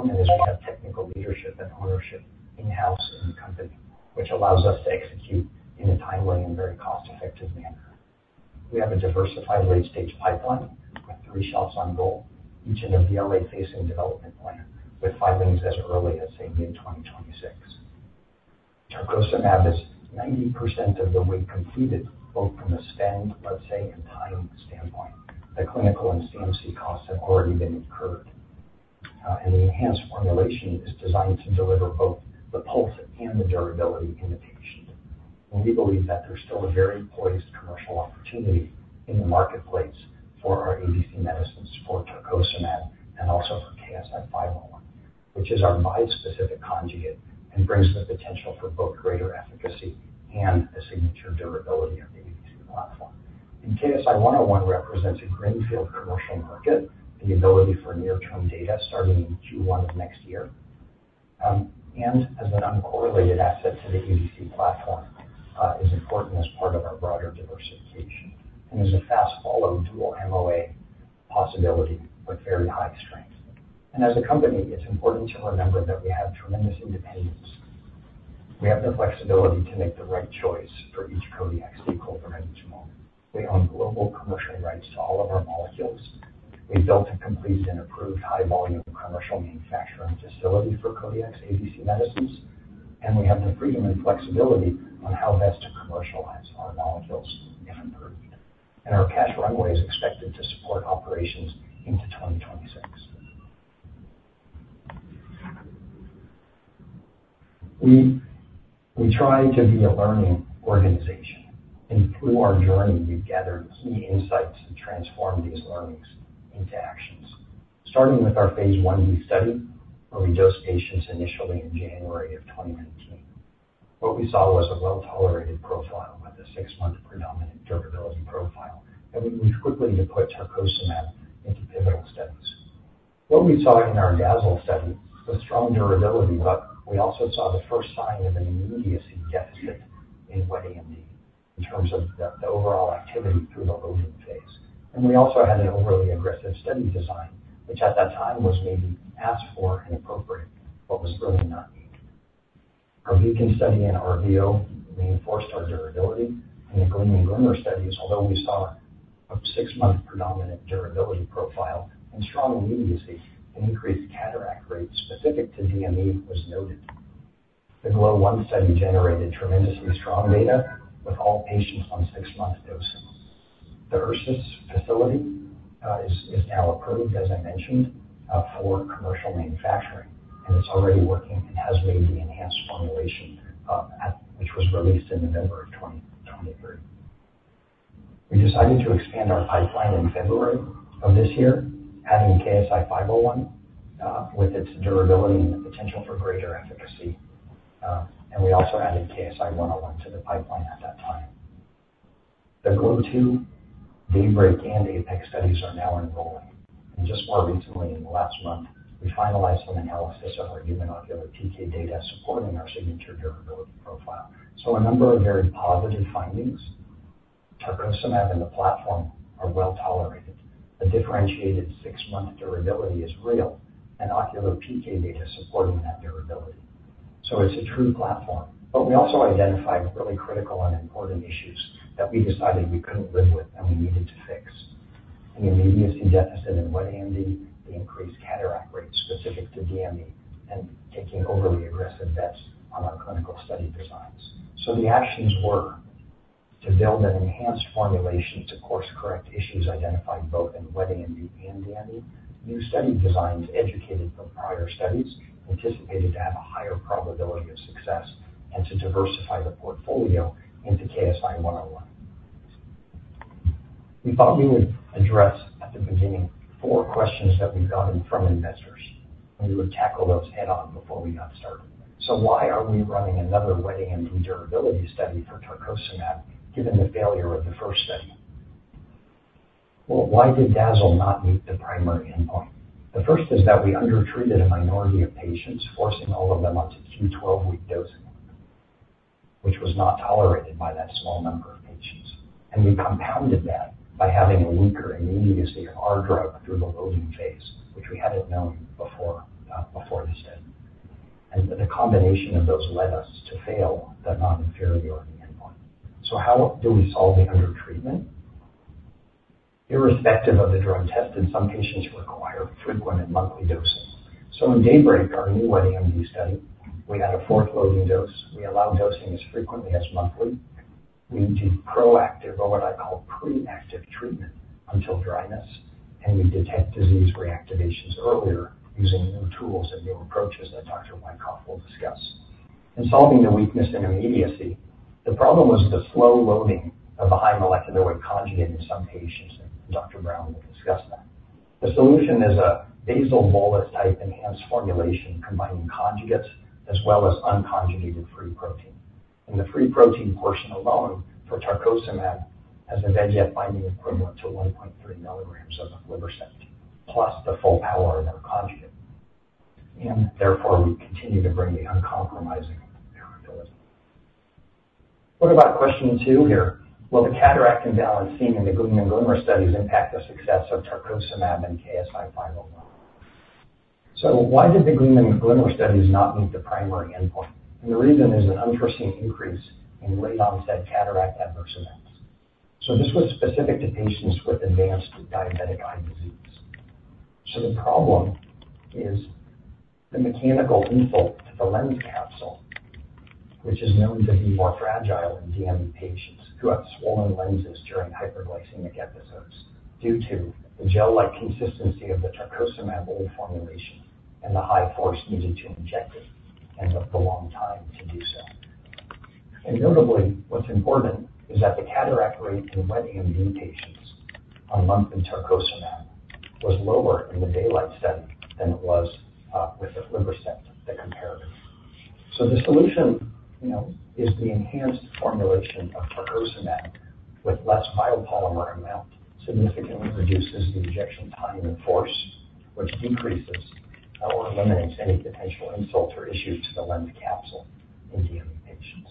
Element is we have technical leadership and ownership in-house in the company, which allows us to execute in a timely and very cost-effective manner. We have a diversified late-stage pipeline with three shots on goal, each in a FDA-facing development plan, with filings as early as, say, mid-2026. Tarcocimab is 90% of the way completed, both from a spend, let's say, and time standpoint. The clinical and CMC costs have already been incurred, and the enhanced formulation is designed to deliver both the pulse and the durability in the patient. We believe that there's still a very poised commercial opportunity in the marketplace for our ABC medicines, for Tarcocimab and also for KSI-501, which is our bispecific conjugate and brings the potential for both greater efficacy and the signature durability of the ABC platform. KSI-101 represents a greenfield commercial market, the ability for near-term data starting in Q1 of next year. And as an uncorrelated asset to the ABC platform, is important as part of our broader diversification and is a fast follow dual MOA possibility with very high strength. And as a company, it's important to remember that we have tremendous independence. We have the flexibility to make the right choice for each Kodiak asset at each moment. We own global commercial rights to all of our molecules. We've built a complete and approved high-volume commercial manufacturing facility for Kodiak ABC medicines, and we have the freedom and flexibility on how best to commercialize our molecules if approved. And our cash runway is expected to support operations into 2026. We, we try to be a learning organization, and through our journey, we've gathered key insights to transform these learnings into actions. Starting with our phase I-B study, where we dosed patients initially in January of 2019. What we saw was a well-tolerated profile with a six-month predominant durability profile, and we moved quickly to put tarcocimab into pivotal studies. What we saw in our DAZZLE study was strong durability, but we also saw the first sign of an immediacy deficit in wet AMD, in terms of the overall activity through the loading phase. And we also had an overly aggressive study design, which at that time was maybe asked for and appropriate, but was really not needed. Our BEACON study in RVO reinforced our durability. In the GLEAM and GLIMMER studies, although we saw a six-month predominant durability profile and strong immediacy, an increased cataract rate specific to DME was noted. The GLOW1 study generated tremendously strong data with all patients on six-month dosing. The Ursus facility is now approved, as I mentioned, for commercial manufacturing, and it's already working and has made the enhanced formulation which was released in November of 2023. We decided to expand our pipeline in February of this year, adding KSI-501 with its durability and the potential for greater efficacy. And we also added KSI-101 to the pipeline at that time. The GLOW2, DAYBREAK, and APEX studies are now enrolling, and just more recently, in the last month, we finalized an analysis of our human ocular PK data supporting our signature durability profile. So a number of very positive findings. tarcocimab and the platform are well tolerated. A differentiated six-month durability is real, and ocular PK data supporting that durability, so it's a true platform. But we also identified really critical and important issues that we decided we couldn't live with, and we needed to fix: the immediacy deficit in wet AMD, the increased cataract rate specific to DME, and taking overly aggressive bets on our clinical study designs. The actions were to build an enhanced formulation to course-correct issues identified both in wet AMD and DME, new study designs educated from prior studies anticipated to have a higher probability of success, and to diversify the portfolio into KSI-101. We thought we would address at the beginning four questions that we've gotten from investors, and we would tackle those head-on before we got started. So why are we running another wet AMD durability study for Tarcocimab, given the failure of the first study? Well, why did DAZZLE not meet the primary endpoint? The first is that we undertreated a minority of patients, forcing all of them onto Q12-week dosing, which was not tolerated by that small number of patients. And we compounded that by having a weaker immediacy of our drug through the loading phase, which we hadn't known before, before the study. And the combination of those led us to fail the non-inferiority endpoint. So how do we solve the undertreatment? Irrespective of the drug tested, some patients require frequent and monthly dosing. So in DAYBREAK, our new wet AMD study, we had a fourth loading dose. We allow dosing as frequently as monthly. We do proactive or what I call pre-active treatment until dryness, and we detect disease reactivations earlier using new tools and new approaches that Dr. Wykoff will discuss. In solving the weakness in immediacy, the problem was the slow loading of the high molecular weight conjugate in some patients, and Dr. Brown will discuss that. The solution is a basal bolus type enhanced formulation combining conjugates as well as unconjugated free protein. And the free protein portion alone for tarcocimab has a VEGF binding equivalent to 1.3mg of aflibercept, plus the full power of our conjugate. And therefore, we continue to bring the uncompromising-... What about question two here? Will the cataract imbalance seen in the GLEAM and GLIMMER studies impact the success of tarcocimab and KSI-501? So why did the GLEAM and GLIMMER studies not meet the primary endpoint? And the reason is an unforeseen increase in late-onset cataract adverse events. So this was specific to patients with advanced diabetic eye disease. So the problem is the mechanical insult to the lens capsule, which is known to be more fragile in DM patients who have swollen lenses during hyperglycemic episodes due to the gel-like consistency of the Tarcocimab old formulation and the high force needed to inject it and the prolonged time to do so. And notably, what's important is that the cataract rate in wet AMD patients on monthly Tarcocimab was lower in the DAYLIGHT study than it was with the Lucentis, the comparative. So the solution, you know, is the enhanced formulation of Tarcocimab with less biopolymer amount, significantly reduces the injection time and force, which decreases or eliminates any potential insult or issue to the lens capsule in DM patients.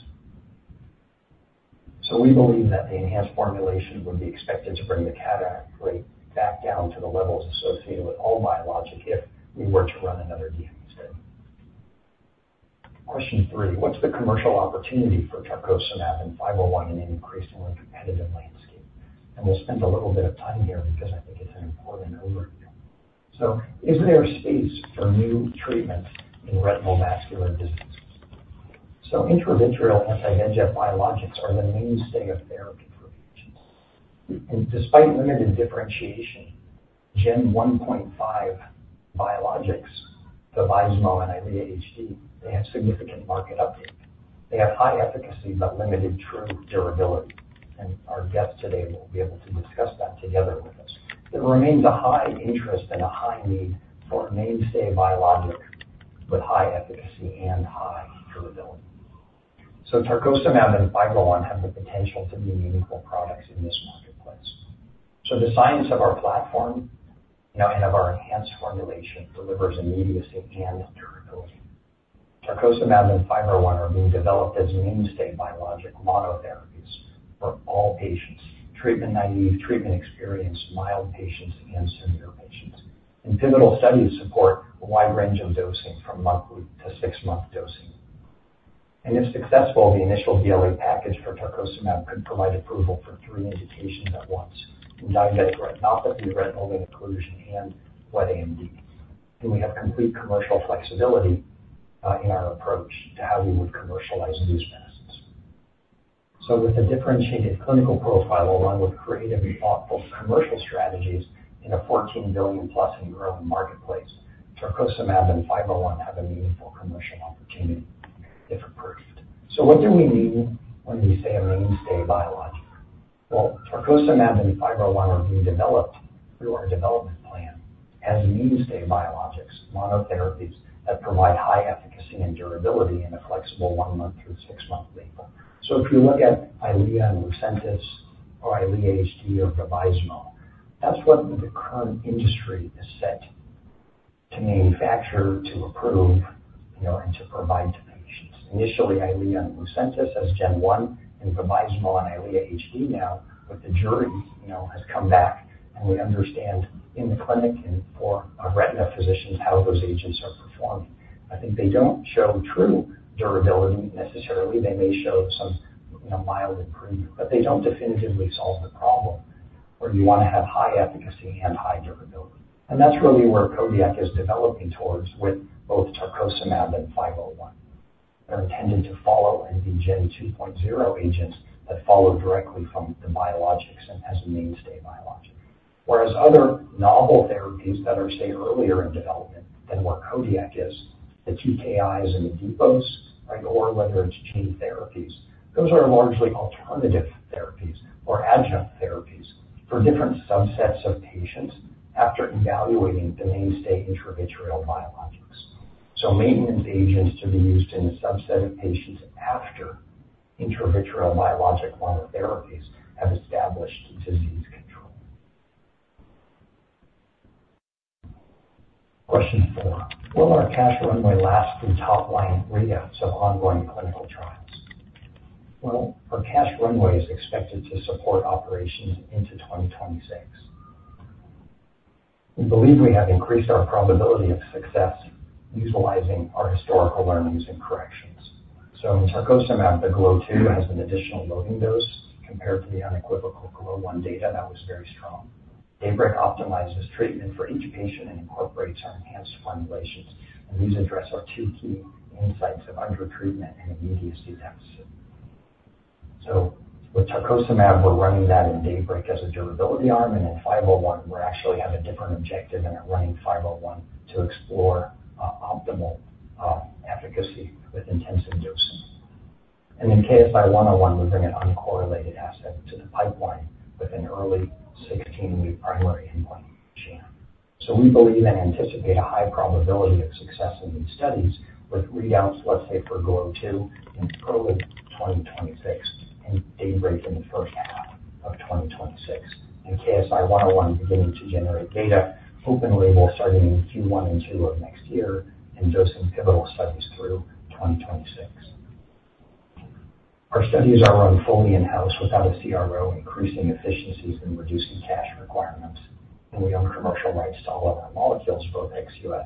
So we believe that the enhanced formulation would be expected to bring the cataract rate back down to the levels associated with a biologic if we were to run another DM study. Question three, what's the commercial opportunity for tarcocimab and 501 in an increasingly competitive landscape? And we'll spend a little bit of time here because I think it's an important overview. So, is there space for new treatments in retinal vascular diseases? So intravitreal anti-VEGF biologics are the mainstay of therapy for patients. And despite limited differentiation, Gen 1.5 biologics, the Vabysmo and Eylea HD, they have significant market uptake. They have high efficacy, but limited true durability, and our guests today will be able to discuss that together with us. There remains a high interest and a high need for a mainstay biologic with high efficacy and high durability. Tarcocimab and 501 have the potential to be meaningful products in this marketplace. The science of our platform, now and of our enhanced formulation, delivers immediacy and durability. Tarcocimab and 501 are being developed as mainstay biologic monotherapies for all patients, treatment-naive, treatment-experienced, mild patients, and severe patients. Pivotal studies support a wide range of dosing from monthly to six-month dosing. If successful, the initial BLA package for Tarcocimab could provide approval for three indications at once: diabetic retinopathy, retinal vein occlusion, and wet AMD. We have complete commercial flexibility in our approach to how we would commercialize these medicines. With a differentiated clinical profile, along with creative and thoughtful commercial strategies in a $14 billion-plus and growing marketplace, Tarcocimab and 501 have a meaningful commercial opportunity if approved. What do we mean when we say a mainstay biologic? Well, Tarcocimab and KSI-501 are being developed through our development plan as mainstay biologics, monotherapies that provide high efficacy and durability in a flexible one-month through six-month label. If you look at Eylea and Lucentis or Eylea HD or Vabysmo, that's what the current industry is set to manufacture, to approve, you know, and to provide to patients. Initially, Eylea and Lucentis as Gen 1, and Vabysmo and Eylea HD now. But the jury, you know, has come back, and we understand in the clinic and for our retina physicians, how those agents are performing. I think they don't show true durability necessarily. They may show some, you know, mild improvement, but they don't definitively solve the problem, where you want to have high efficacy and high durability. And that's really where Kodiak is developing towards with both Tarcocimab and KSI-501. They're intended to follow in the Gen 2.0 agents that follow directly from the biologics and as a mainstay biologic. Whereas other novel therapies that are, say, earlier in development than where Kodiak is, the TKIs and the depots, right, or whether it's gene therapies, those are largely alternative therapies or adjunct therapies for different subsets of patients after evaluating the mainstay intravitreal biologics. So maintenance agents to be used in a subset of patients after intravitreal biologic monotherapies have established disease control. Question four: Will our cash runway last through top-line readouts of ongoing clinical trials? Well, our cash runway is expected to support operations into 2026. We believe we have increased our probability of success utilizing our historical learnings and corrections. So in Tarcocimab, the GLOW-2 has an additional loading dose compared to the unequivocal GLOW-1 data that was very strong. DAYBREAK optimizes treatment for each patient and incorporates our enhanced formulations, and these address our two key insights of undertreatment and immediacy deficit. So with Tarcocimab, we're running that in DAYBREAK as a durability arm, and in 501, we actually have a different objective, and are running 501 to explore optimal efficacy with intensive dosing. And in KSI-101, we bring an uncorrelated asset to the pipeline with an early 16-week primary endpoint GM. So we believe and anticipate a high probability of success in these studies with readouts, let's say, for GLOW2 in early 2026 and DAYBREAK in the first half of 2026. And KSI-101 beginning to generate data, open label starting in Q1 and Q2 of next year, and dosing pivotal studies through 2026. Our studies are run fully in-house without a CRO, increasing efficiencies and reducing cash requirements, and we own commercial rights to all of our molecules, both ex-US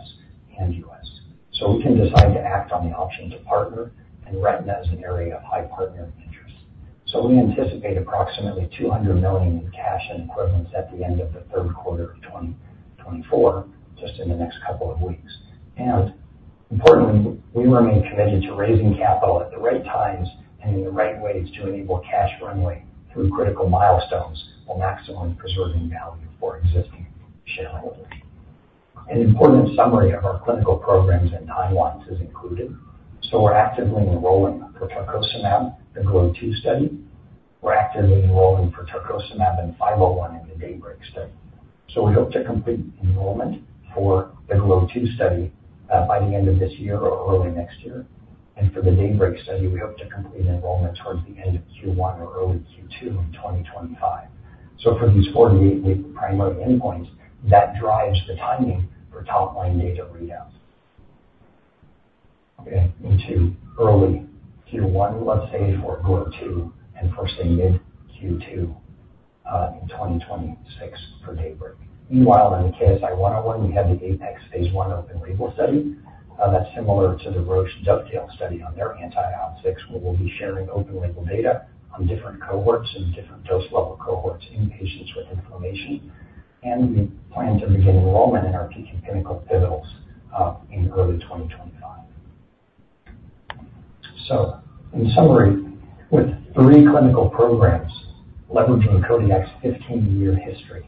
and US. So we can decide to act on the option to partner and retina as an area of high partner interest. So we anticipate approximately $200 million in cash and equivalents at the end of the third quarter of 2024, just in the next couple of weeks. And importantly, we remain committed to raising capital at the right times and in the right ways to enable cash runway through critical milestones, while maximum preserving value for existing shareholders. An important summary of our clinical programs and timelines is included. We're actively enrolling for tarcocimab, the GLOW-2 study. We're actively enrolling for tarcocimab in KSI-501 in the DAYBREAK study. We hope to complete enrollment for the GLOW-2 study by the end of this year or early next year. For the DAYBREAK study, we hope to complete enrollment towards the end of Q1 or early Q2 of 2025. For these 48-week primary endpoints, that drives the timing for top line data readouts. Okay, into early Q1, let's say, for GLOW-2, and for say, mid-Q2 in 2026 for DAYBREAK. Meanwhile, in the KSI-101, we have the APEX phase I open label study that's similar to the Roche DOVETAIL study in their anti-IL-6, where we'll be sharing open label data on different cohorts and different dose level cohorts in patients with inflammation. And we plan to begin enrollment in our key clinical pivotals in early 2025. So in summary, with three clinical programs leveraging Kodiak's fifteen-year history,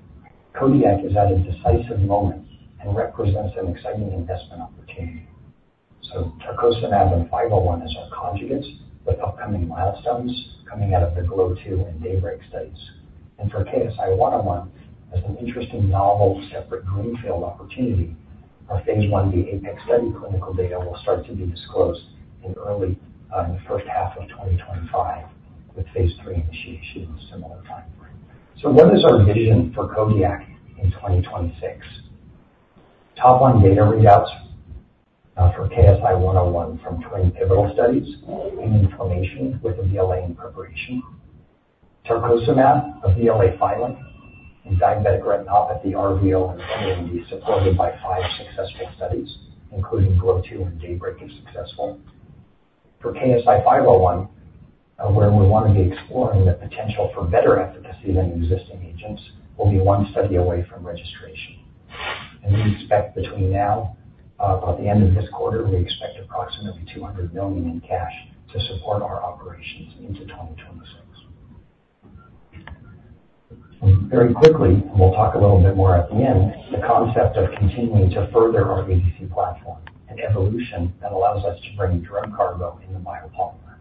Kodiak is at a decisive moment and represents an exciting investment opportunity. So Tarcocimab and 501 is our conjugates, with upcoming milestones coming out of the GLOW-2 and DAYBREAK studies. And for KSI-101, as an interesting, novel, separate greenfield opportunity, our phase I-B APEX study clinical data will start to be disclosed in early in the first half of 2025, with phase III initiation a similar timeframe. So what is our vision for Kodiak in 2026? Top line data readouts for KSI-101 from twin pivotal studies in inflammation with a BLA in preparation. Tarcocimab, a BLA filing, and diabetic retinopathy RVO will be supported by five successful studies, including GLOW-2 and DAYBREAK, if successful. For KSI-501, where we want to be exploring the potential for better efficacy than existing agents, we'll be one study away from registration. We expect between now, by the end of this quarter, approximately $200 million in cash to support our operations into 2026. Very quickly, we'll talk a little bit more at the end, the concept of continuing to further our ABC platform, an evolution that allows us to bring drug cargo in the biopolymer,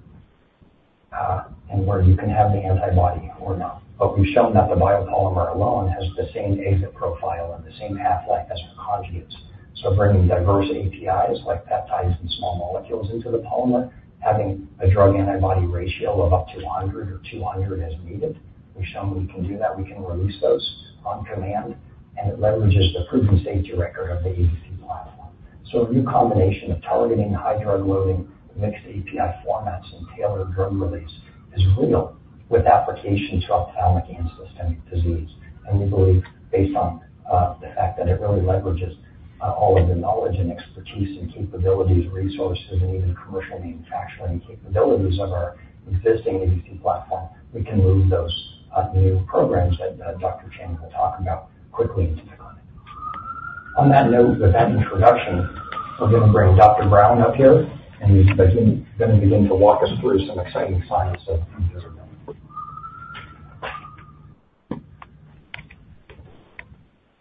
and where you can have the antibody or not. But we've shown that the biopolymer alone has the same exit profile and the same half-life as the conjugates. So bringing diverse APIs like peptides and small molecules into the polymer, having a drug antibody ratio of up to 100 or 200 as needed, we've shown we can do that, we can release those on command, and it leverages the proven safety record of the ABC platform. A new combination of targeting high drug loading, mixed API formats, and tailored drug release is real, with application to ophthalmic and systemic disease. We believe, based on the fact that it really leverages all of the knowledge and expertise and capabilities, resources, and even commercial manufacturing capabilities of our existing ABC platform, we can move those new programs that Dr. Chang will talk about quickly into the clinic. On that note, with that introduction, I'm going to bring Dr. Brown up here, and he's going to begin to walk us through some exciting science that we've been doing.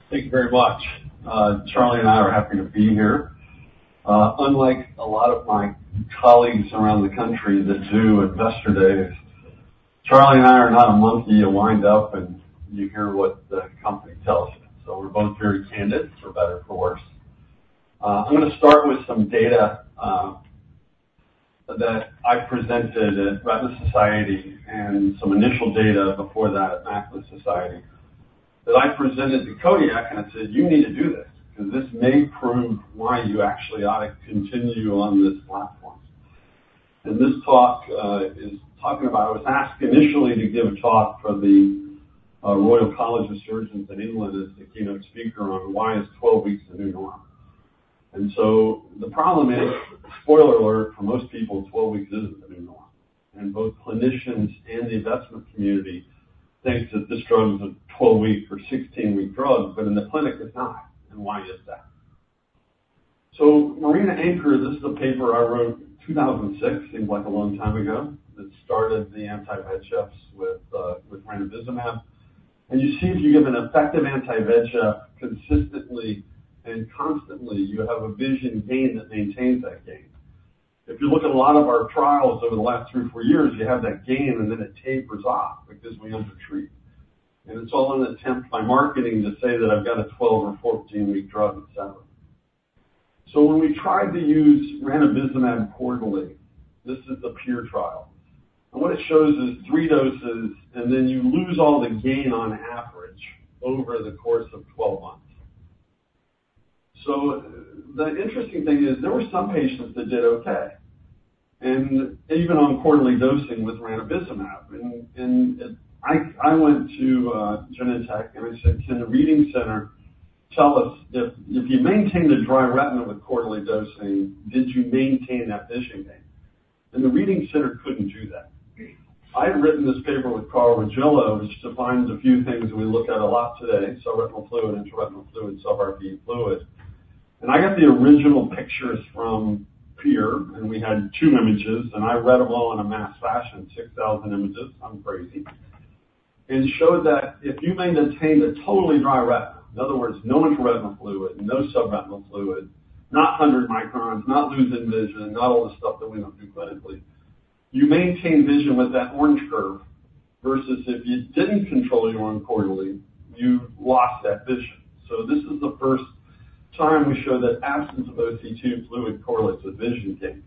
Thank you very much. Charlie and I are happy to be here. Unlike a lot of my colleagues around the country that do Investor Days, Charlie and I are not a monkey. You wind up and you hear what the company tells you. So we're both very candid, for better or for worse. I'm going to start with some data that I presented at Retina Society and some initial data before that at Macula Society, that I presented to Kodiak, and I said, "You need to do this, because this may prove why you actually ought to continue on this platform." This talk is talking about I was asked initially to give a talk for the Royal College of Surgeons in England as the keynote speaker on why is twelve weeks the new norm? And so the problem is, spoiler alert, for most people, twelve weeks isn't the new norm, and both clinicians and the investment community thinks that this drug is a 12-week 16-week drug, but in the clinic, it's not. And why is that? So MARINA and ANCHOR, this is a paper I wrote in 2006, seems like a long time ago, that started the anti-VEGF with ranibizumab. And you see, if you give an effective anti-VEGF consistently and constantly, you have a vision gain that maintains that gain. If you look at a lot of our trials over the last three or four years, you have that gain, and then it tapers off because we undertreat. It's all an attempt by marketing to say that I've got a 12- or 14-week drug, et cetera. So when we tried to use ranibizumab quarterly, this is the PIER trial, and what it shows is three doses, and then you lose all the gain on average over the course of twelve months. So the interesting thing is, there were some patients that did okay, and even on quarterly dosing with ranibizumab. And I went to Genentech, and I said, "Can the reading center tell us if you maintain a dry retina with quarterly dosing, did you maintain that vision gain?" And the reading center couldn't do that. I had written this paper with Carl Regillo, which defines a few things we look at a lot today, subretinal fluid, intraretinal fluid, sub-RP fluid. I got the original pictures from PIER, and we had two images, and I read them all in a mass fashion, 6,000 images. I'm crazy. It showed that if you maintained a totally dry retina, in other words, no intraretinal fluid, no subretinal fluid, not 100 microns, not losing vision, not all the stuff that we don't do clinically, you maintain vision with that orange curve, versus if you didn't control your wet AMD quarterly, you lost that vision. So this is the first time we showed that absence of OCT fluid correlates with vision gain.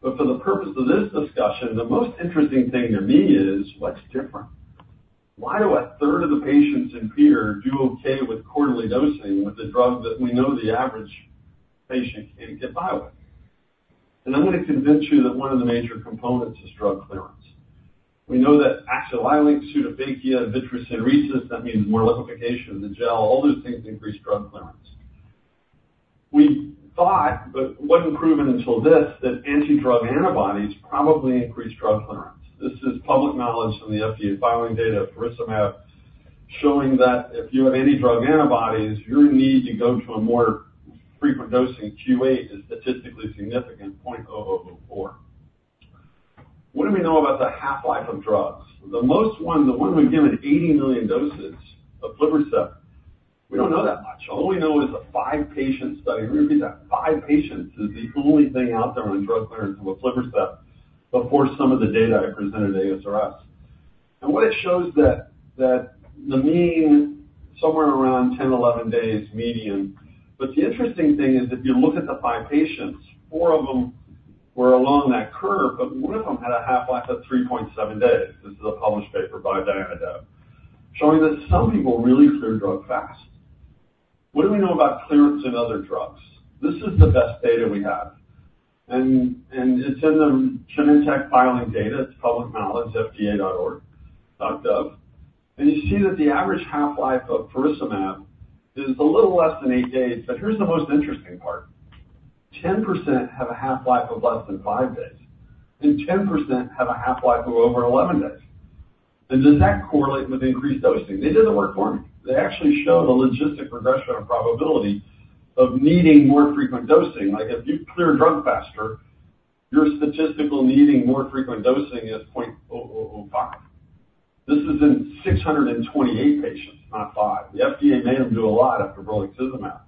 But for the purpose of this discussion, the most interesting thing to me is: What's different? Why do a 1/3 of the patients in PIER do okay with quarterly dosing with a drug that we know the average patient can't get by with? I'm going to convince you that one of the major components is drug clearance. We know that axial length increases, pseudophakia, vitreous syneresis, that means more liquefaction of the gel. All those things increase drug clearance. We thought, but wasn't proven until this, that anti-drug antibodies probably increase drug clearance. This is public knowledge from the FDA filing data for tocilizumab, showing that if you have any drug antibodies, you'll need to go to a more frequent dosing, Q8, is statistically significant, point zero four. What do we know about the half-life of drugs? The most one, the one we've given eighty million doses, aflibercept, we don't know that much. All we know is a five-patient study. Let me repeat that. Five patients is the only thing out there on drug clearance with aflibercept, but for some of the data I presented at ASRS. And what it shows that the mean somewhere around 10, 11 days median. But the interesting thing is, if you look at the five patients, four of them were along that curve, but one of them had a half-life of 3.7 days. This is a published paper by Diana Do, showing that some people really clear drugs fast. What do we know about clearance in other drugs? This is the best data we have, and it's in the Genentech filing data. It's public knowledge, fda.gov. And you see that the average half-life of faricimab is a little less than 8 days. But here's the most interesting part. 10% have a half-life of less than five days, and 10% have a half-life of over 11 days. And does that correlate with increased dosing? They did the work for me. They actually show the logistic regression of probability of needing more frequent dosing. Like, if you clear a drug faster, your statistical needing more frequent dosing is 0.0005. This is in 628 patients, not 5. The FDA made them do a lot after bevacizumab,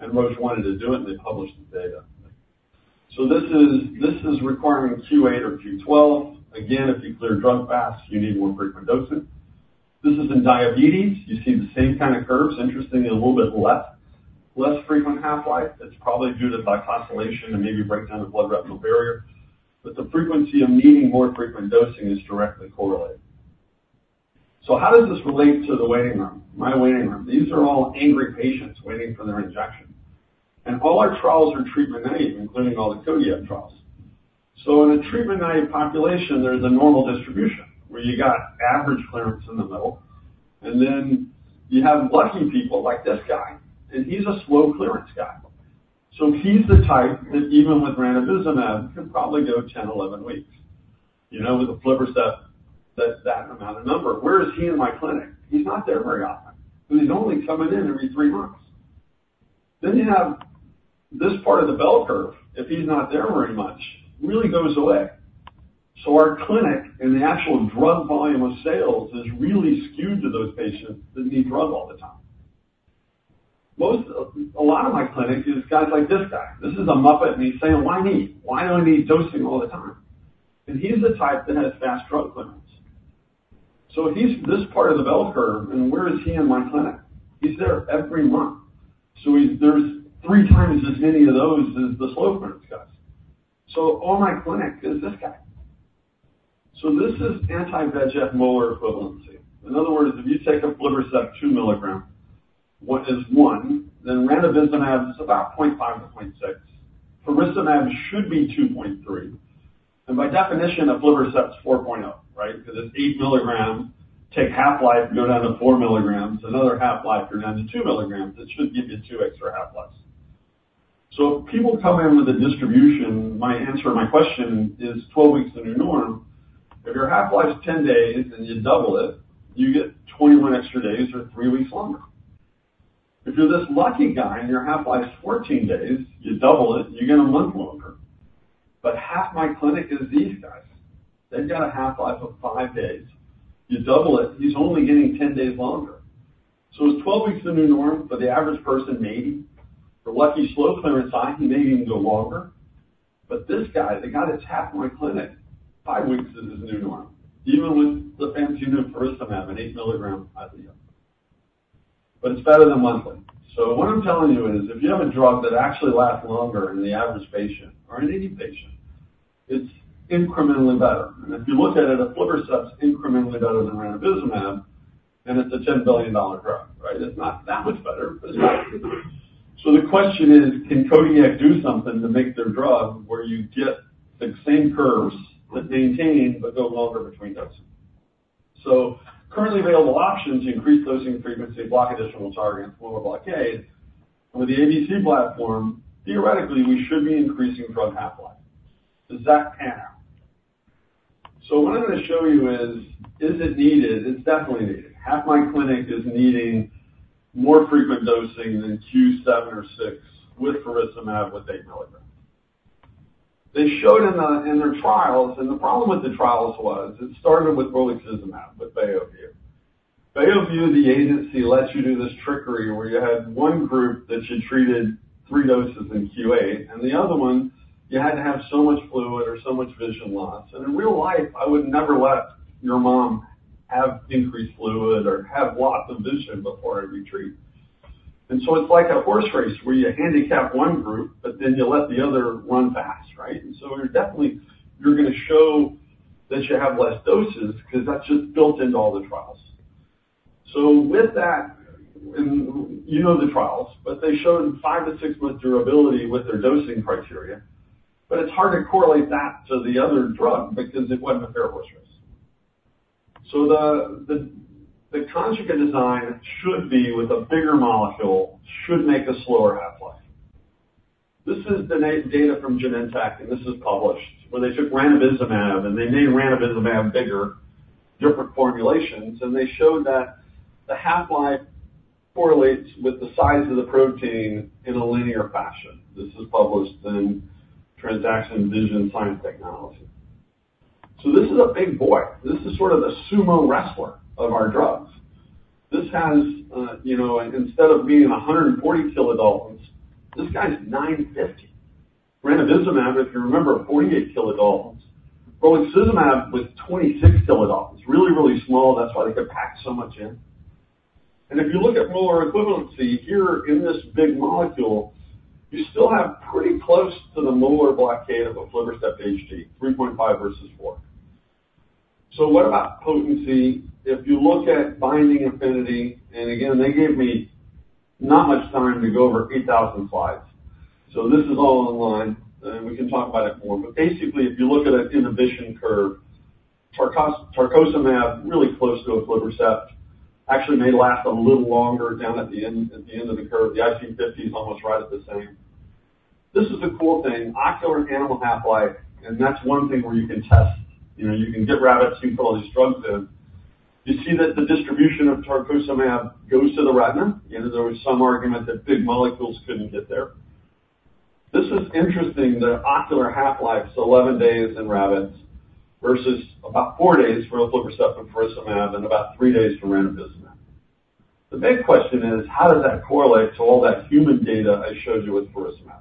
and most wanted to do it, and they published the data. So this is, this is requiring Q8 or Q12. Again, if you clear drug fast, you need more frequent dosing. This is in diabetes. You see the same kind of curves, interestingly, a little bit less, less frequent half-life. It's probably due to glycosylation and maybe breakdown of blood-retinal barrier, but the frequency of needing more frequent dosing is directly correlated. So how does this relate to the waiting room, my waiting room? These are all angry patients waiting for their injection, and all our trials are treatment-naive, including all the Kodiak trials. So in a treatment-naive population, there's a normal distribution, where you got average clearance in the middle, and then you have lucky people, like this guy, and he's a slow clearance guy. So he's the type that, even with ranibizumab, can probably go 10 weeks, 11 weeks. You know, with the aflibercept, that's that amount of number. Where is he in my clinic? He's not there very often. He's only coming in every three months. Then you have this part of the bell curve. If he's not there very much, really goes away. So our clinic, and the actual drug volume of sales, is really skewed to those patients that need drug all the time. A lot of my clinic is guys like this guy. This is a Muppet, and he's saying, "Why me? Why do I need dosing all the time?" And he's the type that has fast drug clearance. So he's this part of the bell curve, and where is he in my clinic? He's there every month. So there's 3x as many of those as the slow clearance guys. So all my clinic is this guy. So this is anti-VEGF molar equivalency. In other words, if you take aflibercept 2 mgs, what is one, then ranibizumab is about point five to point six. Faricimab should be 2.3, and by definition, aflibercept is 4.0, right? Because it's 8 mgs. Take half-life, and go down to 4 mgs. Another half-life, you're down to 2 mgs. It should give you two extra half-lives. So people come in with a distribution. My answer, my question, is 12 weeks the new norm? If your half-life is 10 days and you double it, you get 21 extra days or three weeks longer. If you're this lucky guy, and your half-life is 14 days, you double it, you get a month longer. But half my clinic is these guys. They've got a half-life of five days. You double it, he's only getting 10 days longer. So is 12 weeks the new norm for the average person? Maybe. For lucky, slow clearance time, he may even go longer. But this guy, the guy that's half my clinic, five weeks is his new norm, even with the fancy new faricimab, an 8 mg Eylea. But it's better than monthly. So what I'm telling you is, if you have a drug that actually lasts longer in the average patient or in any patient, it's incrementally better. If you look at it, aflibercept is incrementally better than ranibizumab, and it's a $10 billion drug, right? It's not that much better, but it's better. So the question is, can Kodiak do something to make their drug where you get the same curves that maintain, but go longer between doses? So currently available options, increase dosing frequency, block additional targets, molar blockade. With the ABC platform, theoretically, we should be increasing drug half-life. Does that pan out? So what I'm going to show you is, is it needed? It's definitely needed. Half my clinic is needing more frequent dosing than Q seven or six with faricimab with 8 mgs. They showed in the, in their trials, and the problem with the trials was it started with brolucizumab, with Beovu. Beovu, the agency, lets you do this trickery where you had one group that you treated three doses in Q1, and the other one, you had to have so much fluid or so much vision loss. In real life, I would never let your mom have increased fluid or have lots of vision before I retreat. It's like a horse race where you handicap one group, but then you let the other run fast, right? You're definitely going to show that you have less doses because that's just built into all the trials. With that, you know the trials, but they showed five- to six-month durability with their dosing criteria. It's hard to correlate that to the other drug because it wasn't a fair horse race. The conjugate design should be with a bigger molecule, should make a slower half-life. This is the data from Genentech, and this is published, where they took ranibizumab, and they made ranibizumab bigger, different formulations, and they showed that the half-life correlates with the size of the protein in a linear fashion. This is published in Translational Vision Science and Technology. This is a big boy. This is sort of the sumo wrestler of our drugs. This has, you know, instead of being 140 kilodaltons, this guy's 950. Ranibizumab, if you remember, 48 kilodaltons. Brolucizumab was 26 kilodaltons. Really, really small. That's why they could pack so much in. And if you look at molar equivalency, here in this big molecule, you still have pretty close to the molar blockade of aflibercept HD, 3.5 versus 4. So what about potency? If you look at binding affinity, and again, they gave me not much time to go over 8,000 slides. So this is all online, and we can talk about it more. But basically, if you look at an inhibition curve, tarcocimab, really close to aflibercept, actually may last a little longer down at the end, at the end of the curve. The IC50 is almost right at the same. This is the cool thing, ocular animal half-life, and that's one thing where you can test. You know, you can get rabbits, you can put all these drugs in. You see that the distribution of tarcocimab goes to the retina, and there was some argument that big molecules couldn't get there. This is interesting, the ocular half-life is eleven days in rabbits, versus about four days for aflibercept and faricimab, and about three days for ranibizumab. The big question is: How does that correlate to all that human data I showed you with faricimab?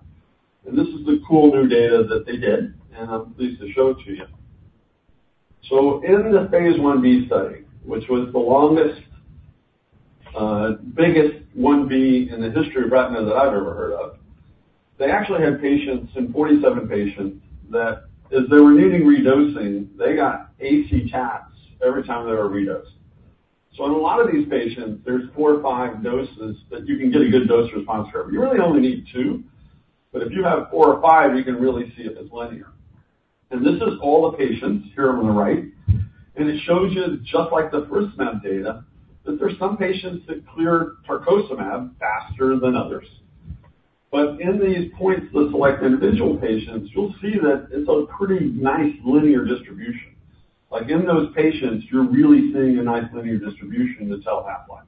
And this is the cool new data that they did, and I'm pleased to show it to you. So in the phase I-B study, which was the longest, biggest I-B in the history of retina that I've ever heard of, they actually had patients, and 47 patients, that as they were needing redosing, they got AC taps every time they were redosed. So in a lot of these patients, there's four or five doses that you can get a good dose response curve. You really only need two, but if you have four or five, you can really see it as linear. This is all the patients here on the right, and it shows you, just like the faricimab data, that there's some patients that clear Tarcocimab faster than others. But in these point lists, like individual patients, you'll see that it's a pretty nice linear distribution. Like, in those patients, you're really seeing a nice linear distribution to tell half-life.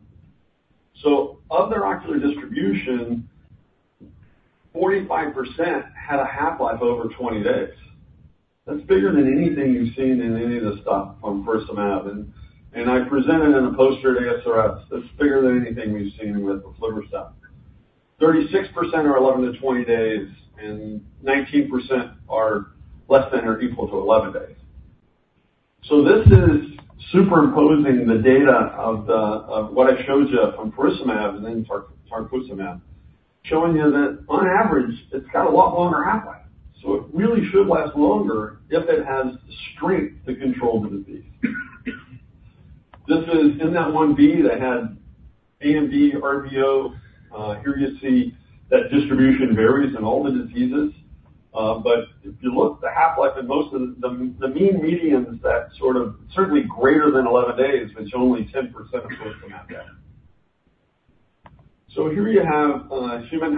So of their ocular distribution, 45% had a half-life over 20 days. That's bigger than anything you've seen in any of the stuff from faricimab. And I presented in a poster at ASRS, that's bigger than anything we've seen with aflibercept. 36% are 11-20 days, and 19% are less than or equal to 11 days. So this is superimposing the data of what I showed you from faricimab and then tarcocimab, showing you that on average, it's got a lot longer half-life. So it really should last longer if it has the strength to control the disease. This is in that I-B that had AMD, RVO. Here you see that distribution varies in all the diseases. But if you look, the half-life in most of the mean medians, that sort of certainly greater than 11 days, it's only 10% of faricimab data. So here you have human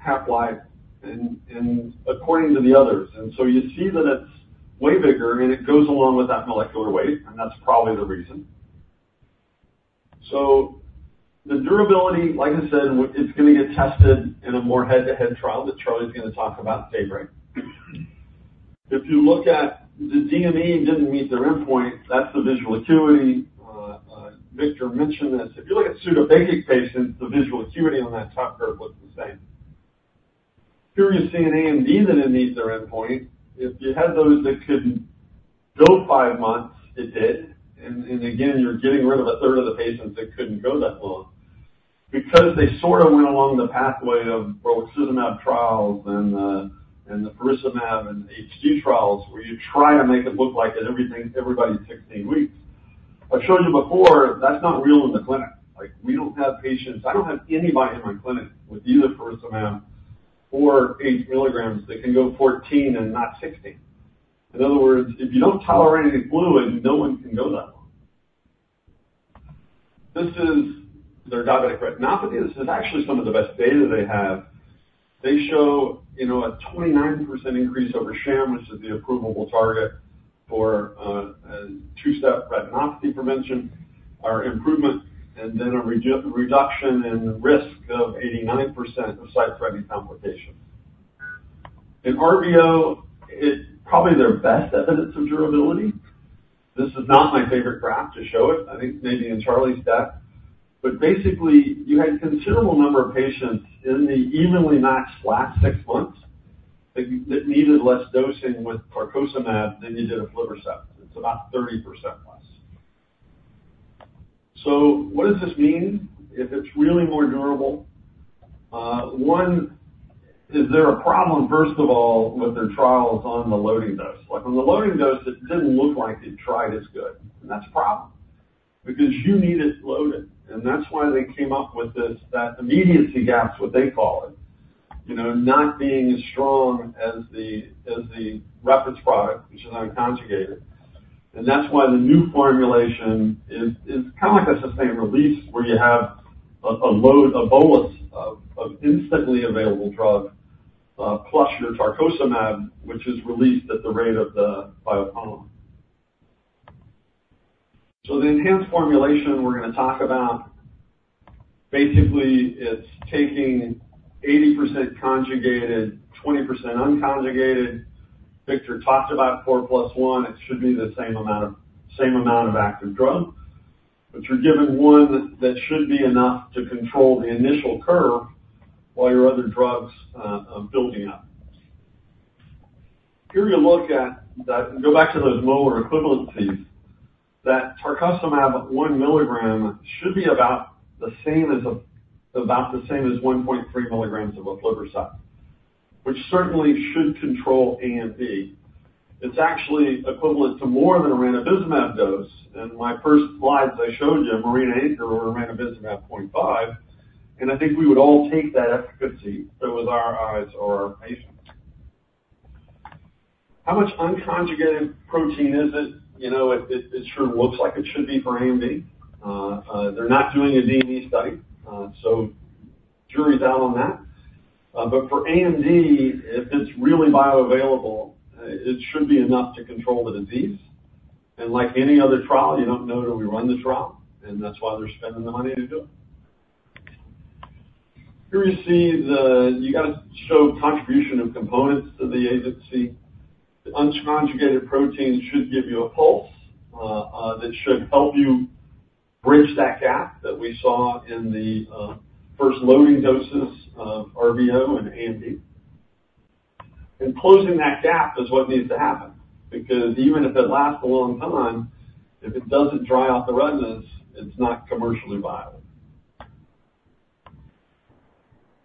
half-life in accordance to the others. And so you see that it's way bigger, and it goes along with that molecular weight, and that's probably the reason. So the durability, like I said, it's going to get tested in a more head-to-head trial that Charlie's going to talk about, DAYBREAK. If you look at the DME didn't meet their endpoint, that's the visual acuity. Victor mentioned this. If you look at pseudophakic patients, the visual acuity on that top curve looks the same. Here you see an AMD that it meets their endpoint. If you had those that couldn't go five months, it did, and again, you're getting rid of a third of the patients that couldn't go that long. Because they sort of went along the pathway of both brolucizumab trials and the faricimab and HD trials, where you try to make it look like at everything, everybody's 16 weeks. I've shown you before, that's not real in the clinic. Like, we don't have patients. I don't have anybody in my clinic with either faricimab or eight milligrams that can go 14 and not 16. In other words, if you don't tolerate any fluid, no one can go that long. This is their diabetic retinopathy. This is actually some of the best data they have. They show, you know, a 29% increase over sham, which is the approvable target for a two-step retinopathy prevention or improvement, and then a reduction in risk of 89% of sight-threatening complications. In RVO, it's probably their best evidence of durability. This is not my favorite graph to show it. I think maybe in Charlie's deck, but basically, you had a considerable number of patients in the evenly matched last six months that needed less dosing with Tarcocimab than they did of aflibercept. It's about 30% less. So what does this mean if it's really more durable? One, is there a problem, first of all, with their trials on the loading dose? Like, on the loading dose, it didn't look like it tried as good, and that's a problem because you need it loaded, and that's why they came up with this, that immediacy gap, is what they call it. You know, not being as strong as the, as the reference product, which is unconjugated. And that's why the new formulation is kind of like a sustained release, where you have a load, a bolus of instantly available drug, plus your Tarcocimab, which is released at the rate of the bioconjugate. So the enhanced formulation we're going to talk about, basically, it's taking 80% conjugated, 20% unconjugated. Victor talked about four plus one. It should be the same amount of active drug, but you're given one that should be enough to control the initial curve while your other drugs are building up. Here you look at that. Go back to those molar equivalencies, tarcocimab at 1 mg should be about the same as 1.3 mg of aflibercept, which certainly should control AMD. It's actually equivalent to more than a ranibizumab dose, and my first slides I showed you, MARINA, ANCHOR or ranibizumab 0.5, and I think we would all take that efficacy if it was our eyes or our patients. How much unconjugated protein is it? You know, it sure looks like it should be for AMD. They're not doing a DME study, so jury's out on that. But for AMD, if it's really bioavailable, it should be enough to control the disease. And like any other trial, you don't know till we run the trial, and that's why they're spending the money to do it. Here you see the. You got to show contribution of components to the agency. The unconjugated protein should give you a pulse, that should help you bridge that gap that we saw in the first loading doses of RVO and AMD. And closing that gap is what needs to happen, because even if it lasts a long time, if it doesn't dry out the redness, it's not commercially viable.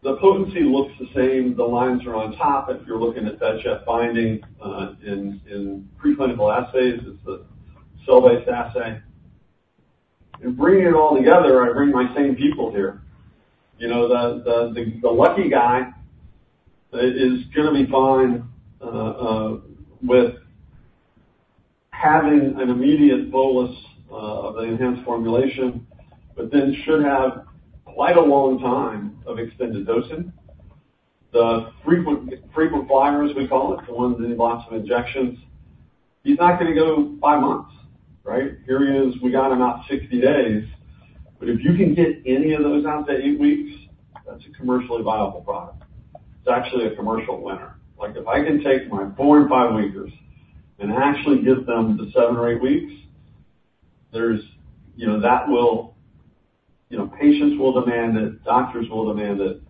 The potency looks the same. The lines are on top. If you're looking at [FRET check] binding in preclinical assays, it's a cell-based assay. And bringing it all together, I bring my same people here. You know, the lucky guy is gonna be fine with having an immediate bolus of the enhanced formulation, but then should have quite a long time of extended dosing. The frequent flyers, we call it, the ones needing lots of injections, he's not gonna go five months, right? Here he is, we got him out 60 days. But if you can get any of those out to eight weeks, that's a commercially viable product. It's actually a commercial winner. Like, if I can take my four and five-weekers and actually get them to seven or eight weeks, there's. You know, that will-- you know, patients will demand it, doctors will demand it.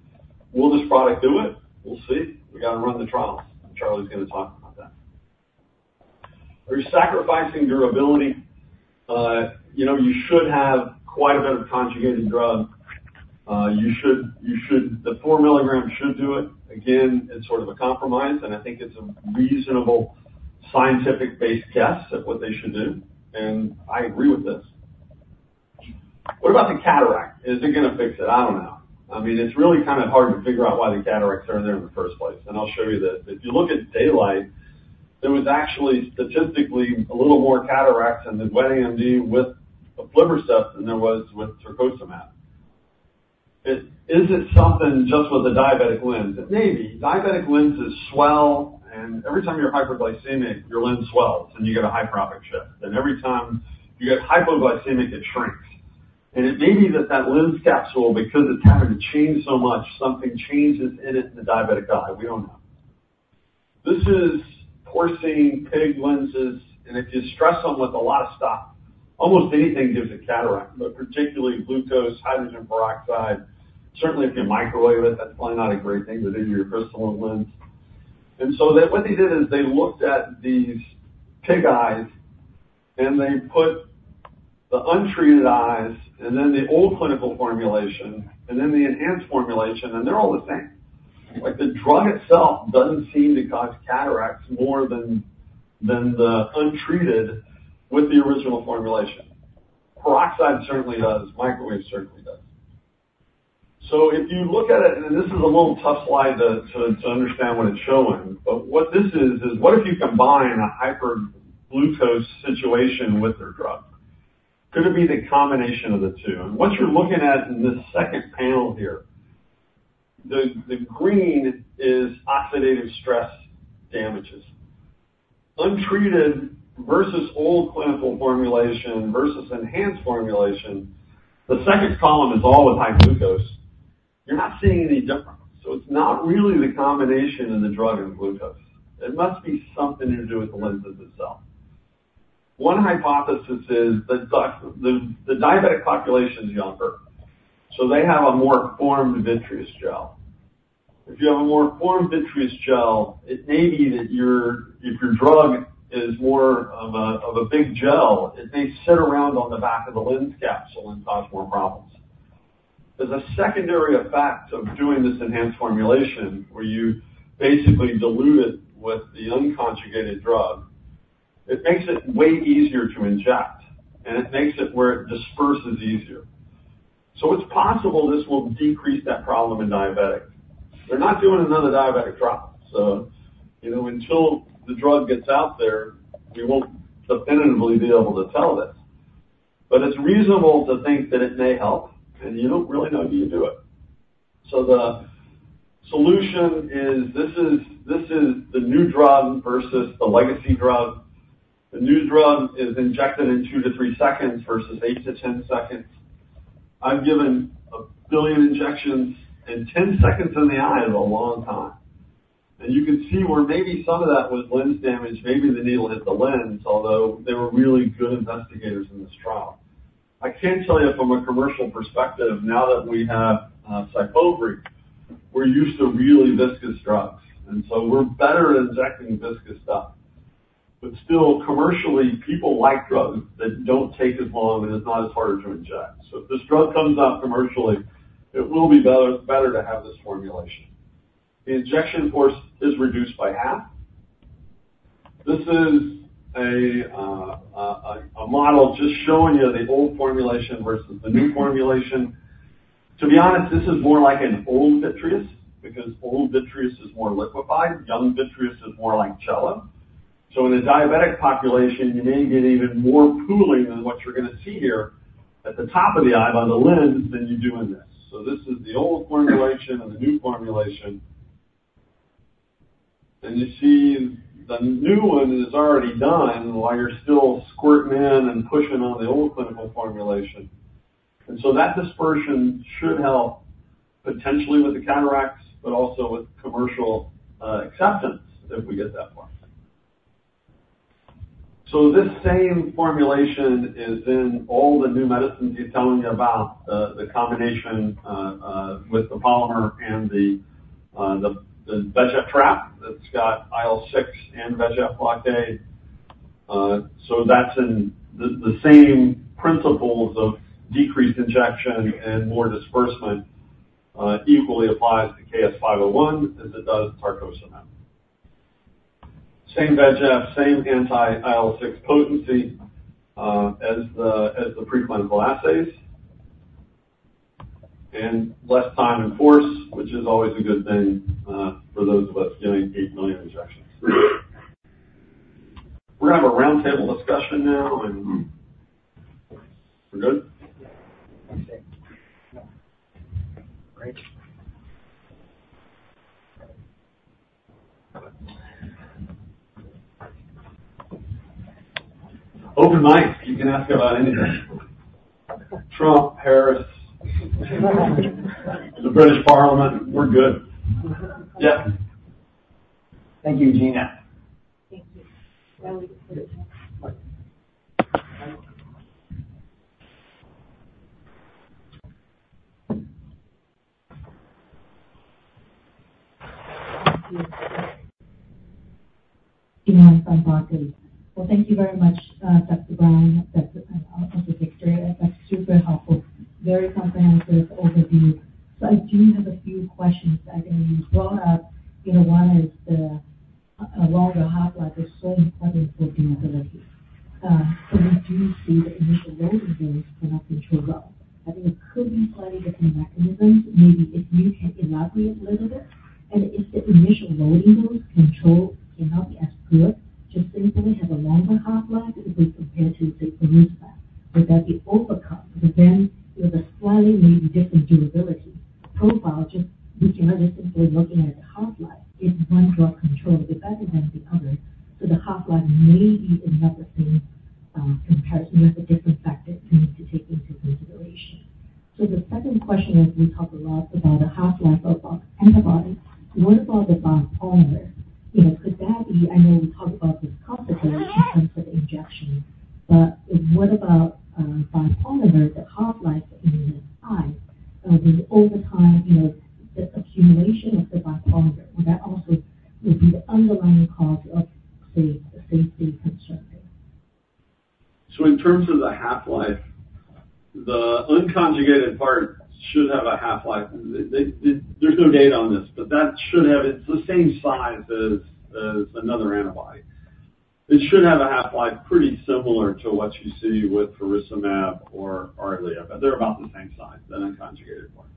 Will this product do it? We'll see. We got to run the trials, and Charlie's g talk about that. Are you sacrificing durability? You know, you should have quite a bit of conjugated drug. You should, the four milligrams should do it. Again, it's sort of a compromise, and I think it's a reasonable scientific-based guess at what they should do, and I agree with this. What about the cataract? Is it gonna fix it? I don't know. I mean, it's really kind of hard to figure out why the cataracts are there in the first place, and I'll show you this. If you look at DAYLIGHT, there was actually statistically a little more cataracts in the wet AMD with aflibercept than there was with Tarcocimab. Is it something just with the diabetic lens? It may be. Diabetic lenses swell, and every time you're hyperglycemic, your lens swells, and you get a hyperopic shift, and every time you get hypoglycemic, it shrinks. And it may be that lens capsule, because it's having to change so much, something changes in it in the diabetic eye. We don't know. This is porcine pig lenses, and if you stress them with a lot of stuff, almost anything gives a cataract, but particularly glucose, hydrogen peroxide. Certainly, if you microwave it, that's probably not a great thing to do to your crystalline lens. And so they, what they did is they looked at these pig eyes, and they put the untreated eyes, and then the old clinical formulation, and then the enhanced formulation, and they're all the same. Like, the drug itself doesn't seem to cause cataracts more than the untreated with the original formulation. Peroxide certainly does. Microwave certainly does. So if you look at it, and this is a little tough slide to understand what it's showing, but what this is, is what if you combine a hyperglycemic situation with their drug? Could it be the combination of the two? And what you're looking at in this second panel here, the green is oxidative stress damages. Untreated versus old clinical formulation, versus enhanced formulation, the second column is all with high glucose. You're not seeing any difference, so it's not really the combination of the drug and glucose. It must be something to do with the lens itself. One hypothesis is the diabetic population is younger, so they have a more formed vitreous gel. If you have a more formed vitreous gel, it may be that if your drug is more of a big gel, it may sit around on the back of the lens capsule and cause more problems. There's a secondary effect of doing this enhanced formulation, where you basically dilute it with the unconjugated drug. It makes it way easier to inject, and it makes it where it disperses easier. So it's possible this will decrease that problem in diabetics. They're not doing another diabetic trial, so, you know, until the drug gets out there, we won't definitively be able to tell this. But it's reasonable to think that it may help, and you don't really know until you do it. So the solution is, this is the new drug versus the legacy drug. The new drug is injected in two to three seconds versus eight to 10 seconds. I've given a billion injections, and 10 seconds in the eye is a long time. You can see where maybe some of that was lens damage, maybe the needle hit the lens, although they were really good investigators in this trial. I can tell you from a commercial perspective, now that we have Syfovre, we're used to really viscous drugs, and so we're better at injecting viscous stuff. But still, commercially, people like drugs that don't take as long and is not as hard to inject. So if this drug comes out commercially, it will be better, better to have this formulation. The injection force is reduced by half. This is a model just showing you the old formulation versus the new formulation. To be honest, this is more like an old vitreous, because old vitreous is more liquefied. Young vitreous is more like jello, so in a diabetic population, you may get even more pooling than what you're going to see here at the top of the eye by the lens than you do in this. So this is the old formulation and the new formulation, and you see the new one is already done while you're still squirting in and pushing on the old clinical formulation. And so that dispersion should help potentially with the cataracts, but also with commercial acceptance, if we get that far. So this same formulation is in all the new medicines I'm telling you about, the combination with the polymer and the VEGF trap that's got IL-6 and VEGF blockade. So that's in the same principles of decreased injection and more disbursement equally applies to KSI-501 as it does Tarcocimab. Same VEGF, same anti-IL-6 potency, as the preclinical assays, and less time and force, which is always a good thing, for those of us doing eight million injections. We're going to have a roundtable discussion now, and--we're good? Open mic. You can ask about anything. Trump, Harris. The British Parliament. We're good. Yeah. Thank you, Gena. Thank you. [audio disortion] Well, thank you very much, Dr. Brown. That's super helpful. Very comprehensive overview. So I do have a few questions that I can throw up. You know, one is the longer half-life is so important for durability. So what do you see the initial loading dose cannot be too well? I think it could be slightly different mechanisms, maybe if you can elaborate a little bit. And if the initial loading dose control cannot be as good, just simply have a longer half-life as we compare to the previous half. Would that be overcome, because then there's a slightly maybe different durability profile, just we can obviously looking at the half-life, if one drug controls better than the other, so the half-life may be another thing, comparison with the different factors we need to take into consideration. So the second question is, we talked a lot about the half-life of antibodies. What about the biopolymer? You know, could that be? I know we talked about this consequence in terms of injection, but what about biopolymers, the half-life in the eye? Will over time, you know, the accumulation of the biopolymer, will that also be the underlying cause of the safety concern? So in terms of the half-life, the unconjugated part should have a half-life. There's no data on this, but that should have. It's the same size as another antibody. It should have a half-life pretty similar to what you see with faricimab or Eylea. They're about the same size, the unconjugated one.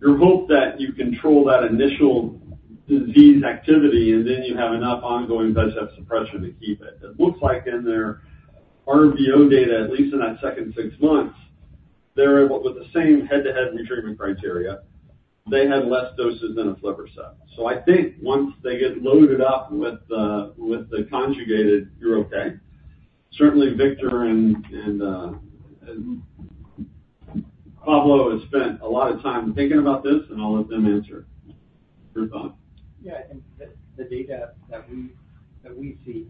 Your hope that you control that initial disease activity, and then you have enough ongoing VEGF suppression to keep it. It looks like in their RVO data, at least in that second six months, they're able, with the same head-to-head retreatment criteria, they had less doses than aflibercept. So I think once they get loaded up with the conjugated, you're okay. Certainly, Victor and Pablo has spent a lot of time thinking about this, and I'll let them answer. Your thoughts? Yeah, I think the data that we see.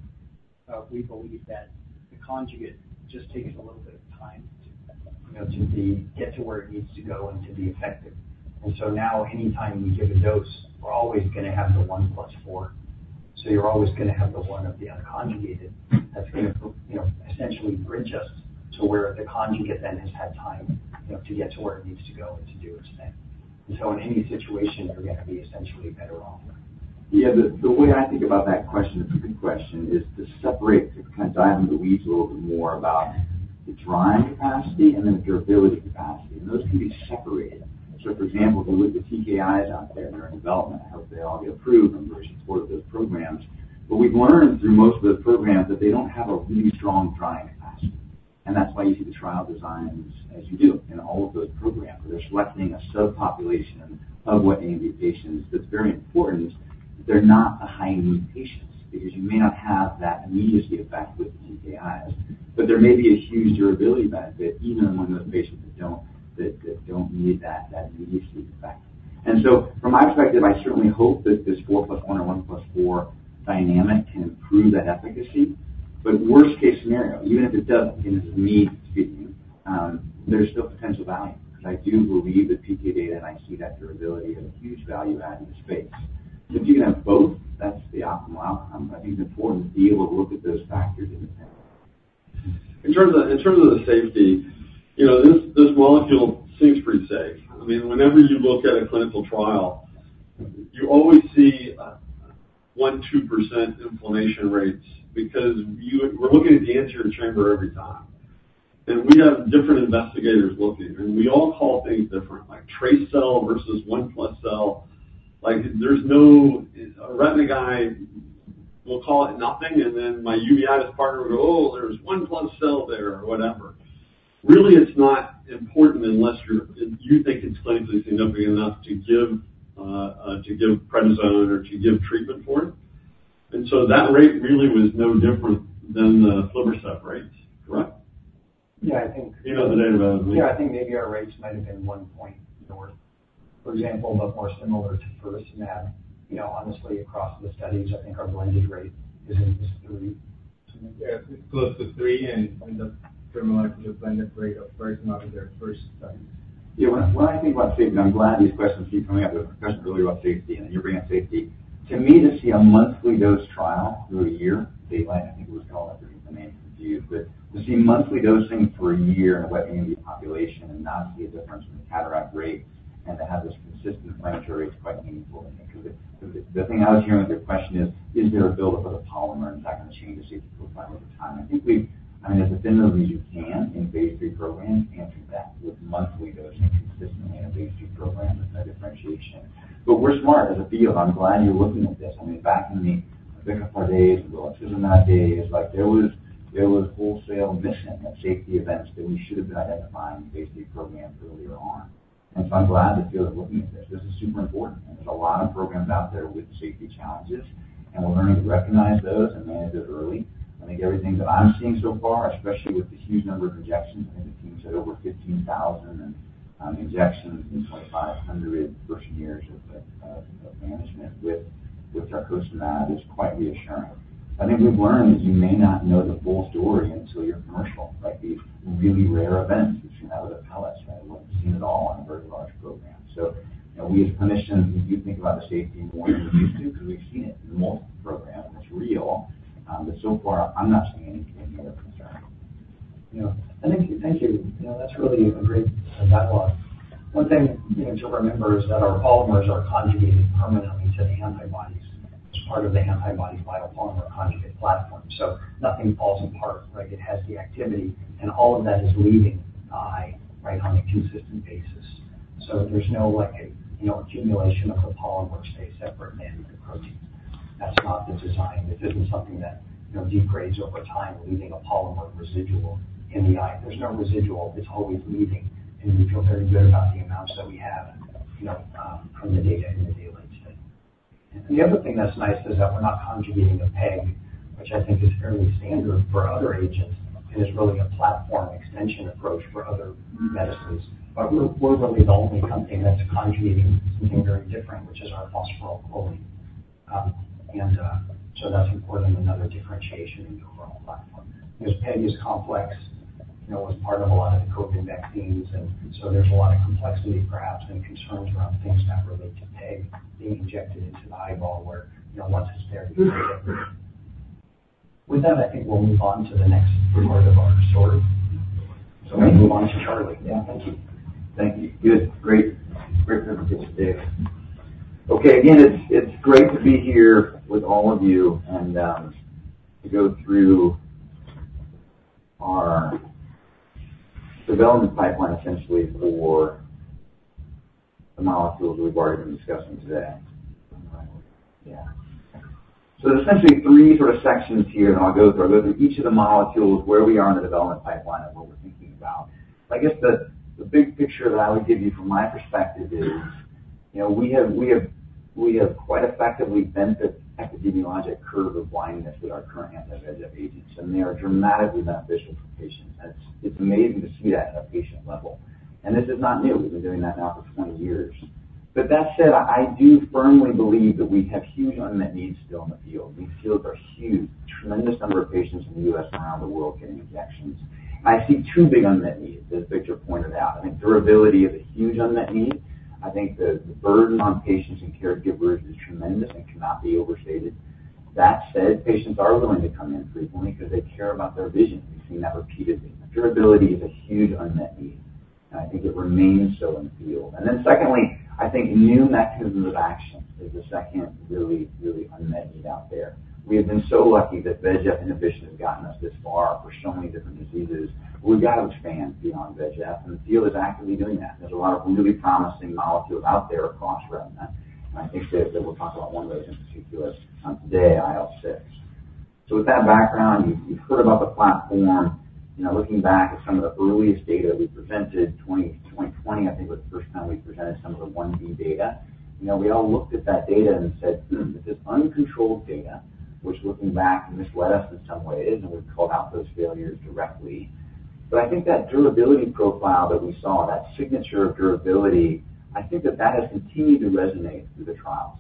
We believe that the conjugate just takes a little bit of time to, you know, to get to where it needs to go and to be effective. And so now, anytime you give a dose, we're always going to have the one plus four. So you're always going to have the one of the unconjugated that's going to, you know, essentially bridge us to where the conjugate then has had time, you know, to get to where it needs to go and to do its thing. And so in any situation, you're going to be essentially better off. Yeah, the way I think about that question, it's a good question, is to separate, to kind of dive into the weeds a little bit more about the drying capacity and then the durability capacity, and those can be separated. So for example, the liquid TKIs out there that are in development, I hope they all get approved. I'm very supportive of those programs. But we've learned through most of those programs that they don't have a really strong drying capacity, and that's why you see the trial designs as you do in all of those programs, where they're selecting a subpopulation of wet AMD patients. That's very important. They're not the high-need patients, because you may not have that immediacy effect with the TKIs, but there may be a huge durability benefit even when those patients that don't need that immediacy effect. From my perspective, I certainly hope that this four plus one or one plus four dynamic can improve that efficacy. Worst case scenario, even if it doesn't, and it is me speaking, there's still potential value because I do believe the PK data, and I see that durability as a huge value add in the space. If you can have both, that's the optimal outcome. I think it's important to be able to look at those factors in the table. In terms of the safety, you know, this molecule seems pretty safe. I mean, whenever you look at a clinical trial, you always see 1%-2% inflammation rates because we're looking at the anterior chamber every time. And we have different investigators looking, and we all call things different, like trace cell versus one plus cell. Like, there's no--A retina guy will call it nothing, and then my uveitis partner will go, "Oh, there's one plus cell there," or whatever. Really, it's not important unless you think it's clinically significant enough to give prednisone or to give treatment for it. And so that rate really was no different than the aflibercept rates, correct? Yeah, I think- You know the data better than me. Yeah, I think maybe our rates might have been one point north, for example, but more similar to faricimab. You know, honestly, across the studies, I think our blended rate is in this three. Yeah, it's close to three, and it's similar to the blended rate of faricimab in their first study. Yeah, when I, when I think about safety, I'm glad these questions keep coming up. The question is really about safety, and you're bringing up safety. To me, to see a monthly dose trial through a year, data, I think it was called DAYLIGHT. But to see monthly dosing for a year in a wet AMD population and not see a difference in the cataract rate and to have this consistent lens clarity is quite meaningful. Because the, the thing I was hearing with your question is, is there a buildup of the polymer, and is that going to change the safety profile over time? I think we've, I mean, as definitively as you can in phase III programs, answer that with monthly dosing consistently in a phase III program with no differentiation. But we're smart as a field. I'm glad you're looking at this. I mean, back in the Vioxx days and the Lucentis days, like, there was wholesale missing of safety events that we should have been identifying in phase III programs earlier on. And so I'm glad the field is looking at this. This is super important, and there's a lot of programs out there with safety challenges, and we're learning to recognize those and manage it early. I think everything that I'm seeing so far, especially with the huge number of injections, I think the team said over 15,000 injections in 2,500 person years of management with faricimab, is quite reassuring. I think we've learned is you may not know the full story until you're commercial. Like, these really rare events, which can have a palpable, right? We've seen it all on a very large program. So, you know, we as clinicians, we do think about the safety more than we used to because we've seen it in multiple programs. It's real, but so far, I'm not seeing anything that we're concerned about. You know, and thank you. Thank you. You know, that's really a great dialogue. One thing, you know, to remember is that our polymers are conjugated permanently to the antibodies. It's part of the antibody biopolymer conjugate platform. So nothing falls apart, like it has the activity, and all of that is leaving the eye, right, on a consistent basis. So there's no, like, a, you know, accumulation of the polymer, say, separate from the protein. That's not the design. This isn't something that, degrades over time, leaving a polymer residual in the eye. There's no residual. It's always leaving, and we feel very good about the amounts that we have, you know, from the data in the other thing that's nice is that we're not conjugating the PEG, which I think is fairly standard for other agents, and is really a platform extension approach for other medicines. But we're really the only company that's conjugating something very different, which is our phosphorylcholine. And so that's importantly another differentiation in the overall platform. Because PEG is complex, you know, as part of a lot of the COVID vaccines, and so there's a lot of complexity perhaps, and concerns around things that relate to PEG being injected into the eyeball where, once it's there. With that, I think we'll move on to the next part of our story, so we move on to Charlie. Yeah, thank you Thank you. Great presentation, Dave. Okay, again, it's great to be here with all of you and to go through our development pipeline, essentially, for the molecules we've already been discussing today. So there's essentially three sort of sections here, and I'll go through each of the molecules, where we are in the development pipeline, and what we're thinking about. I guess the big picture that I would give you from my perspective is we have quite effectively bent the epidemiologic curve of blindness with our current anti-VEGF agents, and they are dramatically beneficial for patients. That's. It's amazing to see that at a patient level. And this is not new. We've been doing that now for twenty years. But that said, I do firmly believe that we have huge unmet needs still in the field. These fields are huge. A tremendous number of patients in the U.S. and around the world getting injections. I see two big unmet needs, as Victor pointed out. I think durability is a huge unmet need. I think the burden on patients and caregivers is tremendous and cannot be overstated. That said, patients are willing to come in frequently because they care about their vision. We've seen that repeatedly. Durability is a huge unmet need, and I think it remains so in the field, and then secondly, I think new mechanisms of action is the second really, really unmet need out there. We have been so lucky that VEGF inhibition has gotten us this far for so many different diseases. We've got to expand beyond VEGF, and the field is actively doing that. There's a lot of really promising molecules out there across retina, and I think that we'll talk about one of those in particular today, IL-6. So with that background, you've heard about the platform. You know, looking back at some of the earliest data we presented, 2020, I think, was the first time we presented some of the I-B data. You know, we all looked at that data and said, "Hmm, this is uncontrolled data," which, looking back, misled us in some ways, and we've called out those failures directly. But I think that durability profile that we saw, that signature of durability, I think that has continued to resonate through the trials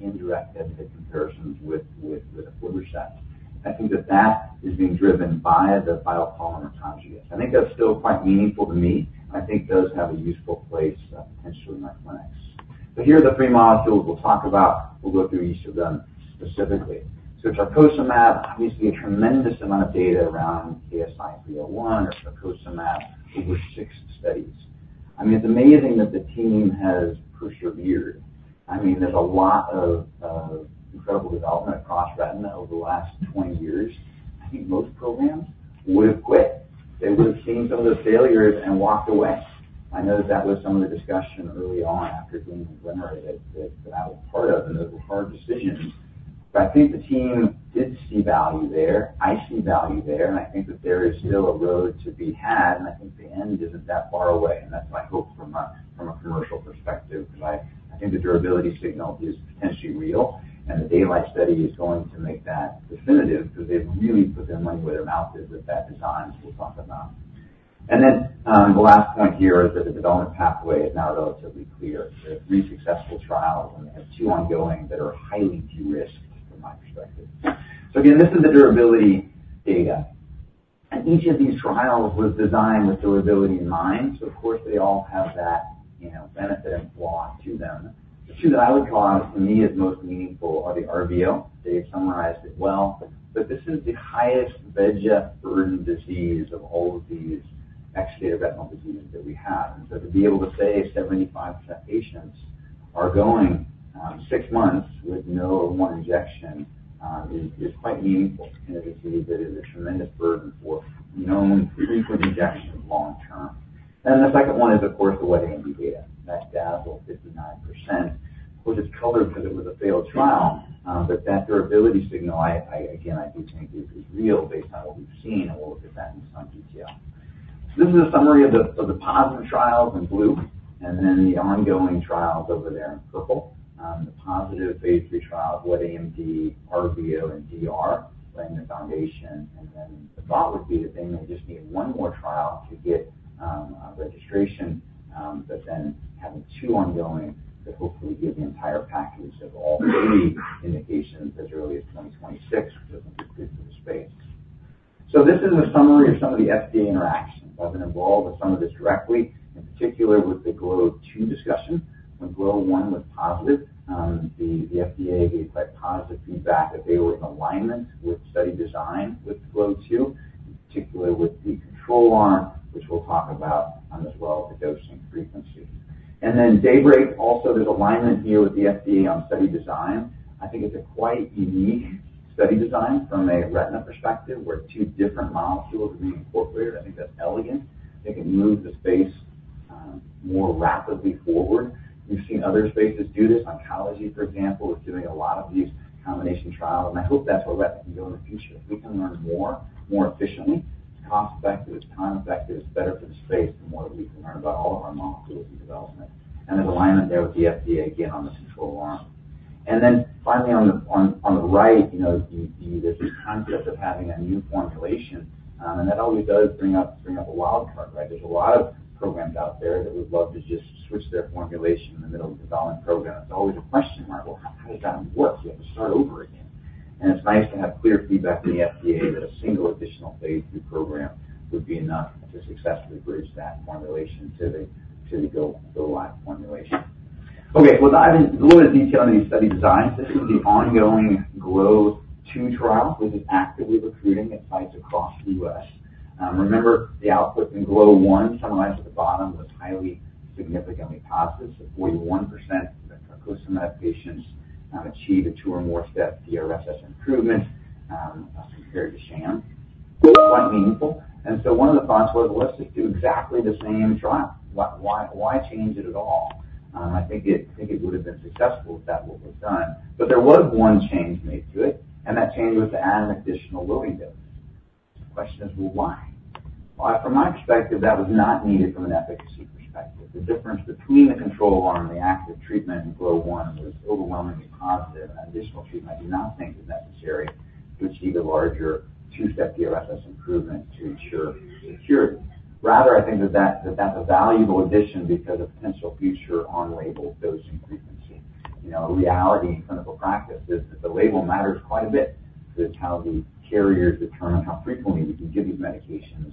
in direct head-to-head comparisons with Lucentis. I think that that is being driven by the biopolymer conjugates. I think that's still quite meaningful to me, and I think those have a useful place, potentially in my clinics. But here are the three molecules we'll talk about. We'll go through each of them specifically. So Tarcocimab, we see a tremendous amount of data around KSI-301 or Tarcocimab over six studies. I mean, it's amazing that the team has persevered. I mean, there's a lot of incredible development across retina over the last twenty years. I think most programs would have quit. They would have seen some of those failures and walked away. I know that was some of the discussion early on after being generated, that I was part of, and those were hard decisions. But I think the team did see value there. I see value there, and I think that there is still a road to be had, and I think the end isn't that far away. And that's my hope from a commercial perspective, because I think the durability signal is potentially real, and the DAYLIGHT study is going to make that definitive because they've really put their money where their mouth is with that design, which we'll talk about. And then, the last point here is that the development pathway is now relatively clear. There are three successful trials, and they have two ongoing that are highly de-risked from my perspective. So again, this is the durability data, and each of these trials was designed with durability in mind. So of course, they all have that, you know, benefit and flaw to them. The two that I would call out for me as most meaningful are the RVO. They summarized it well, but this is the highest VEGF burden disease of all of these exudative retinal diseases that we have. And so to be able to say 75% patients are going, six months with no more injection, is quite meaningful in a disease that is a tremendous burden for known frequent injection long term. And the second one is, of course, the wet AMD data. That DAZZLE 59%, which is colored because it was a failed trial, but that durability signal, I again, I do think is real based on what we've seen, and we'll look at that in some detail. So this is a summary of the positive trials in blue, and then the ongoing trials over there in purple. The positive phase III trial, wet AMD, RVO and DR, laying the foundation, and then the thought would be that they may just need one more trial to get registration, but then having two ongoing to hopefully give the entire package of all 80 indications as early as 2026, which I think is good for the space. So this is a summary of some of the FDA interactions. I've been involved with some of this directly, in particular with the GLOW2 discussion. When GLOW1 was positive, the FDA gave quite positive feedback that they were in alignment with study design with GLOW2, in particular with the control arm, which we'll talk about, as well, the dosing frequency, and then DAYBREAK, also, there's alignment here with the FDA on study design. I think it's a quite unique study design from a retina perspective, where two different molecules are being incorporated. I think that's elegant. They can move the space more rapidly forward. We've seen other spaces do this. Oncology, for example, is doing a lot of these combination trials, and I hope that's where retina can go in the future. If we can learn more efficiently cost effective, it's time-effective, it's better for the space, the more that we can learn about all of our molecules and development. There's alignment there with the FDA, again, on the control arm. Finally, on the right, you know, there's this concept of having a new formulation, and that always does bring up a wild card, right? There's a lot of programs out there that would love to just switch their formulation in the middle of developing program. It's always a question mark. How does that work? You have to start over again. And it's nice to have clear feedback from the FDA that a single additional phase III program would be enough to successfully bridge that formulation to the go live formulation. Okay, diving a little bit of detail into these study designs. This is the ongoing GLOW II trial, which is actively recruiting at sites across the U.S. Remember, the output in GLOWI, summarized at the bottom, was highly, significantly positive, so 41% of the Tarcocimab patients achieved a two or more step DRSS improvement compared to sham. Quite meaningful. And so one of the thoughts was, let's just do exactly the same trial. Why, why, why change it at all? I think it would have been successful if that was done. But there was one change made to it, and that change was to add an additional loading dose. The question is, well, why? Well, from my perspective, that was not needed from an efficacy perspective. The difference between the control arm and the active treatment in GLOW1 was overwhelmingly positive, and additional treatment I do not think is necessary to achieve a larger two-step DRSS improvement to ensure security. Rather, I think that's a valuable addition because of potential future on-label dosing frequency. You know, a reality in clinical practice is that the label matters quite a bit to how the carriers determine how frequently we can give these medications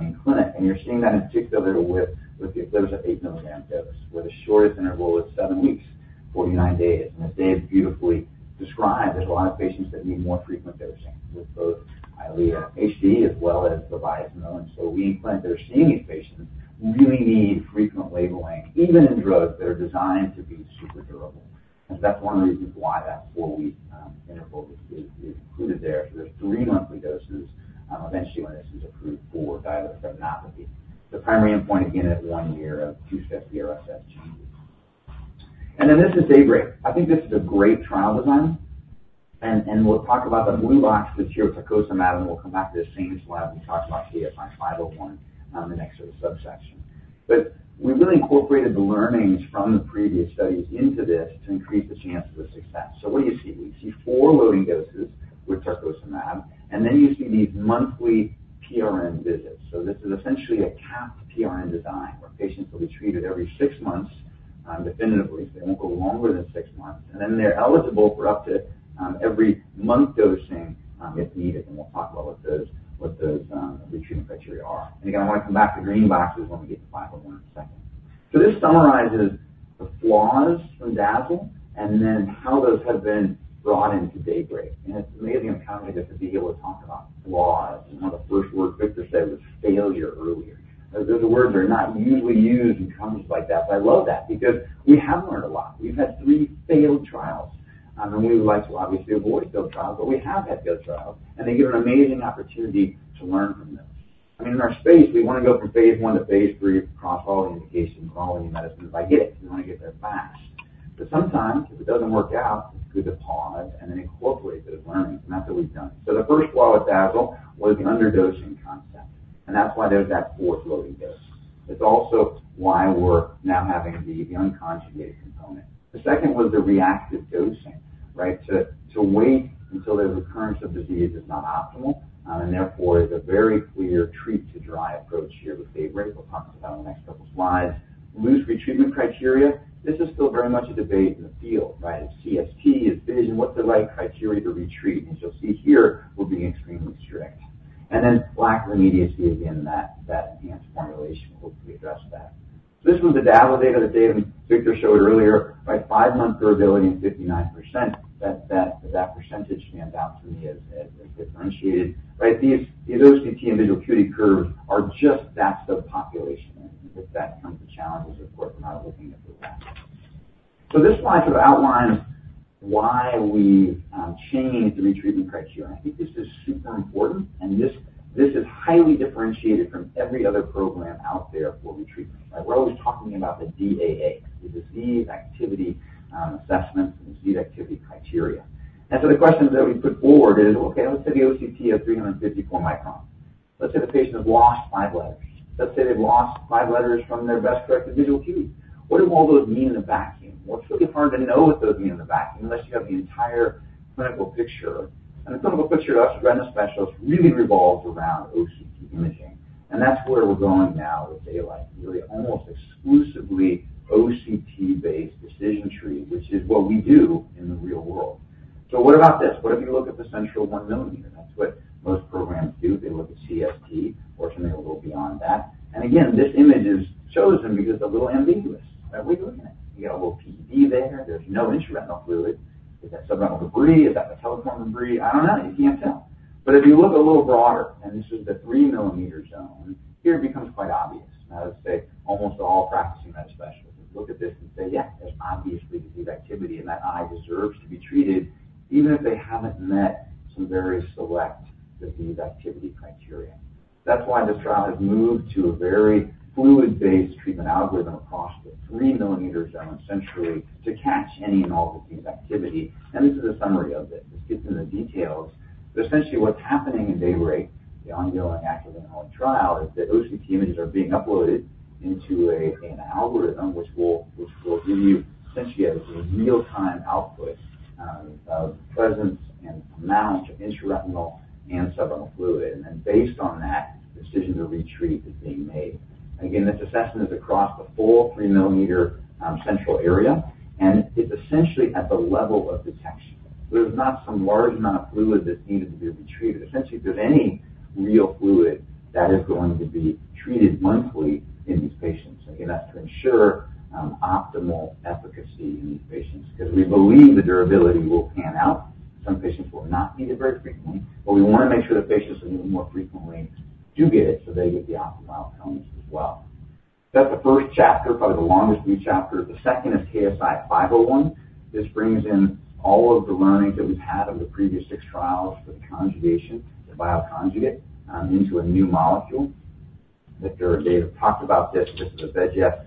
in clinic. You're seeing that in particular with the Eylea eight milligram dose, where the shortest interval is seven weeks, 49 days. As Dave beautifully described, there's a lot of patients that need more frequent dosing with both Eylea HD as well as Vabysmo. So we in clinical are seeing these patients who really need frequent dosing, even in drugs that are designed to be super durable. That's one of the reasons why that four-week interval is included there. So there's three monthly doses eventually, when this is approved for diabetic retinopathy. The primary endpoint, again, is one year of two-step DRSS changes. Then this is DAYBREAK. I think this is a great trial design, and we'll talk about the blue box that's here with Tarcocimab, and we'll come back to the same slide we talked about KSI-501, the next little subsection. We really incorporated the learnings from the previous studies into this to increase the chances of success. What do you see? We see four loading doses with Tarcocimab, and then you see these monthly PRN visits. This is essentially a capped PRN design, where patients will be treated every six months definitively. They won't go longer than six months, and then they're eligible for up to every month dosing if needed. We'll talk about what those retreatment criteria are. Again, I want to come back to the green boxes when we get to 501 in a second. This summarizes the flaws from DAZZLE and then how those have been brought into DAYBREAK. And it's amazing, how many get to be able to talk about flaws, and one of the first words Victor said was failure earlier. Those words are not usually used in context like that, but I love that because we have learned a lot. We've had three failed trials, and we would like to obviously avoid failed trials, but we have had failed trials, and they give an amazing opportunity to learn from them. I mean, in our space, we want to go from phase I-phase III across all the indications, all the medicines. We want to get there fast. But sometimes, if it doesn't work out, it's good to pause and then incorporate those learnings, and that's what we've done. So the first flaw with DAZZLE was the underdosing concept, and that's why there's that fourth loading dose. It's also why we're now having the unconjugated component. The second was the reactive dosing, right? To wait until there's recurrence of disease is not optimal, and therefore, is a very clear treat to dry approach here with DAYBREAK. We'll talk about in the next couple of slides. Loose retreatment criteria. This is still very much a debate in the field, right? It's CST, it's vision, what's the right criteria to retreat? And you'll see here, will be extremely strict. And then lack of immediacy, again, that enhanced formulation will hopefully address that. This was the DAZZLE data that Dave and Victor showed earlier. By five-month durability and 59%, that percentage stands out to me as differentiated, right? These, the OCT and visual acuity curves are just that subpopulation. With that comes the challenges, of course, we're not looking at the back. This slide sort of outlines why we changed the retreatment criteria. I think this is super important, and this is highly differentiated from every other program out there for retreatment. We're always talking about the DAA, the disease activity assessment, disease activity criteria. The questions that we put forward is, okay, let's say the OCT is 354 microns. Let's say the patient has lost five letters. Let's say they've lost five letters from their best corrected visual acuity. What do all those mean in a vacuum? It's really hard to know what those mean in a vacuum unless you have the entire clinical picture. The clinical picture, us retina specialists, really revolves around OCT imaging, and that's where we're going now with DAYLIGHT, really almost exclusively OCT-based decision tree, which is what we do in the real world. So what about this? What if you look at the central one millimeter? That's what most programs do. They look at CST or something a little beyond that. And again, this image is chosen because they're a little ambiguous. What are we looking at? You got a little PD there. There's no intraretinal fluid. Is that subretinal debris? Is that the telangiectatic debris? I don't know. You can't tell. But if you look a little broader, and this is the 3 ml zone, here it becomes quite obvious. I would say almost all practicing eye specialists would look at this and say, "Yes, there's obviously disease activity, and that eye deserves to be treated, even if they haven't met some very select disease activity criteria." That's why this trial has moved to a very fluid-based treatment algorithm across the 3ml down centrally to catch any novel disease activity, and this is a summary of it. This gets into the details, but essentially what's happening in DAYBREAK, the ongoing active and trial, is that OCT images are being uploaded into an algorithm which will give you essentially a real-time output of presence and amount of intraretinal and subretinal fluid. And then based on that, decision to retreat is being made. Again, this assessment is across the full three-millimeter central area, and it's essentially at the level of detection. There's not some large amount of fluid that's needed to be retreated. Essentially, if there's any real fluid, that is going to be treated monthly in these patients. Again, that's to ensure optimal efficacy in these patients because we believe the durability will pan out. Some patients will not need it very frequently, but we want to make sure that patients who need it more frequently do get it, so they get the optimal outcomes as well. That's the first chapter, probably the longest new chapter. The second is KSI-501. This brings in all of the learnings that we've had over the previous six trials with conjugation, the bioconjugate, into a new molecule. Victor and Dave have talked about this. This is a VEGF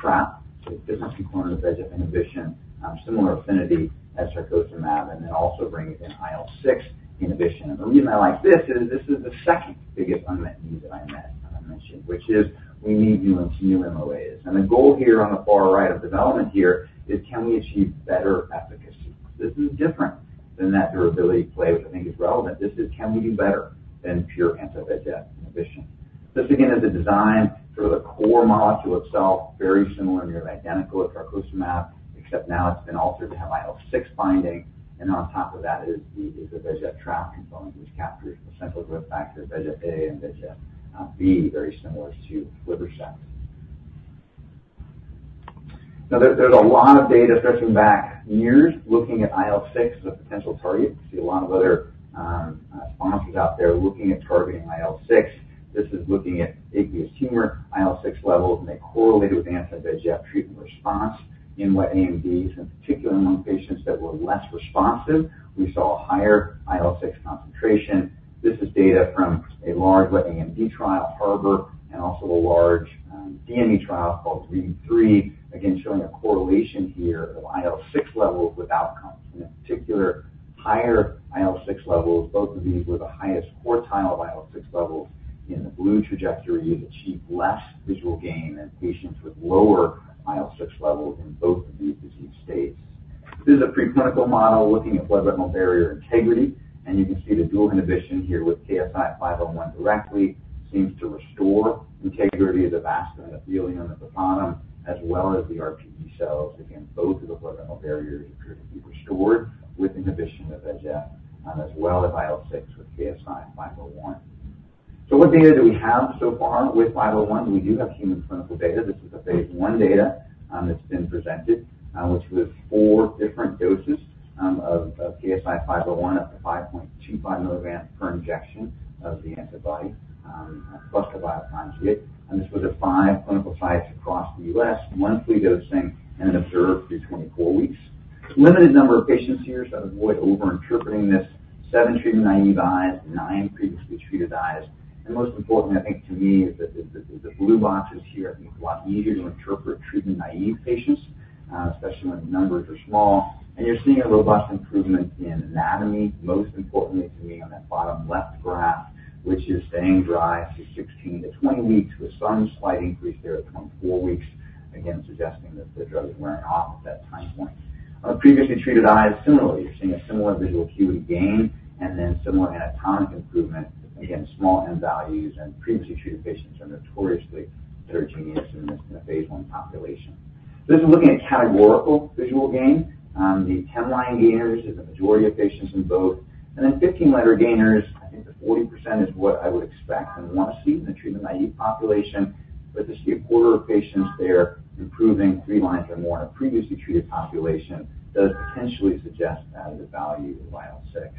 trap, so it doesn't require the VEGF inhibition, similar affinity as Tarcocimab, and then also bringing in IL-6 inhibition. The reason I like this is this is the second biggest unmet need that I meant, I mentioned, which is we need new MOAs. The goal here on the far right of development here is can we achieve better efficacy? This is different than that durability play, which I think is relevant. This is, can we do better than pure anti-VEGF inhibition. This, again, is a design for the core molecule itself, very similar and near identical to Tarcocimab, except now it has been altered to have IL-6 binding, and on top of that is the VEGF trap component, which captures the central growth factors, VEGF-A and VEGF-B, very similar to Lucentis. Now, there is a lot of data stretching back years looking at IL-6 as a potential target. You see a lot of other sponsors out there looking at targeting IL-6. This is looking at aqueous humor IL-6 levels, and they correlated with anti-VEGF treatment response in wet AMD, and particularly among patients that were less responsive, we saw a higher IL-6 concentration. This is data from a large wet AMD trial, HARBOR, and also a large DME trial called VISTA, again, showing a correlation here of IL-6 levels with outcomes. In particular, higher IL-6 levels, both of these were the highest quartile of IL-6 levels in the blue trajectory, achieved less visual gain than patients with lower IL-6 levels in both of these disease states. This is a preclinical model looking at blood-retinal barrier integrity, and you can see the dual inhibition here with KSI-501 directly seems to restore integrity of the vascular endothelium at the bottom, as well as the RPE cells. Again, both of the blood-retinal barriers appear to be restored with inhibition of VEGF, as well as IL-6 with KSI-501. So what data do we have so far with 501? We do have human clinical data. This is a phase I data that's been presented, which was four different doses of KSI-501, up to 5.2 mgs per injection of the antibody plus the bioconjugate. And this was at five clinical sites across the U.S., monthly dosing and observed through 24 weeks. Limited number of patients here, so I'd avoid overinterpreting this. Seven treatment-naive eyes, nine previously treated eyes, and most importantly, I think to me, is the blue boxes here. I think it's a lot easier to interpret treatment-naive patients, especially when the numbers are small, and you're seeing a robust improvement in anatomy. Most importantly, to me on that bottom left graph, which is staying dry through 16-20 weeks, with some slight increase there at 24 weeks, again, suggesting that the drug is wearing off at that time point. On previously treated eyes, similarly, you're seeing a similar visual acuity gain and then similar anatomic improvement. Again, small n values and previously treated patients are notoriously heterogeneous in a phase I population. This is looking at categorical visual gain. The 10-line gainers is a majority of patients in both, and then 15-letter gainers, I think the 40% is what I would expect and want to see in the treatment-naive population. But to see a quarter of patients there improving 3 lines or more in a previously treated population, does potentially suggest added value in IL-6.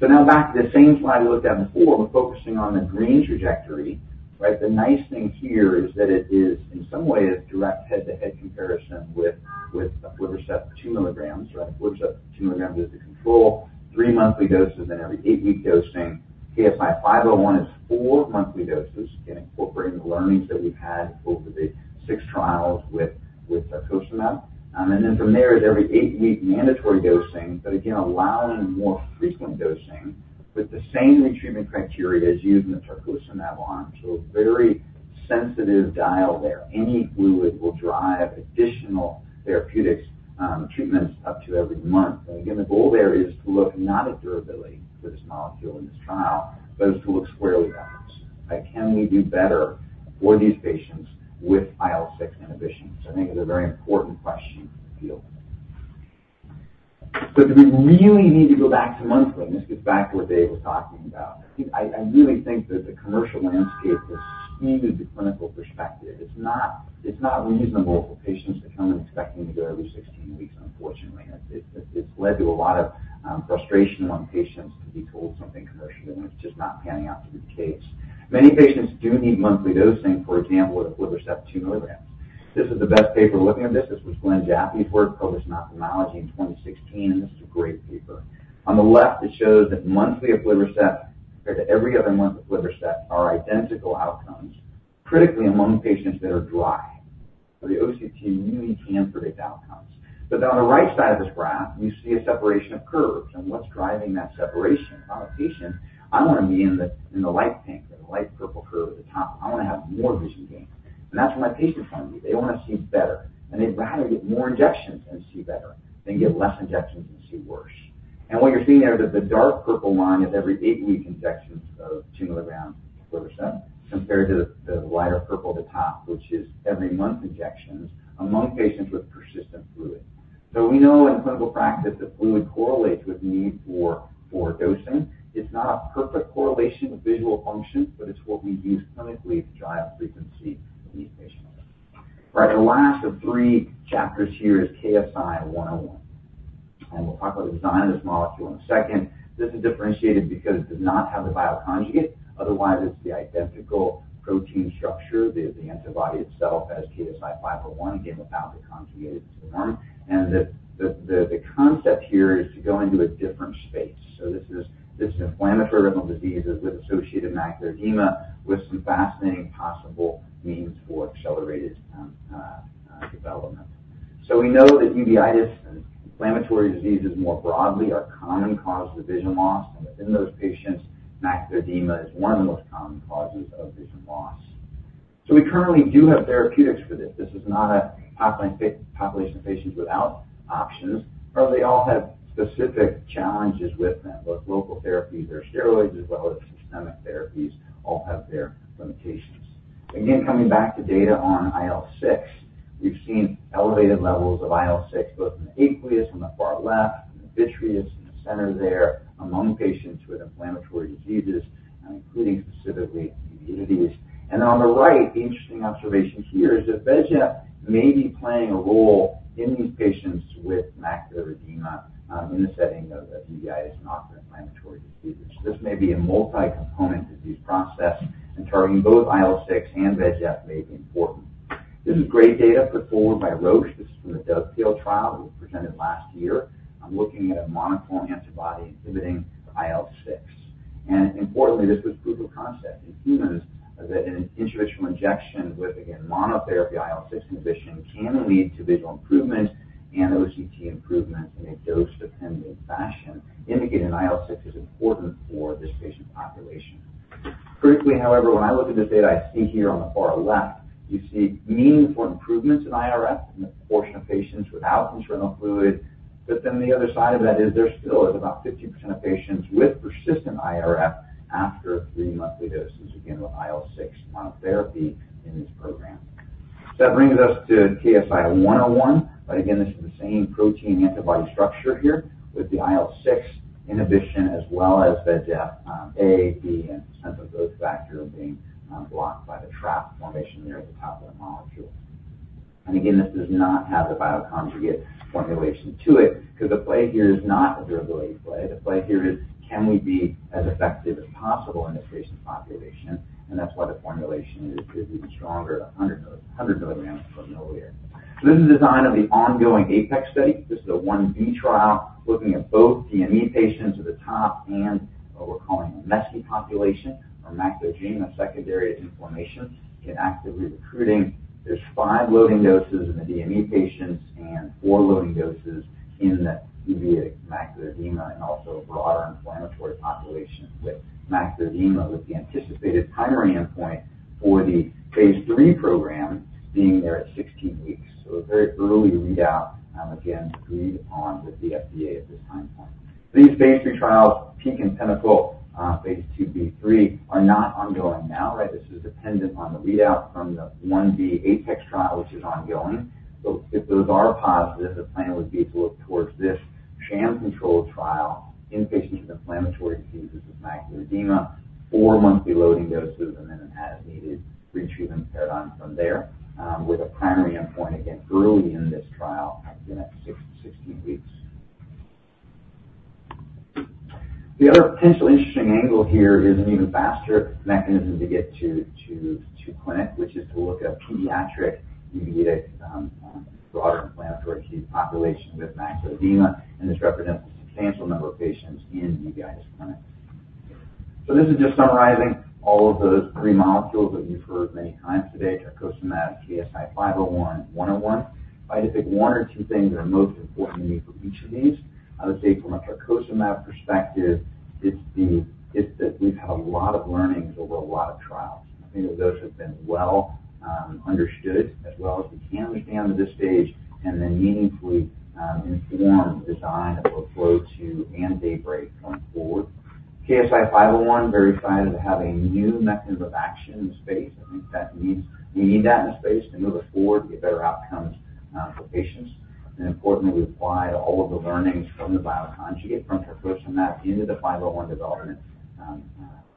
So now back to the same slide we looked at before, but focusing on the green trajectory, right? The nice thing here is that it is, in some way, a direct head-to-head comparison with Luxturna 2 mg, right? Luxturna 2 mgs is the control, three monthly doses and every eight-week dosing. KSI-501 is four monthly doses, again, incorporating the learnings that we've had over the six trials with tacozumab. And then from there, is every eight-week mandatory dosing, but again, allowing more frequent dosing with the same treatment criteria as used in the tacozumab arm. So a very sensitive dial there. Any fluid will drive additional therapeutics, treatments up to every month. And again, the goal there is to look not at durability for this molecule in this trial, but is to look squarely at outcomes, right? Can we do better for these patients with IL-6 inhibition? I think it's a very important question in the field. Do we really need to go back to monthly? This gets back to what Dave was talking about. I really think that the commercial landscape has skewed the clinical perspective. It's not reasonable for patients to come in expecting to go every 16 weeks, unfortunately. It's led to a lot of frustration among patients to be told something commercially, when it's just not panning out to be the case. Many patients do need monthly dosing, for example, with Eylea 2 mg This is the best paper looking at this. This was Glenn Jaffe's work, published in Ophthalmology in 2016, and this is a great paper. On the left, it shows that monthly aflibercept compared to every other month aflibercept are identical outcomes, critically among patients that are dry, so the OCT really can predict outcomes, but then on the right side of this graph, you see a separation of curves, and what's driving that separation? If I'm a patient, I want to be in the light pink or the light purple curve at the top. I want to have more vision gain, and that's what my patients want me. They want to see better, and they'd rather get more injections and see better than get less injections and see worse, and what you're seeing there is that the dark purple line is every eight-week injections of two milligrams of aflibercept compared to the lighter purple at the top, which is every month injections among patients with persistent fluid. So we know in clinical practice that fluid correlates with need for dosing. It's not a perfect correlation with visual function, but it's what we use clinically to drive frequency for these patients. Right, the last of three chapters here is KSI-101, and we'll talk about the design of this molecule in a second. This is differentiated because it does not have the bioconjugate. Otherwise, it's the identical protein structure, the antibody itself as KSI-501, again, without the conjugated form. And the concept here is to go into a different space. So this is inflammatory retinal diseases with associated macular edema, with some fascinating possible means for accelerated development. We know that uveitis and inflammatory diseases more broadly are a common cause of vision loss, and within those patients, macular edema is one of the most common causes of vision loss. We currently do have therapeutics for this. This is not a population of patients without options, but they all have specific challenges with them. Both local therapies or steroids, as well as systemic therapies, all have their limitations. Again, coming back to data on IL-6, we've seen elevated levels of IL-6, both in the aqueous on the far left and the vitreous in the center there among patients with inflammatory diseases, including specifically uveitis. And on the right, the interesting observation here is that VEGF may be playing a role in these patients with macular edema in the setting of uveitis and other inflammatory diseases. This may be a multi-component disease process, and targeting both IL-6 and VEGF may be important. This is great data put forward by Roche. This is from the DOVETAIL trial that was presented last year, looking at a monoclonal antibody inhibiting IL-6. And importantly, this was proof of concept in humans, that an intravitreal injection with, again, monotherapy IL-6 inhibition can lead to visual improvement and OCT improvement in a dose-dependent fashion, indicating IL-6 is important for this patient population. Critically, however, when I look at this data, I see here on the far left, you see meaningful improvements in IRF in the portion of patients without internal fluid. But then the other side of that is there still is about 50% of patients with persistent IRF after three monthly doses, again, with IL-6 monotherapy in this program. So that brings us to KSI-101. But again, this is the same protein antibody structure here with the IL-6 inhibition, as well as the VEGF-A, B, and PlGF of both factors being blocked by the trap formation there at the top of the molecule. And again, this does not have the bioconjugate formulation to it, because the play here is not a durability play. The play here is: Can we be as effective as possible in this patient population? And that's why the formulation is even stronger at a 100 mg/ml. So this is a design of the ongoing APEX study. This is a I-B trial looking at both DME patients at the top and what we're calling a MESI population, or macular edema, secondary to inflammation, and actively recruiting. There's five loading doses in the DME patients and four loading doses in the uveitic macular edema, and also a broader inflammatory population with macular edema, with the anticipated primary endpoint for the phase III program being there at 16 weeks. So a very early readout, again, agreed on with the FDA at this time point. These phase III trials, PEAK and PINNACLE, phase II-B/III, are not ongoing now, right? This is dependent on the readout from the I-B APEX trial, which is ongoing. So if those are positive, the plan would be to look towards this sham-controlled trial in patients with inflammatory diseases with macular edema, four monthly loading doses, and then an as-needed retreatment paradigm from there, with a primary endpoint, again, early in this trial at the next 6-16 weeks. The other potential interesting angle here is an even faster mechanism to get to clinic, which is to look at pediatric uveitic broader inflammatory disease population with macular edema, and this represents a substantial number of patients in uveitis clinic. So this is just summarizing all of those three molecules that you've heard many times today, Tarcocimab, KSI-501, KSI-101. If I had to pick one or two things that are most important to me for each of these, I would say from a Tarcocimab perspective, it's that we've had a lot of learnings over a lot of trials. I think that those have been well understood as well as we can understand at this stage, and then meaningfully inform the design of both GLOW2 and DAYBREAK going forward. KSI-501, very excited to have a new mechanism of action in the space. I think that means we need that in the space to move it forward to get better outcomes for patients. And importantly, we apply all of the learnings from the bioconjugate, from tarcocimab into the 501 development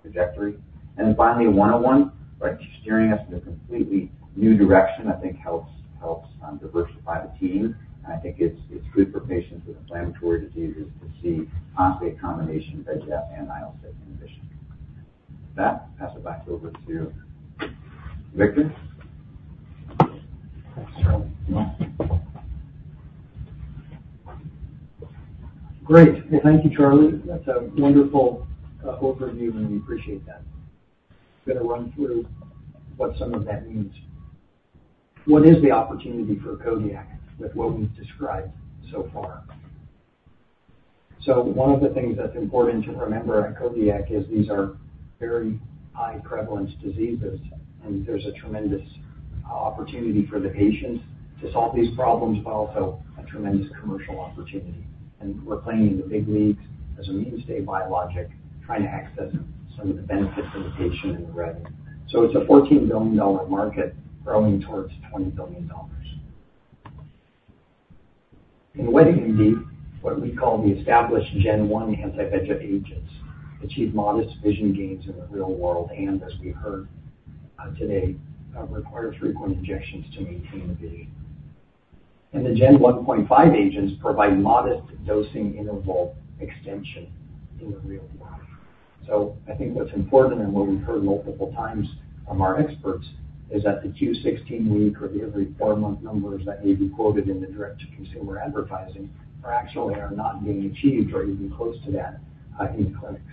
trajectory. And then finally, 101, right, steering us in a completely new direction, I think helps diversify the team. And I think it's good for patients with inflammatory diseases to see possibly a combination of VEGF and IL-6 inhibition. With that, pass it back over to you, Victor. Thanks, Charlie. Great. Thank you, Charlie. That's a wonderful overview, and we appreciate that. I'm going to run through what some of that means. What is the opportunity for Kodiak with what we've described so far? One of the things that's important to remember at Kodiak is these are very high-prevalence diseases, and there's a tremendous opportunity for the patients to solve these problems, but also a tremendous commercial opportunity. We're playing in the big leagues as a mainstay biologic, trying to access some of the benefits to the patient in the red. It's a $14 billion market growing towards $20 billion. In wet AMD, what we call the established Gen 1 anti-VEGF agents achieve modest vision gains in the real world, and as we heard today, require frequent injections to maintain the vision. The Gen 1.5 agents provide modest dosing interval extension in the real world. So I think what's important, and what we've heard multiple times from our experts, is that the Q 16-week or the every four-month numbers that may be quoted in the direct-to-consumer advertising are actually not being achieved or even close to that, in clinics.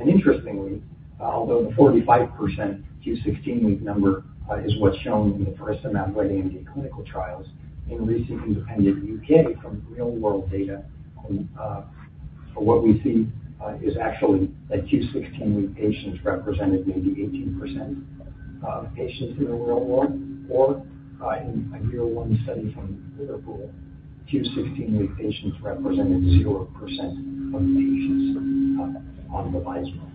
Interestingly, although the 45% Q 16-week number is what's shown in the first arm wet AMD clinical trials, in recent independent U.K. from real-world data, what we see is actually that Q 16-week patients represented maybe 18% of patients in the real world, or in a year one study from Liverpool, Q 16-week patients represented 0% of the patients on the vabysmo.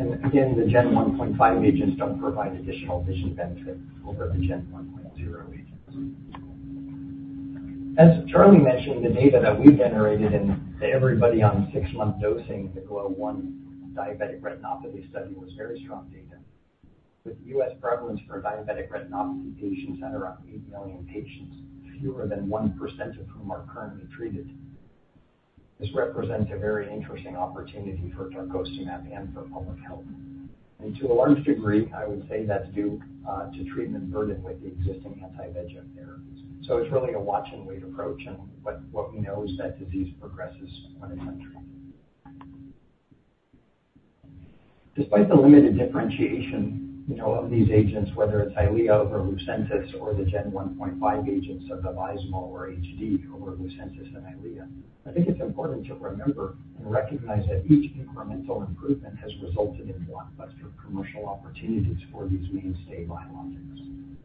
And again, the Gen 1.5 agents don't provide additional vision benefit over the Gen 1.0 agents. As Charlie mentioned, the data that we generated in everybody on six-month dosing, the GLOW1 diabetic retinopathy study, was very strong data. With U.S. prevalence for diabetic retinopathy patients at around eight million patients, fewer than 1% of whom are currently treated. This represents a very interesting opportunity for Tarcocimab and for public health. And to a large degree, I would say that's due to treatment burden with the existing anti-VEGF therapies. So it's really a watch and wait approach, and what we know is that disease progresses when it's untreated. Despite the limited differentiation, you know, of these agents, whether it's Eylea over Lucentis or the gen 1.5 agents of the Vabysmo or HD over Lucentis and Eylea, I think it's important to remember and recognize that each incremental improvement has resulted in blockbuster commercial opportunities for these mainstay biologics.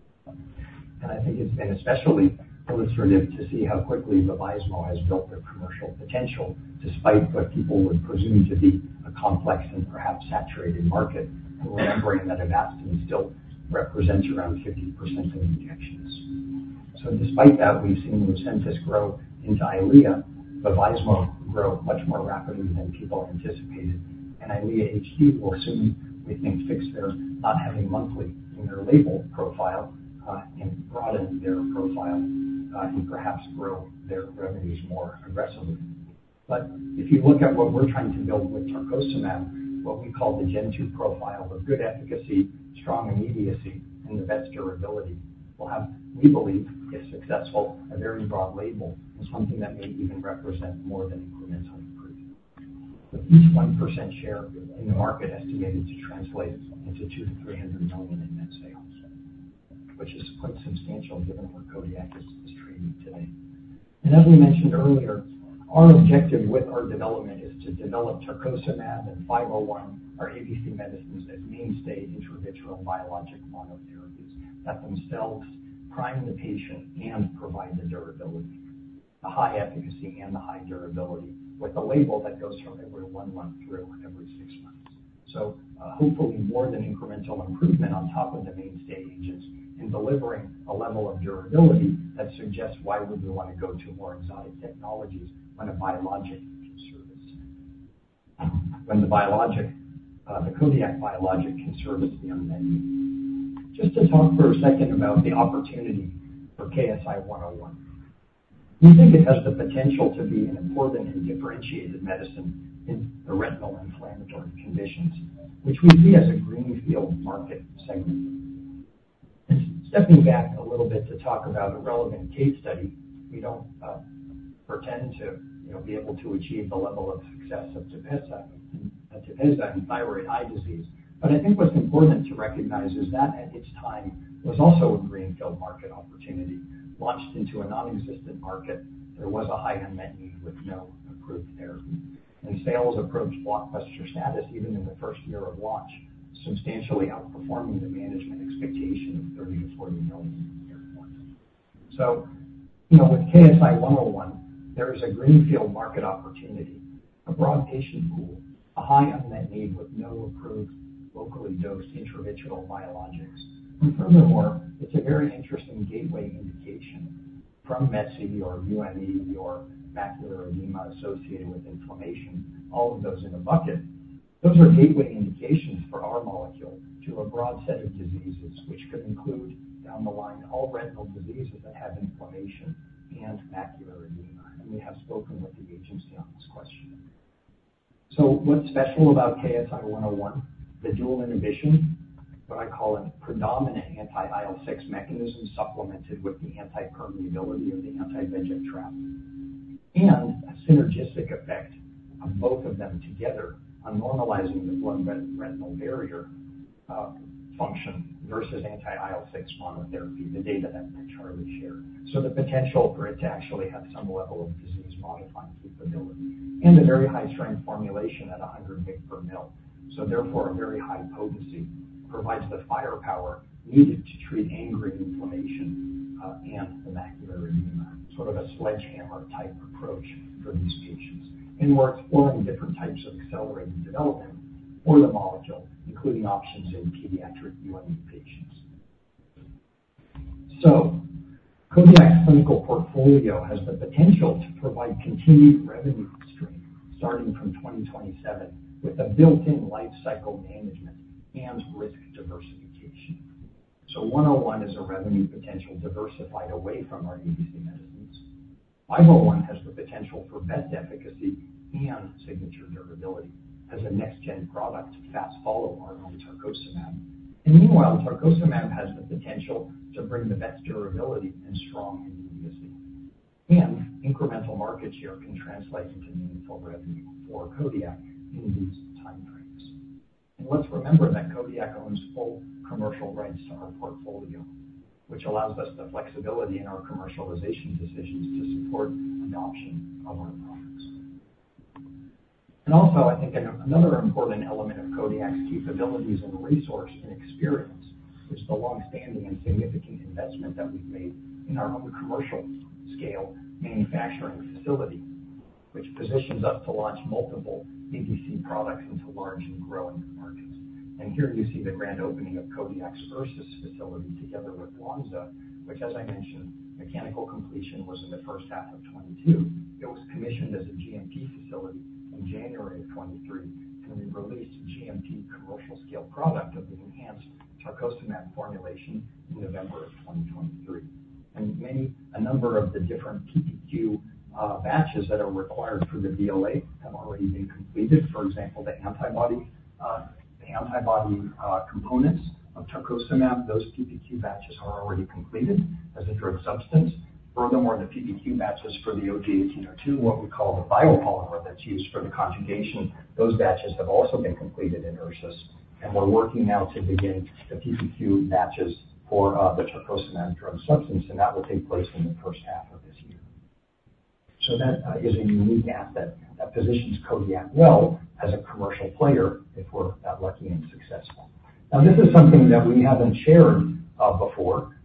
And I think it's been especially illustrative to see how quickly Vabysmo has built their commercial potential, despite what people would presume to be a complex and perhaps saturated market, remembering that Avastin still represents around 50% of the injections. So despite that, we've seen Lucentis grow into Eylea, Vabysmo grow much more rapidly than people anticipated, and Eylea HD will soon, we think, fix their not having monthly in their label profile, and broaden their profile, and perhaps grow their revenues more aggressively. But if you look at what we're trying to build with Tarcocimab, what we call the gen two profile of good efficacy, strong immediacy, and the best durability, we'll have, we believe, if successful, a very broad label and something that may even represent more than incremental improvement. With each 1% share in the market estimated to translate into $200 million-$300 million in net sales, which is quite substantial given where Kodiak is trading today. And as we mentioned earlier, our objective with our development is to develop Tarcocimab and 501, our ABC medicines, as mainstay intravitreal biologic monotherapies that themselves prime the patient and provide the durability, the high efficacy and the high durability, with a label that goes from every one month through every six months. So, hopefully more than incremental improvement on top of the mainstay agents in delivering a level of durability that suggests why would we want to go to more exotic technologies when a biologic can service? When the biologic, the Kodiak biologic can service the unmet need. Just to talk for a second about the opportunity for KSI-101. We think it has the potential to be an important and differentiated medicine in the retinal inflammatory conditions, which we see as a greenfield market segment. Stepping back a little bit to talk about a relevant case study, we don't, pretend to be able to achieve the level of success of Tepezza, Tepezza in thyroid eye disease. But I think what's important to recognize is that at its time, was also a greenfield market opportunity. Launched into a nonexistent market, there was a high unmet need with no approved therapy, and sales approached blockbuster status even in the first year of launch, substantially outperforming the management expectation of $30 million-$40 million year one, so you know, with KSI-101, there is a greenfield market opportunity, a broad patient pool, a high unmet need with no approved locally dosed intravitreal biologics. Furthermore, it's a very interesting gateway indication from ME or UVE or macular edema associated with inflammation, all of those in a bucket. Those are gateway indications for our molecule to a broad set of diseases, which could include, down the line, all retinal diseases that have inflammation and macular edema, and we have spoken with the agency on this question, so what's special about KSI-101? The dual inhibition, what I call a predominant anti-IL-6 mechanism, supplemented with the anti-permeability of the anti-VEGF trap, and a synergistic effect of both of them together on normalizing the blood-retinal barrier function versus anti-IL-6 monotherapy, the data that Charlie shared. So the potential for it to actually have some level of disease-modifying capability and a very high strength formulation at 100 mg/ml. So therefore, a very high potency provides the firepower needed to treat angry inflammation and macular edema, sort of a sledgehammer type approach for these patients. We're exploring different types of accelerated development for the molecule, including options in pediatric UM patients. So Kodiak's clinical portfolio has the potential to provide continued revenue stream starting from 2027, with a built-in life cycle management and risk diversification. 101 is a revenue potential diversified away from our ABC medicines. 501 has the potential for best efficacy and signature durability as a next-gen product to fast follow our own Tarcocimab. Meanwhile, Tarcocimab has the potential to bring the best durability and strong immediacy. Incremental market share can translate into meaningful revenue for Kodiak in these time frames. Let's remember that Kodiak owns full commercial rights to our portfolio, which allows us the flexibility in our commercialization decisions to support adoption of our products. Also, I think another important element of Kodiak's capabilities and resource and experience is the longstanding and significant investment that we've made in our own commercial scale manufacturing facility, which positions us to launch multiple ABC products into large and growing markets. Here you see the grand opening of Kodiak's Ursus facility together with Lonza, which, as I mentioned, mechanical completion was in the first half of 2022. It was commissioned as a GMP facility in January 2023, and we released a GMP commercial scale product of the enhanced Tarcocimab formulation in November 2023. A number of the different PPQ batches that are required for the BLA have already been completed. For example, the antibody components of Tarcocimab, those PPQ batches are already completed as a drug substance. Furthermore, the PPQ batches for the OG-1802, what we call the biopolymer, that's used for the conjugation. Those batches have also been completed in Ursus, and we're working now to begin the PPQ batches for the tarcocimab drug substance, and that will take place in the first half of this year. So that is a unique asset that positions Kodiak well as a commercial player if we're that lucky and successful. Now, this is something that we haven't shared before,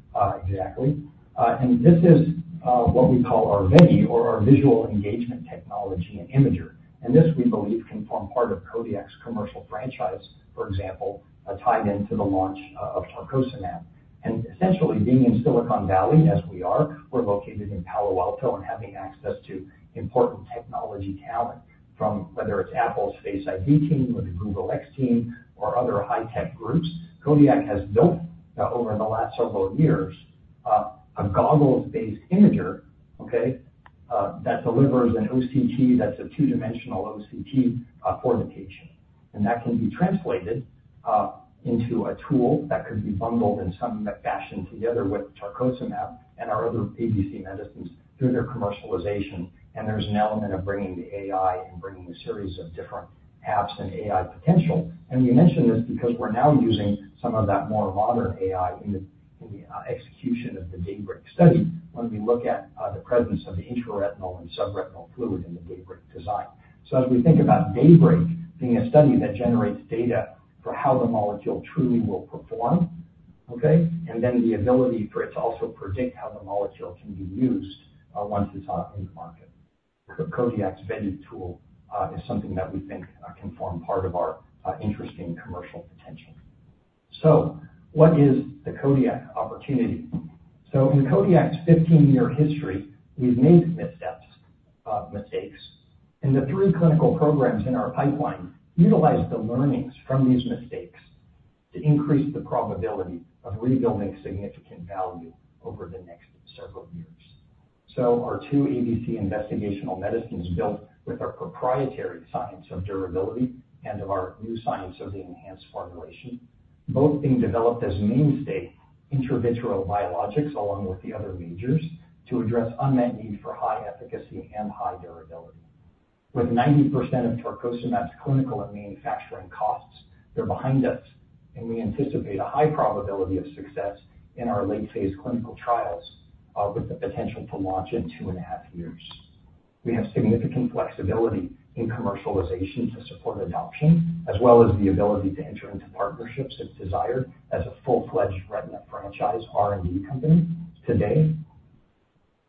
exactly. And this is what we call our VETI or our visual engagement technology and imager. And this, we believe, can form part of Kodiak's commercial franchise, for example, tied into the launch of Tarcocimab. Essentially being in Silicon Valley as we are, we're located in Palo Alto and having access to important technology talent from whether it's Apple's Face ID team, or the Google X team, or other high-tech groups, Kodiak has built over the last several years a goggles-based imager that delivers an OCT, that's a two-dimensional OCT for the patient. That can be translated into a tool that could be bundled in some fashion together with Tarcocimab and our other ABC medicines through their commercialization. There's an element of bringing the AI and bringing a series of different apps and AI potential. We mention this because we're now using some of that more modern AI in the execution of the DAYBREAK study when we look at the presence of the intraretinal and subretinal fluid in the DAYBREAK design. So as we think about DAYBREAK being a study that generates data for how the molecule truly will perform, okay? And then the ability for it to also predict how the molecule can be used once it's in the market. Kodiak's VETI tool is something that we think can form part of our interesting commercial potential. So what is the Kodiak opportunity? So in Kodiak's fifteen-year history, we've made missteps, mistakes, and the three clinical programs in our pipeline utilize the learnings from these mistakes to increase the probability of rebuilding significant value over the next several years. So our two ABC investigational medicines built with our proprietary science of durability and of our new science of the enhanced formulation, both being developed as mainstay intravitreal biologics, along with the other majors, to address unmet need for high efficacy and high durability. With 90% of Tarcocimab's clinical and manufacturing costs, they're behind us, and we anticipate a high probability of success in our late-phase clinical trials, with the potential to launch in two and a half years. We have significant flexibility in commercialization to support adoption, as well as the ability to enter into partnerships if desired, as a full-fledged retina franchise R&D company today.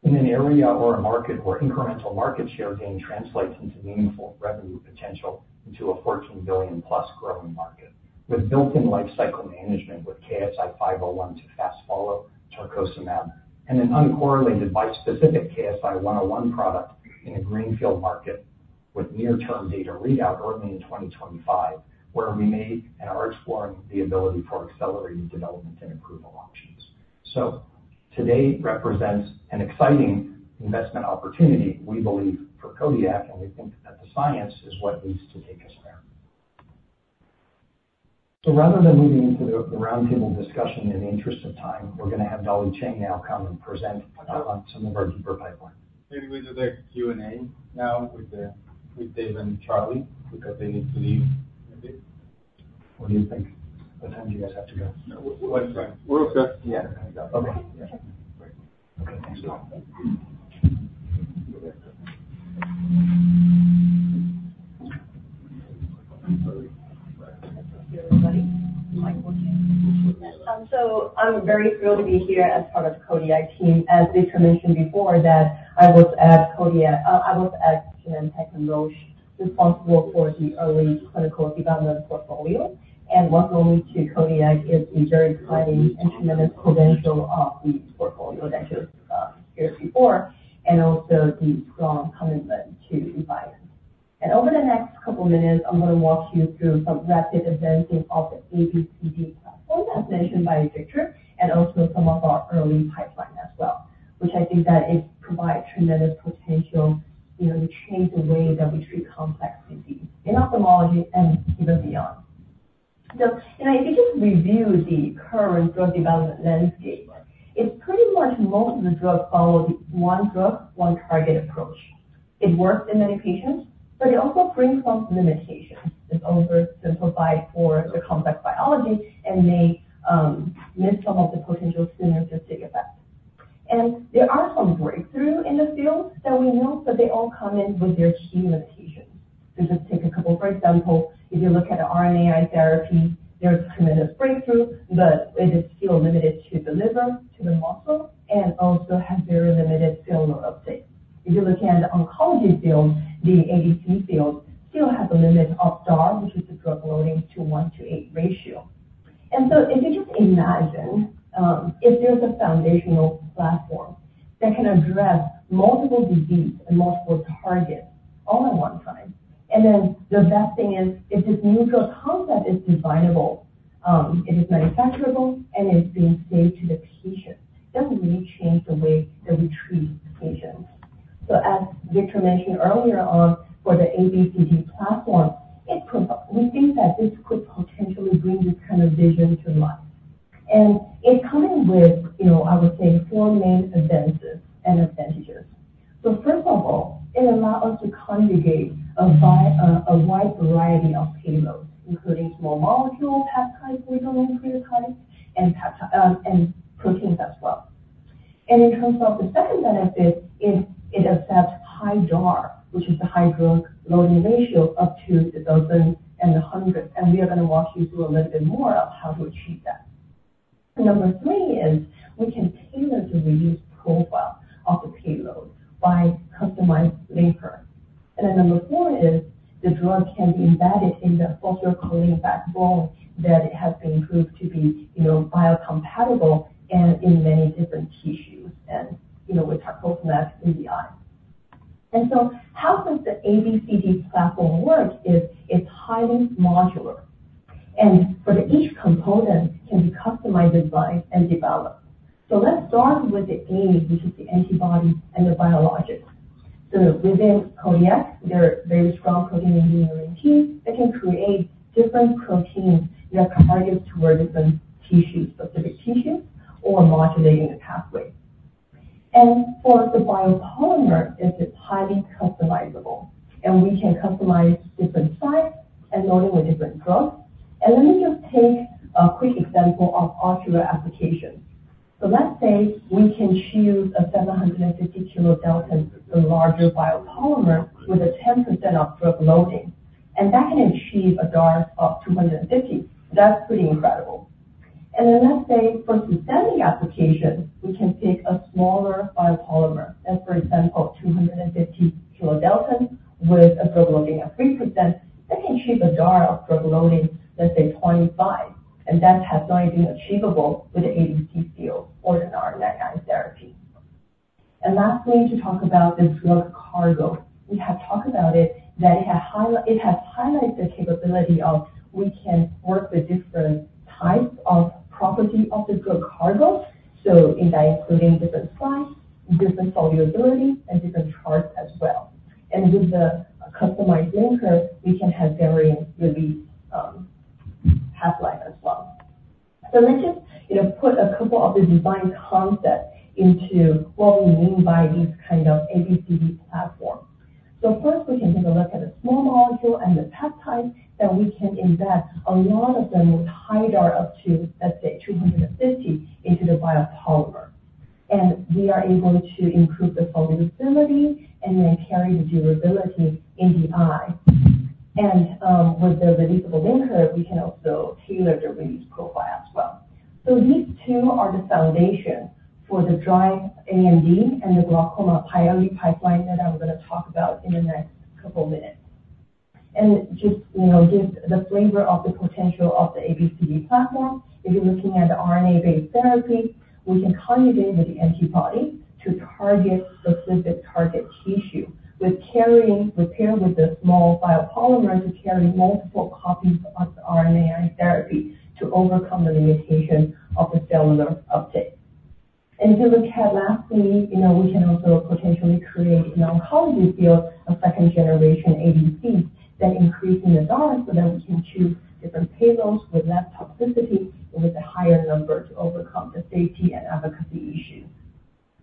In an area or a market where incremental market share gain translates into meaningful revenue potential into a $14 billion-plus growing market, with built-in life cycle management with KSI-501 to fast follow Tarcocimab and an uncorrelated bispecific KSI-101 product in a greenfield market with near-term data readout early in 2025, where we may and are exploring the ability for accelerated development and approval options. So today represents an exciting investment opportunity, we believe, for Kodiak, and we think that the science is what needs to take us there. So rather than moving into the roundtable discussion, in the interest of time, we're going to have Dolly Chang now come and present on some of our deeper pipeline. Can we do the Q&A now with Dave and Charlie, because they need to leave, maybe? What do you think? What time do you guys have to go? We're okay. Yeah. Okay. Great. Okay, thanks. So I'm very thrilled to be here as part of the Kodiak team. As Victor mentioned before, that I was at Kodiak, I was at Genentech and Roche, responsible for the early clinical development portfolio. And what drove me to Kodiak is a very exciting and tremendous potential of the portfolio that you heard before, and also the strong commitment to environment. And over the next couple minutes, I'm going to walk you through some rapid advances of the ABCD platform, as mentioned by Victor, and also some of our early pipeline as well, which I think that it provides tremendous potential, you know, to change the way that we treat complex disease in ophthalmology and even beyond. So, you know, if you just review the current drug development landscape, it's pretty much most of the drugs follow the one drug, one target approach. It works in many patients, but it also brings some limitations. It's oversimplified for the complex biology and may miss some of the potential synergistic effects. And there are some breakthrough in the field that we know, but they all come in with their key limitations. So just take a couple, for example, if you look at RNAi therapy, there's tremendous breakthrough, but it is still limited to the liver, to the muscle, and also has very limited cellular uptake. If you look at the oncology field, the ADC field still has a limit of DAR, which is the drug loading to one to eight ratio. If you just imagine if there's a foundational platform that can address multiple disease and multiple targets all at one time, and then the best thing is, if this new drug concept is designable, it is manufacturable and it's being safe to the patient, that will really change the way that we treat patients. As Victor mentioned earlier on, for the ABCD Platform, it, we think that this could potentially bring this kind of vision to life. It comes in with, you know, I would say, four main advances and advantages. First of all, it allows us to conjugate a wide variety of payloads, including small molecules, peptides, proteins. In terms of the second benefit, it accepts high DAR, which is the high drug loading ratio, up to a 1100, and we are going to walk you through a little bit more of how to achieve that. Number three is we can tailor the release profile of the payload by customized linker. Number four is the drug can be embedded in the glycolic backbone, that it has been proved to be, you know, biocompatible and in many different tissues and, you know, with our focus in the eye. How does the ABCD platform work? It's highly modular, and each component can be customized, designed, and developed. Let's start with the A, which is the antibody and the biologics. Within Kodiak, there are very strong protein engineering team that can create different proteins that are targeted toward different tissues, specific tissues or modulating the pathway. For the biopolymer, it is highly customizable, and we can customize different sites and loading with different drugs. Let me just take a quick example of ocular application. Let's say we can choose a 750 kilodalton, the larger biopolymer, with a 10% of drug loading, and that can achieve a DAR of 250. That's pretty incredible. Let's say for sustained application, we can take a smaller biopolymer and for example, 250 kilodalton with a drug loading of 3%, that can achieve a DAR of drug loading, let's say 25, and that has not been achievable with the ABCD field or an RNAi therapy. And lastly, to talk about this drug cargo. We have talked about it, that it has highlighted the capability that we can work with different types of property of the drug cargo, so by including different size, different solubility, and different charge as well. And with the customized linker, we can have varying release half-life as well. So let's just, you know, put a couple of the design concepts into what we mean by these kind of ABCD Platform. So first, we can take a look at the small molecule and the peptides, that we can conjugate a lot of them with high DAR up to, let's say, 250 into the biopolymer. And we are able to improve the solubility and then carry the durability in the eye. And with the releasable linker, we can also tailor the release profile as well. These two are the foundation for the dry AMD an d the glaucoma NLRP3 pipeline that I'm going to talk about in the next couple minutes. Just, you know, just the flavor of the potential of the ABCD platform. If you're looking at RNA-based therapy, we can conjugate with the antibody to target specific target tissue, paired with a small biopolymer to carry multiple copies of the RNAi therapy to overcome the limitation of the cellular uptake. If you look at lastly, you know, we can also potentially create an oncology field, a second generation ABCD, that increase in the dose, so then we can choose different payloads with less toxicity and with a higher number to overcome the safety and efficacy issue.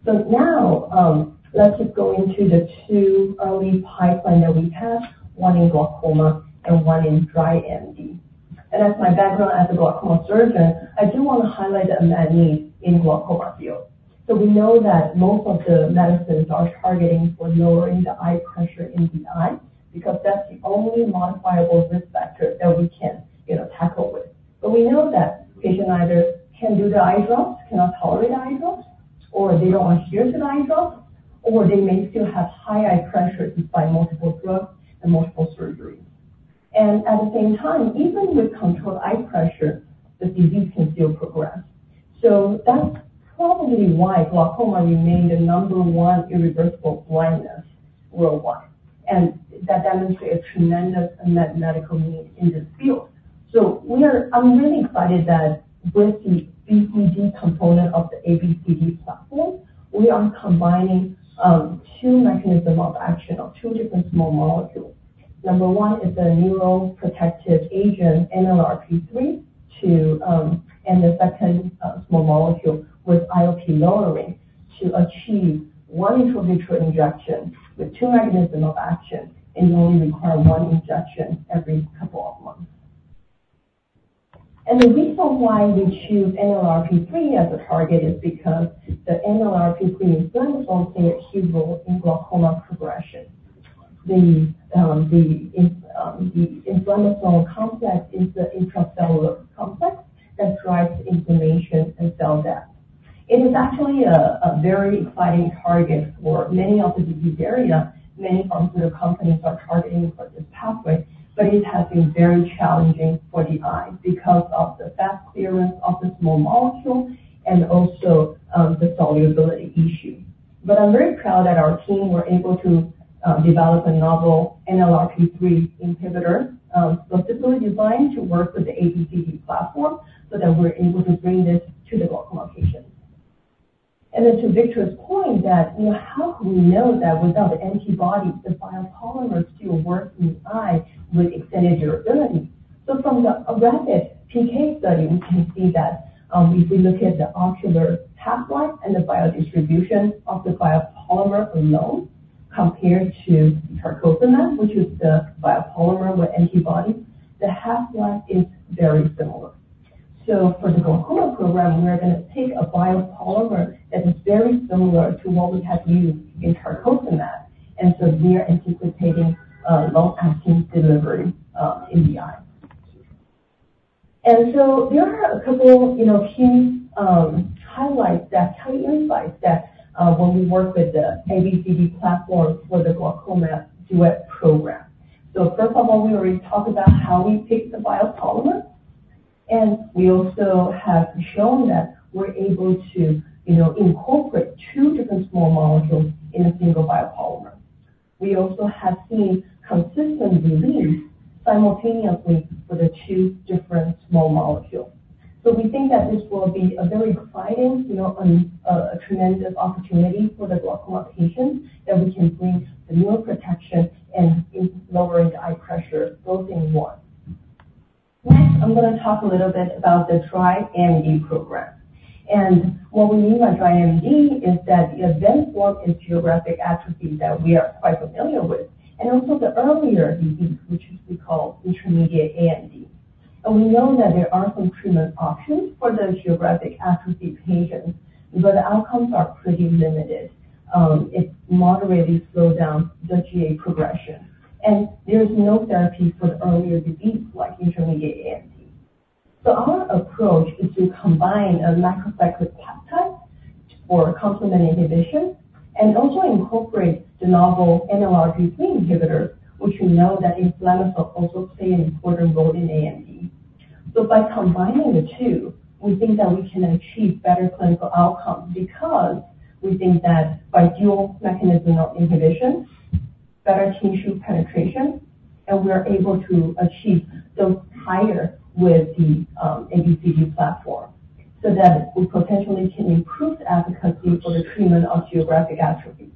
Now, let's just go into the two early pipeline that we have, one in glaucoma and one in dry AMD. As my background as a glaucoma surgeon, I do want to highlight the unmet need in the glaucoma field. We know that most of the medicines are targeting for lowering the eye pressure in the eye, because that's the only modifiable risk factor that we can, you know, tackle with. We know that patients either cannot do the eye drops, cannot tolerate the eye drops, or they don't adhere to the eye drops, or they may still have high eye pressure despite multiple drugs and multiple surgeries. At the same time, even with controlled eye pressure, the disease can still progress. That's probably why glaucoma remains the number one cause of irreversible blindness worldwide, and that demonstrates a tremendous unmet medical need in this field. So we are. I'm really excited that with the BCD component of the ABCD platform, we are combining two mechanism of action of two different small molecules. Number one is the neuroprotective agent, NLRP3, to, and the second small molecule with IOP lowering, to achieve one intravitreal injection with two mechanism of action, and only require one injection every couple of months. And the reason why we choose NLRP3 as a target is because the NLRP3 inflammasome play a key role in glaucoma progression. The inflammasome complex is the intracellular complex that drives inflammation and cell death. It is actually a very exciting target for many of the disease area. Many pharmaceutical companies are targeting for this pathway, but it has been very challenging for the eye because of the fast clearance of the small molecule and also the solubility issue. But I'm very proud that our team were able to develop a novel NLRP3 inhibitor, specifically designed to work with the ABCD platform, so that we're able to bring this to the glaucoma patient. And then to Victor's point that, you know, how can we know that without the antibody, the biopolymer still works in the eye with extended durability? So from the rabbit PK study, we can see that, if we look at the ocular half-life and the biodistribution of the biopolymer alone compared to KSI-301, which is the biopolymer with antibody, the half-life is very similar. So for the glaucoma program, we are going to take a biopolymer that is very similar to what we have used in KSI-301, and so we are anticipating a long-acting delivery in the eye. And so there are a couple, you know, key insights that when we work with the ABCD platform for the glaucoma duet program. First of all, we already talked about how we pick the biopolymer, and we also have shown that we're able to, you know, incorporate two different small molecules in a single biopolymer. We also have seen consistent relief simultaneously for the two different small molecules. We think that this will be a very exciting, you know, a tremendous opportunity for the glaucoma patients, that we can bring neuroprotection and in lowering the eye pressure, both in one. Next, I'm going to talk a little bit about the dry AMD program. What we mean by dry AMD is that the advanced form is geographic atrophy that we are quite familiar with, and also the earlier disease, which we call intermediate AMD. We know that there are some treatment options for those geographic atrophy patients, but the outcomes are pretty limited. It moderately slow down the GA progression, and there is no therapy for the earlier disease, like intermediate AMD. Our approach is to combine a macrocyclic peptide or complement inhibition, and also incorporate the novel NLRP3 inhibitor, which we know that inflammasome also play an important role in AMD. So by combining the two, we think that we can achieve better clinical outcome because we think that by dual mechanism of inhibition, better tissue penetration, and we are able to achieve dose higher with the ABCD platform, so that we potentially can improve the efficacy for the treatment of geographic atrophy.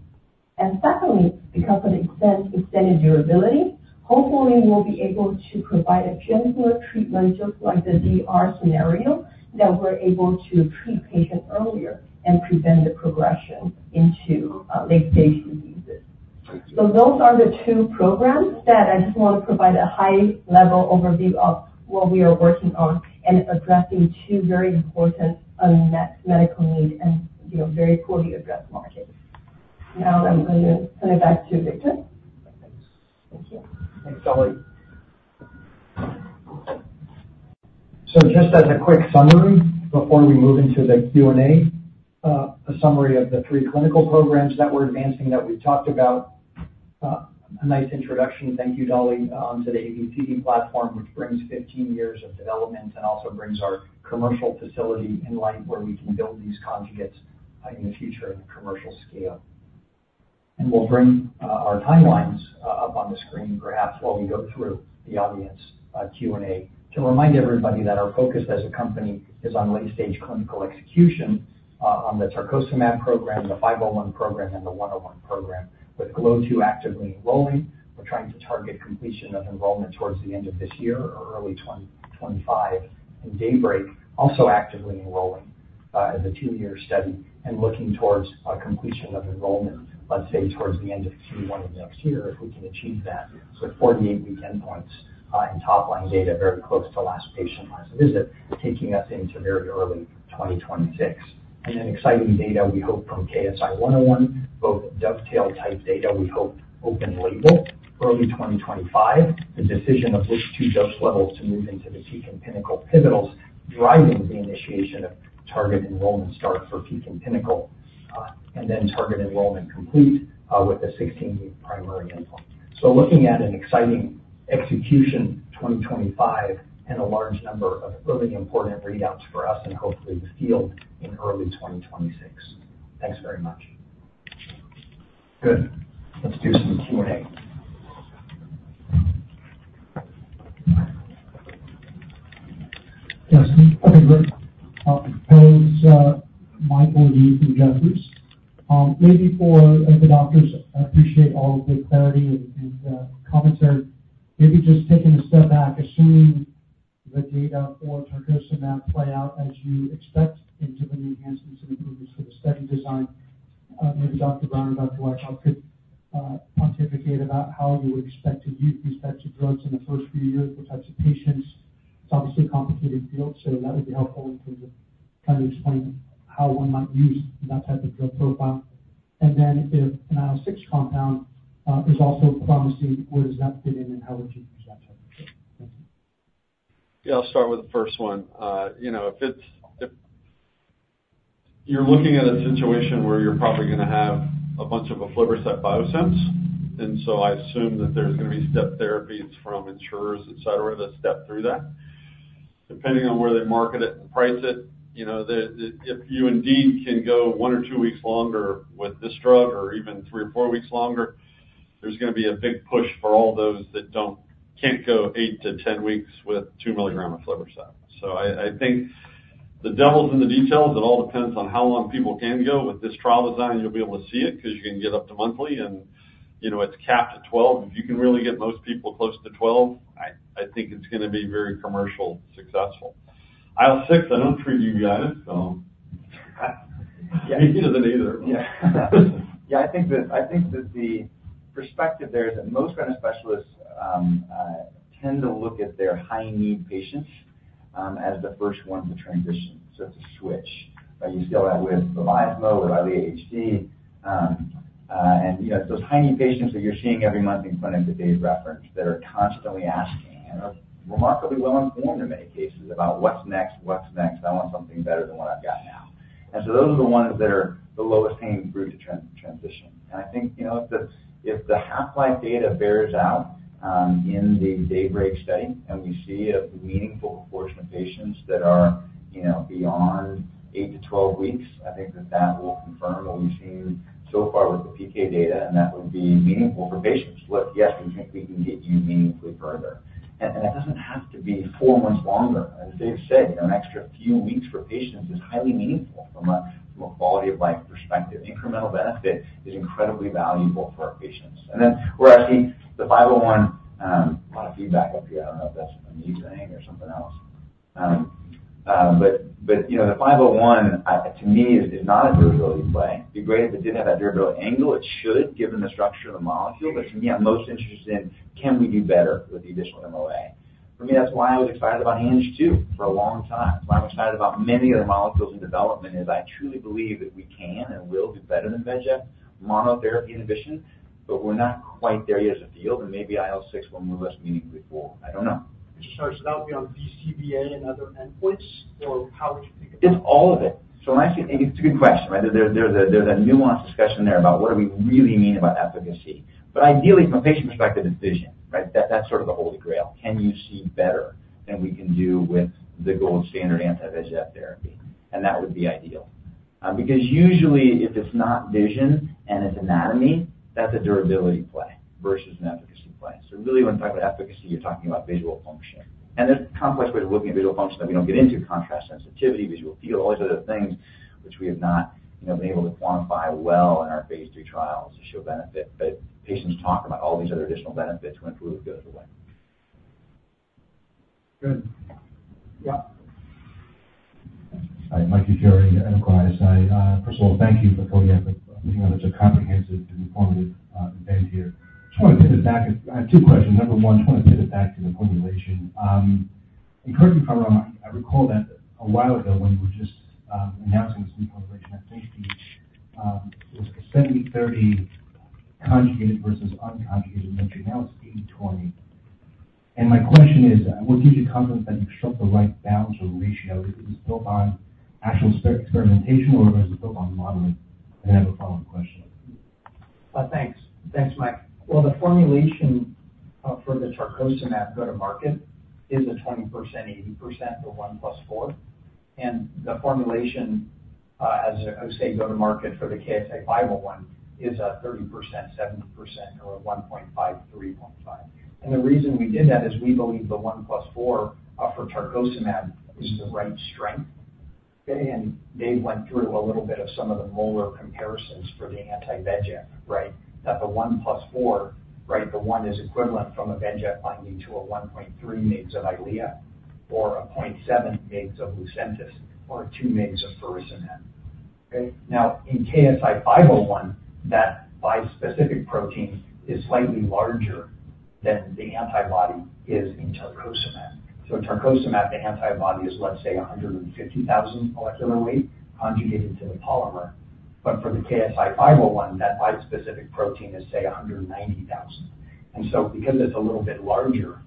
And secondly, because of the extended durability, hopefully, we'll be able to provide a gentler treatment, just like the DR scenario, that we're able to treat patients earlier and prevent the progression into late-stage diseases. So those are the two programs that I just want to provide a high-level overview of what we are working on and addressing two very important unmet medical needs and, you know, very poorly addressed markets. Now, I'm going to turn it back to Victor. Thank you. Thanks, Dolly, so just as a quick summary before we move into the Q&A, a summary of the three clinical programs that we're advancing, that we've talked about. A nice introduction, thank you, Dolly, to the ABCD Platform, which brings fifteen years of development and also brings our commercial facility in line, where we can build these conjugates, in the future in commercial scale. We'll bring our timelines up on the screen perhaps while we go through the audience Q&A, to remind everybody that our focus as a company is on late-stage clinical execution on the tarcocimab program, the KSI-501 program, and the KSI-101 program, with GLOW2 actively enrolling. We're trying to target completion of enrollment towards the end of this year or early 2025, and DAYBREAK also actively enrolling as a two-year study and looking towards a completion of enrollment, let's say, towards the end of Q1 of next year, if we can achieve that. So 48-week endpoints and top-line data very close to last patient, last visit, taking us into very early 2026. And then exciting data we hope from KSI-101, both DOVETAIL-type data we hope open label, early 2025. The decision of which two dose levels to move into the PEAK and PINNACLE pivotals, driving the initiation of target enrollment start for PEAK and PINNACLE, and then target enrollment complete, with the 16-week primary endpoint. So looking at an exciting execution 2025 and a large number of really important readouts for us and hopefully the field in early 2026. Thanks very much. Good. Let's do some Q&A. Justin. Okay, great. This is Michael Yee from Jefferies. Maybe for the doctors, I appreciate all the clarity and commentary. Maybe just taking a step back, assuming the data for Tarcocimab play out as you expect into the enhancements and improvements for the study design, maybe Dr. Brown and Dr. Wykoff, how could pontificate about how you would expect to use these types of drugs in the first few years, what types of patients? It's obviously a complicated field, so that would be helpful if you could kind of explain how one might use that type of drug profile. And then if an IL-6 compound is also promising, where does that fit in and how would you use that type of drug? Thanks. Yeah, I'll start with the first one. You know, if you're looking at a situation where you're probably gonna have a bunch of aflibercept biosims, and so I assume that there's gonna be step therapies from insurers, et cetera, that step through that. Depending on where they market it and price it, you know, the--If you indeed can go one or two weeks longer with this drug, or even three or four weeks longer, there's gonna be a big push for all those that can't go eight to ten weeks with two milligram of aflibercept. So I think the devil's in the details. It all depends on how long people can go. With this trial design, you'll be able to see it because you can get up to monthly, and, you know, it's capped at twelve. If you can really get most people close to 12, I think it's going to be very commercially successful. IL-6, I don't treat you guys, so Yeah. Me neither, either. Yeah. Yeah, I think that the perspective there is that most retina specialists tend to look at their high-need patients as the first one to transition, so to switch. Like you saw that with the Vabysmo or Eylea HD. And, you know, those high-need patients that you're seeing every month in front of the DAZZLE reference, that are constantly asking, and are remarkably well informed in many cases about what's next, what's next? I want something better than what I've got now. And so those are the ones that are the lowest hanging fruit to transition. I think, you know, if the half-life data bears out in the DAYBREAK study, and we see a meaningful proportion of patients that are, beyond eight to 12 weeks, I think that will confirm what we've seen so far with the PK data, and that would be meaningful for patients. Look, yes, we think we can get you meaningfully further. It doesn't have to be four months longer. As Dave said, you know, an extra few weeks for patients is highly meaningful from a quality of life perspective. Incremental benefit is incredibly valuable for our patients. Then where I see the KSI-501. A lot of feedback up here. I don't know if that's a me thing or something else. But you know, the 501, to me, is not a durability play. It'd be great if it did have that durability angle. It should, given the structure of the molecule, but for me, I'm most interested in can we do better with the additional MOA. For me, that's why I was excited about Ang-2 for a long time. That's why I'm excited about many other molecules in development, is I truly believe that we can and will do better than VEGF monotherapy in addition, but we're not quite there yet as a field, and maybe IL-6 will move us meaningfully forward. I don't know. Sorry, so that would be on BCVA and other endpoints, or how would you think about it? It's all of it. When I see-and it's a good question, right? There's a nuanced discussion there about what do we really mean about efficacy. But ideally, from a patient perspective, it's vision, right? That's sort of the holy grail. Can you see better than we can do with the gold standard anti-VEGF therapy? And that would be ideal. Because usually, if it's not vision and it's anatomy, that's a durability play versus an efficacy play. So really, when you talk about efficacy, you're talking about visual function. And there's complex ways of looking at visual function that we don't get into, contrast, sensitivity, visual field, all these other things which we have not, you know, been able to quantify well in our phase three trials to show benefit. But patients talk about all these other additional benefits when a fluid goes away. Good. Yeah. Hi, Mike, [Jefferies]. I first of all thank you for putting up with, you know, it's a comprehensive and informative event here. Just want to pivot back. I have two questions. Number one, I just want to pivot back to the formulation. In current coverage, I recall that a while ago, when you were just announcing this new formulation at phase III, it was 70/30 conjugated versus unconjugated mixture, now it's 80/20. And my question is, what gives you confidence that you've struck the right balance or ratio? Is this built on actual experimentation, or is it built on modeling? And I have a follow-up question. Thanks, Mike. Well, the formulation-for the Tarcocimab go-to-market is a 20%, 80%, or one plus four. And the formulation, as I say, go-to-market for the KSI-501, is a 30%, 70%, or a 1.5, 3.5. And the reason we did that is we believe the one plus four for Tarcocimab is the right strength. Okay? And Dave went through a little bit of some of the molar comparisons for the anti-VEGF, right? That the one plus four, right, the one is equivalent from a VEGF binding to a 1.3 mg of Eylea, or a 0.7 mg of Lucentis, or a 2 mg of bevacizumab. Okay? Now, in KSI-501, that bispecific protein is slightly larger than the antibody is in Tarcocimab. In Tarcocimab, the antibody is, let's say, 150,000 molecular weight conjugated to the polymer. But for the KSI-501, that bispecific protein is, say, 190,000. And so because it's a little bit larger,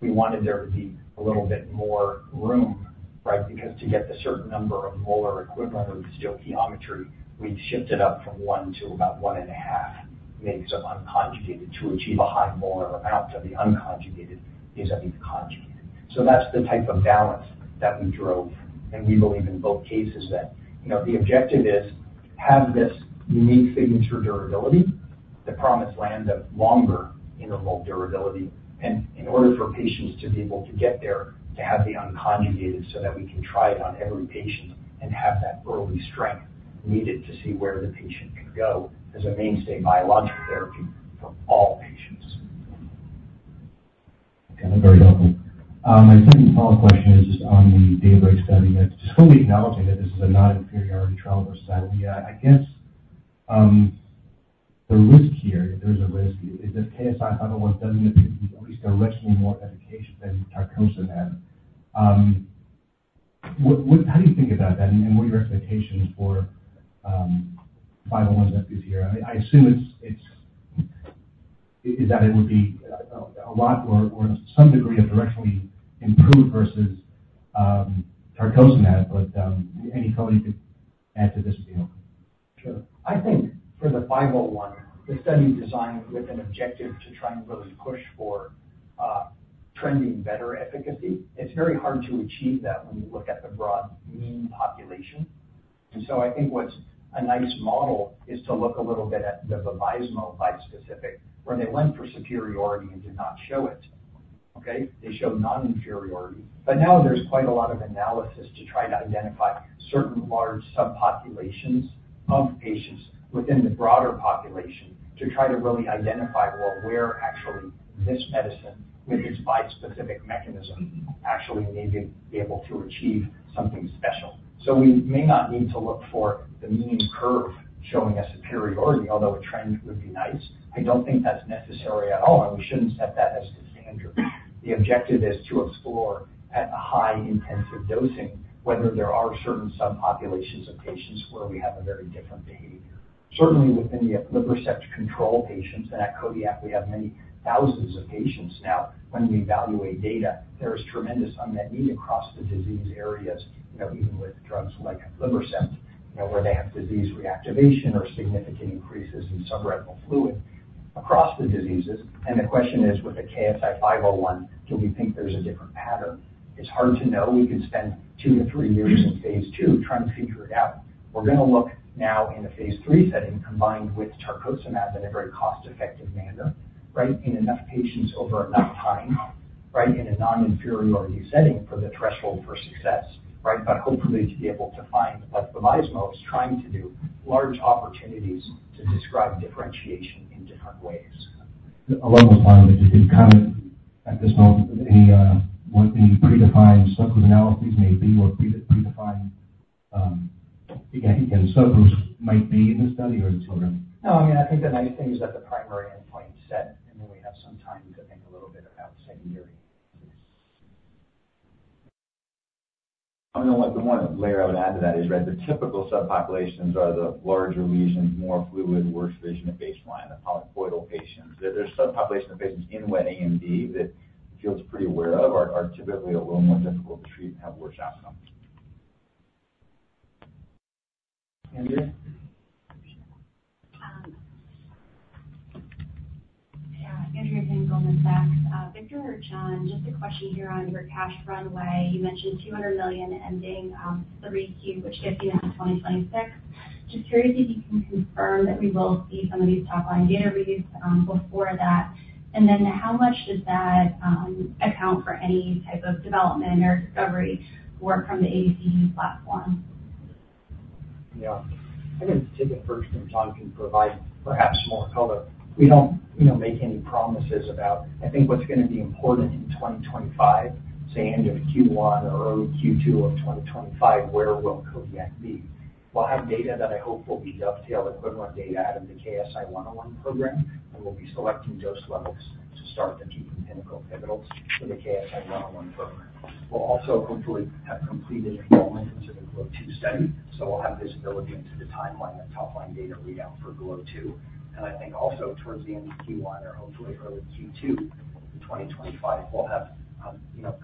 we wanted there to be a little bit more room, right? Because to get the certain number of molar equivalent of stoichiometry, we've shifted up from one to about one and a half mgs of unconjugated to achieve a high molar amount of the unconjugated is of the conjugated. So that's the type of balance that we drove, and we believe in both cases that, you know, the objective is have this unique signature durability, the promised land of longer interval durability. In order for patients to be able to get there, to have the unconjugated so that we can try it on every patient and have that early strength needed to see where the patient can go as a mainstay biologic therapy for all patients. Okay, very helpful. My second follow-up question is on the DAYBREAK study. It's fully acknowledging that this is a non-inferiority trial versus Eylea. I guess, the risk here, if there is a risk, is that KSI-501 doesn't appear to be at least directly more efficacious than Tarcocimab. How do you think about that, and what are your expectations for 501 efficacy here? I assume it's, is that it would be a lot more or some degree of directly improved versus Tarcocimab, but any color you could add to this would be helpful. Sure. I think for the 501, the study design with an objective to try and really push for, trending better efficacy, it's very hard to achieve that when you look at the broad mean population. And so I think what's a nice model is to look a little bit at the vabysmo bispecific, where they went for superiority and did not show it. Okay? They showed non-inferiority. But now there's quite a lot of analysis to try to identify certain large subpopulations of patients within the broader population, to try to really identify, well, where actually this medicine, with its bispecific mechanism, actually may be able to achieve something special. So we may not need to look for the mean curve showing a superiority, although a trend would be nice. I don't think that's necessary at all, and we shouldn't set that as the standard. The objective is to explore, at a high intensive dosing, whether there are certain subpopulations of patients where we have a very different behavior. Certainly within the aflibercept control patients, and at Kodiak, we have many thousands of patients now. When we evaluate data, there is tremendous unmet need across the disease areas, you know, even with drugs like aflibercept, you know, where they have disease reactivation or significant increases in subretinal fluid across the diseases. And the question is, with the KSI-501, can we think there's a different pattern? It's hard to know. We could spend two to three years in phase II trying to figure it out. We're going to look now in a phase III setting, combined with tarcocimab in a very cost-effective manner, right? In enough patients over enough time, right, in a non-inferiority setting for the threshold for success, right? But hopefully to be able to find what Vabysmo is trying to do, large opportunities to describe differentiation in different ways. Along those lines, if you could comment at this moment, what the predefined subgroup analyses may be or predefined, again, subgroups might be in the study or the program? No, I mean, I think the nice thing is that the primary endpoint is set, and then we have some time to think a little bit about secondary. I mean, the one layer I would add to that is, right, the typical subpopulations are the larger lesions, more fluid, worse vision at baseline, the polypoidal patients. There's a subpopulation of patients in wet AMD that the field's pretty aware of, are typically a little more difficult to treat and have worse outcomes. Andrea? Yeah, Andrea Tan Goldman Sachs. Victor or John, just a question here on your cash runway. You mentioned $200 million ending 3Q, which gets you into 2026. Just curious if you can confirm that we will see some of these top-line data reads before that. And then how much does that account for any type of development or discovery work from the ABC platform? Yeah. I can take it first, and John can provide perhaps some more color. We don't, you know, make any promises about. I think what's going to be important in twenty twenty-five, say end of Q1 or early Q2 of twenty twenty-five, where will Kodiak be? We'll have data that I hope will be DOVETAIL equivalent data out of the KSI-101 program, and we'll be selecting dose levels to start the PEAK and PINNACLE pivotals for the KSI-101 program. We'll also hopefully have completed enrollment into the GLOW2 study, so we'll have visibility into the timeline and top-line data readout for GLOW2. I think also towards the end of Q1 or hopefully early Q2 in 2025, we'll have,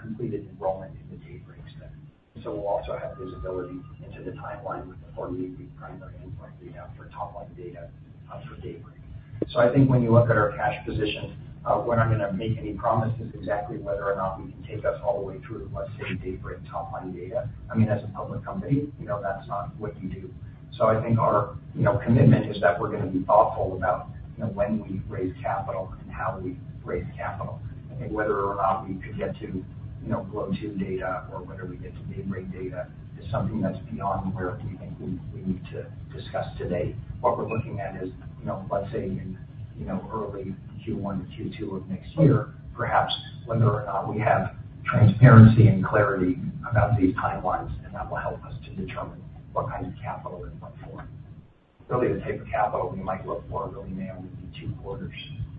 completed enrollment in the DAYBREAK study. So we'll also have visibility into the timeline with the 48-week primary endpoint readout for top-line data for DAYBREAK. I think when you look at our cash position, we're not going to make any promises exactly whether or not we can take us all the way through, let's say, DAYBREAK top-line data. I mean, as a public company, you know, that's not what you do. I think our, you know, commitment is that we're going to be thoughtful about, you know, when we raise capital and how we raise capital. I think whether or not we could get to, you know, GLOW2 data or whether we get to DAYBREAK data is something that's beyond where we think we need to discuss today. What we're looking at is, you know, let's say in, you know, early Q1 or Q2 of next year, perhaps whether or not we have transparency and clarity about these timelines, and that will help us to determine what kind of capital we look for. Really, the type of capital we might look for really may only be two quarters,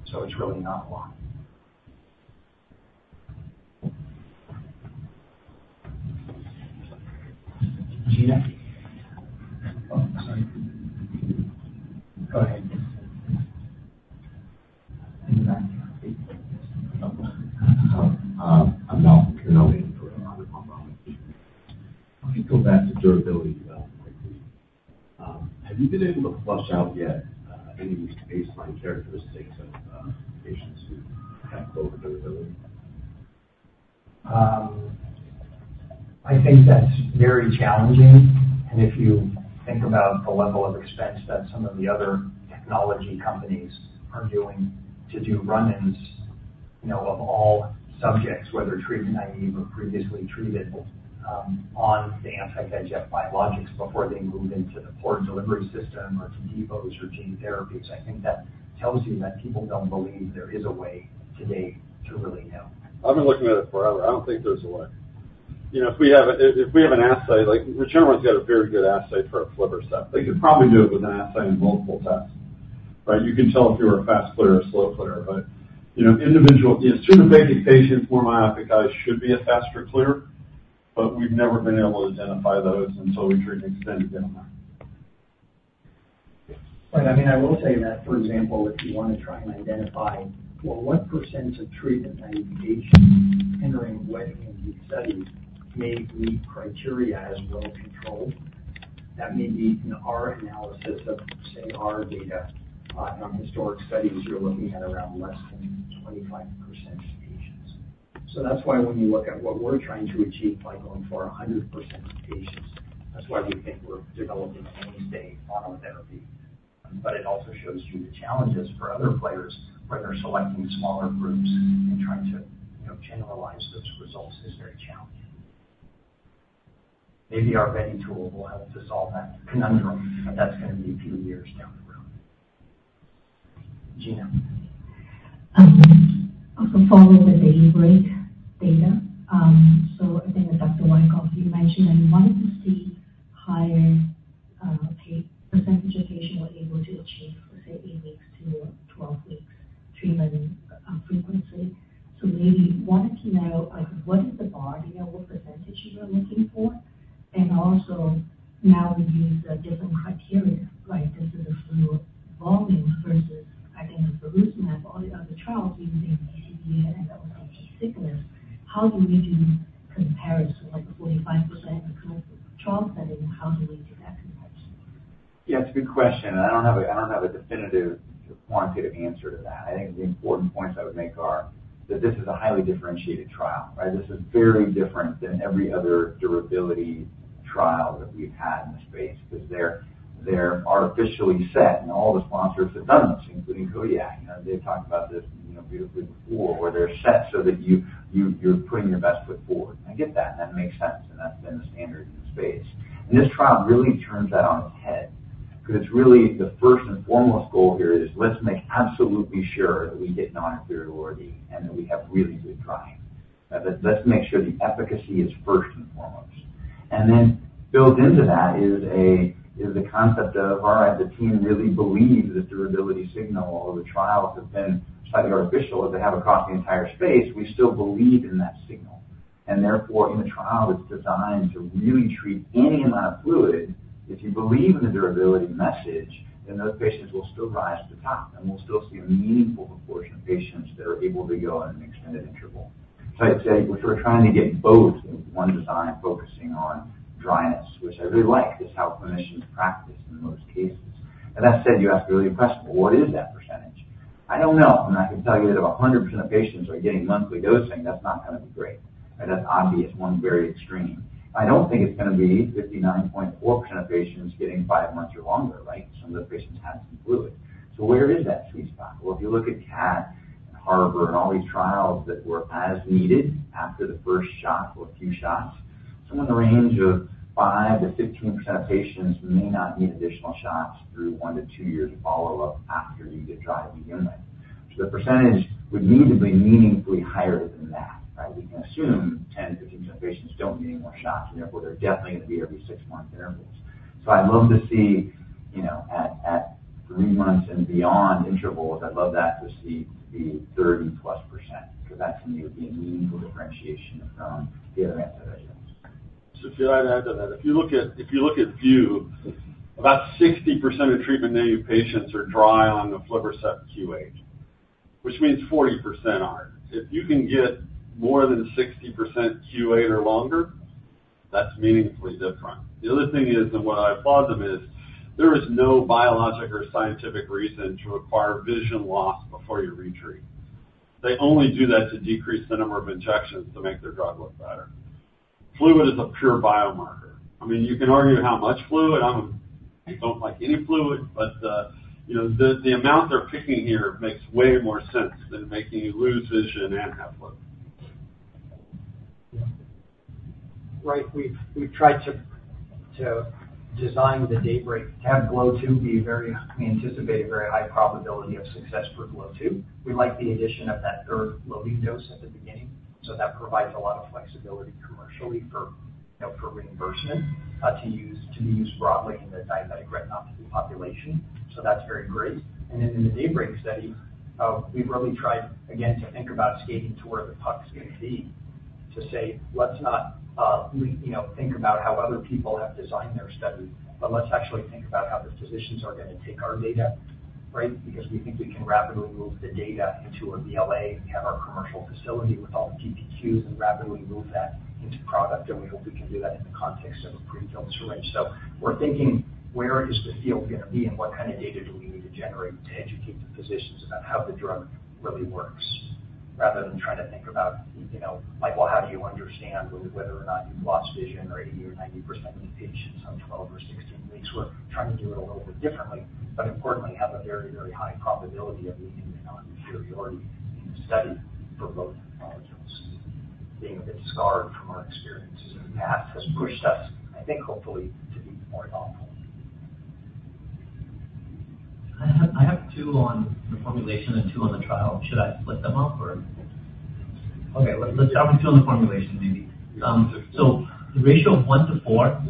so it's really not a lot. Gena? Oh, sorry. Go ahead. I'm not Let me go back to durability quickly. Have you been able to flesh out yet any baseline characteristics of patients who have low durability? I think that's very challenging. And if you think about the level of expense that some of the other technology companies are doing to do run-ins, you know, of all subjects, whether treatment naive or previously treated, on the anti-VEGF biologics before they move into the port delivery system or to depots or gene therapies, I think that tells you that people don't believe there is a way today to really know. I've been looking at it forever. I don't think there's a way. You know, if we have an assay, like, Regeneron's got a very good assay for aflibercept. They could probably do it with an assay and multiple tests, right? You can tell if you're a fast clearer or slow clearer, but, you know, individual. Yeah, pseudophakic patients or myopic guys should be a faster clearer, but we've never been able to identify those, and so we treat an extended downtime. But, I mean, I will tell you that, for example, if you want to try and identify, well, what percentage of treatment-naive patients entering, weighing in these studies may meet criteria as well controlled? That may be in our analysis of, say, our data on historic studies. You're looking at around less than 25% of patients. So that's why when you look at what we're trying to achieve by going for 100% of patients, that's why we think we're developing a mainstay monotherapy. But it also shows you the challenges for other players, where they're selecting smaller groups and trying to, you know, generalize those results is very challenging. Maybe our ready tool will help to solve that conundrum, but that's going to be a few years down the road. Gena? Also follow the DAYBREAK data. So I think that Dr. Wykoff, you mentioned that you wanted to see higher percentage of patients were able to achieve, let's say, 8-12 weeks treatment frequency. So maybe wanted to know, like, what is the bar, you know, what percentage you are looking for? And also, now we use a different criteria, like this is a fluid volume versus, I think, in the Lucentis, all the other trials using ACV and LOP sickness. How do we do comparison, like the 45% in the current trial setting, how do we do that in this? Yeah, it's a good question, and I don't have a definitive quantitative answer to that. I think the important points I would make are that this is a highly differentiated trial, right? This is very different than every other durability trial that we've had in the space, because they're artificially set, and all the sponsors have done this, including Kodiak. You know, they've talked about this, you know, beautifully before, where they're set so that you're putting your best foot forward. I get that, and that makes sense, and that's been the standard in the space. And this trial really turns that on its head because really the first and foremost goal here is, let's make absolutely sure that we get non-inferiority and that we have really good drying. But let's make sure the efficacy is first and foremost. Built into that is the concept of our team really believes the durability signal or the trials have been slightly artificial, as they have across the entire space. We still believe in that signal, and therefore, in a trial that's designed to really treat any amount of fluid, if you believe in the durability message, then those patients will still rise to the top, and we'll still see a meaningful proportion of patients that are able to go on an extended interval. I'd say, if we're trying to get both in one design, focusing on dryness, which I really like, is how clinicians practice in most cases. That said, you asked a really good question, but what is that percentage? I don't know, and I can tell you that if 100% of patients are getting monthly dosing, that's not going to be great, and that's obvious. One, very extreme. I don't think it's going to be 59.4% of patients getting five months or longer, right? Some of the patients have some fluid. So where is that sweet spot? If you look at CAT and HARBOR and all these trials that were as needed after the first shot or a few shots, somewhere in the range of 5%-15% of patients may not need additional shots through one to two years of follow-up after you get dry to begin with. So the percentage would need to be meaningfully higher than that, right? We can assume 10%-15% of patients don't need any more shots, and therefore, they're definitely going to be every six-months intervals. So I'd love to see, you know, at three months and beyond intervals, that to be 30+%, because that to me would be a meaningful differentiation from the other anti-VEGF regimens. So if you'd like to add to that, if you look at VIEW, about 60% of treatment-naive patients are dry on the aflibercept Q8. Which means 40% aren't. If you can get more than 60% Q8 or longer, that's meaningfully different. The other thing is, and what I applaud them is, there is no biologic or scientific reason to require vision loss before you retreat. They only do that to decrease the number of injections to make their drug look better. Fluid is a pure biomarker. I mean, you can argue how much fluid. I don't like any fluid, but you know, the amount they're picking here makes way more sense than making you lose vision and have fluid. Right. We've tried to design the DAYBREAK, have GLOW two be very... We anticipate a very high probability of success for GLOW two. We like the addition of that third loading dose at the beginning, so that provides a lot of flexibility commercially for, you know, for reimbursement, to use, to be used broadly in the diabetic retinopathy population. So that's very great. And then in the DAYBREAK study, we've really tried, again, to think about skating to where the puck is going to be, to say, let's not, we, you know, think about how other people have designed their studies, but let's actually think about how the physicians are going to take our data, right? Because we think we can rapidly move the data into a BLA. We have our commercial facility with all the DPQs and rapidly move that into product, and we hope we can do that in the context of a pre-filled syringe. So we're thinking, where is the field going to be and what kind of data do we need to generate to educate the physicians about how the drug really works? Rather than trying to think about, you know, like, well, how do you understand really whether or not you've lost vision or 80% or 90% of the patients on 12 or 16 weeks? We're trying to do it a little bit differently, but importantly, have a very, very high probability of meeting the non-inferiority in the study for both molecules. Being a bit scarred from our experiences in the past has pushed us, I think, hopefully, to be more thoughtful. I have two on the formulation and two on the trial. Should I split them up or? Okay, let's talk two on the formulation, maybe. So the ratio of one to four,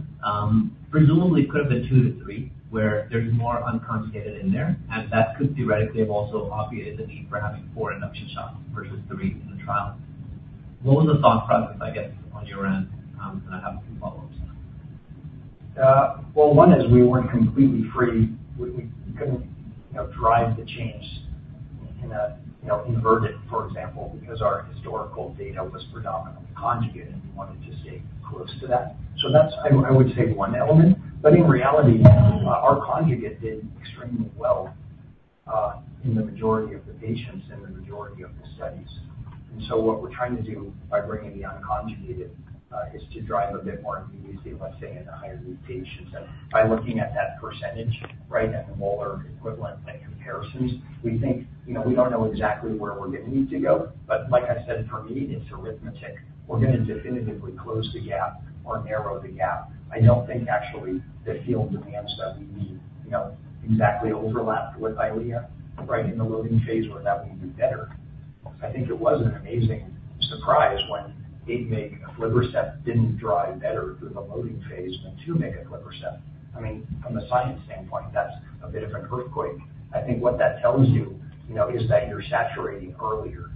presumably could have been two to three, where there's more unconjugated in there, and that could theoretically have also obviated the need for having four induction shots versus three in the trial. What was the thought process, I guess, on your end, and I have two follow-ups. Well, one is we weren't completely free. We couldn't, you know, drive the change in a, you know, invert it, for example, because our historical data was predominantly conjugated, and we wanted to stay close to that. So that's, I would say, one element, but in reality, our conjugate did extremely well in the majority of the patients and the majority of the studies. And so what we're trying to do by bringing the unconjugated is to drive a bit more immediacy, let's say, in the higher-risk patients. And by looking at that percentage, right, at the molar equivalent and comparisons, we think, you know, we don't know exactly where we're going to need to go, but like I said, for me, it's arithmetic. We're going to definitively close the gap or narrow the gap. I don't think actually the field demands that we need, you know, exactly overlapped with Eylea, right, in the loading phase where that would be better. I think it was an amazing surprise when eight mg of aflibercept didn't drive better through the loading phase than two mg of aflibercept. I mean, from a science standpoint, that's a bit of an earthquake. I think what that tells you, you know, is that you're saturating earlier.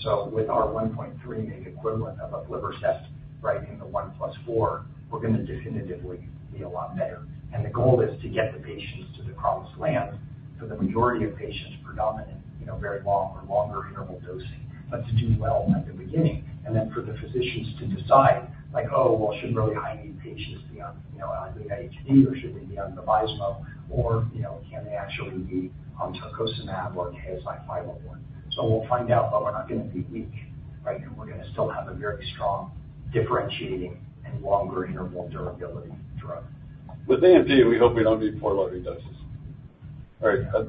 So with our 1.3 mg equivalent of aflibercept, right, in the one plus four, we're going to definitively be a lot better. The goal is to get the patients to the promised land, so the majority of patients predominant, you know, very long or longer interval dosing, but to do well at the beginning, and then for the physicians to decide, like, "Oh, well, should really high-need patients be on, you know, on KSI-101, or should they be on Vabysmo, or, you know, can they actually be on Tarcocimab or KSI-501?" So we'll find out, but we're not gonna be weak, right? We're going to still have a very strong, differentiating and longer interval durability drug. With AMD, we hope we don't need four loading doses. All right, that's...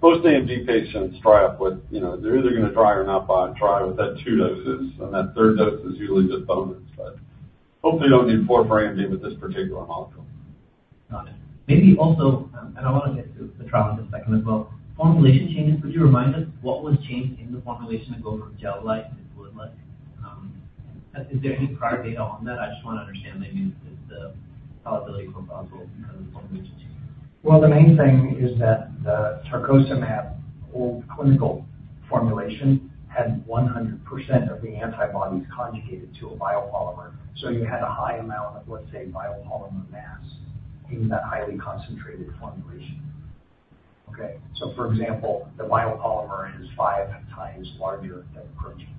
Most AMD patients dry up with, you know, they're either gonna dry or not dry with that two doses, and that third dose is usually just bonus, but hopefully, we don't need four for AMD with this particular molecule. Got it. Maybe also, and I want to get to the trial in a second as well. Formulation changes, could you remind us what was changed in the formulation that goes from gel-like to fluid-like? Is there any prior data on that? I just want to understand maybe the probability for possible kind of formulation change. The main thing is that the Tarcocimab old clinical formulation had 100% of the antibodies conjugated to a biopolymer. So you had a high amount of, let's say, biopolymer mass in that highly concentrated formulation. Okay, so for example, the biopolymer is five times larger than protein.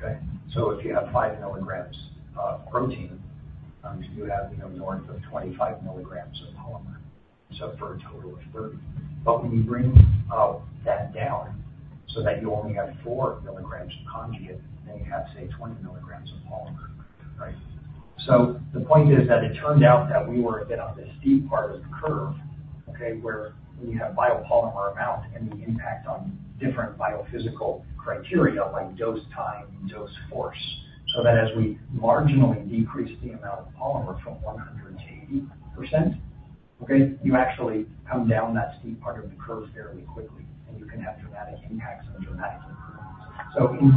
Okay? So if you have 5 mg of protein, you know, you have north of 25 mg of polymer, so for a total of 30. But when you bring that down so that you only have four milligrams of conjugate, then you have, say, 20s of polymer, right? The point is that it turned out that we were a bit on the steep part of the curve, okay, where we have biopolymer amount and the impact on different biophysical criteria like dose time, dose force, so that as we marginally decrease the amount of polymer from 100%-80%, okay, you actually come down that steep part of the curve fairly quickly, and you can have dramatic impacts on the dynamics.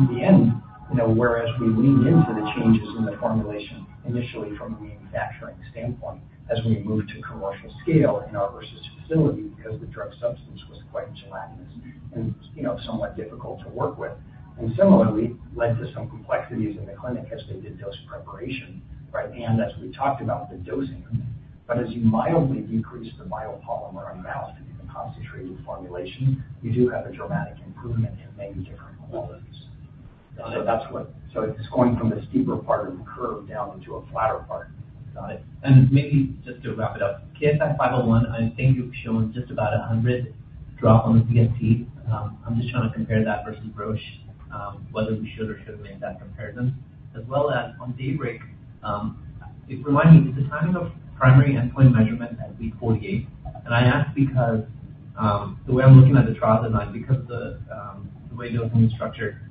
In the end, you know, whereas we leaned into the changes in the formulation initially from a manufacturing standpoint, as we moved to commercial scale in our Ursus facility, because the drug substance was quite gelatinous and, you know, somewhat difficult to work with, and similarly led to some complexities in the clinic as they did dose preparation, right? And as we talked about the dosing-- But as you mildly decrease the biopolymer amount in the concentrated formulation, you do have a dramatic improvement in many different qualities. So it's going from the steeper part of the curve down into a flatter part. Got it. And maybe just to wrap it up, KSI-501, I think you've shown just about a hundred drop on the CST. I'm just trying to compare that versus Roche, whether we should or shouldn't make that comparison. As well as on DAYBREAK, it remind me, is the timing of primary endpoint measurement at week 48? And I ask because, the way I'm looking at the trial design, because of the, the way the opening structure,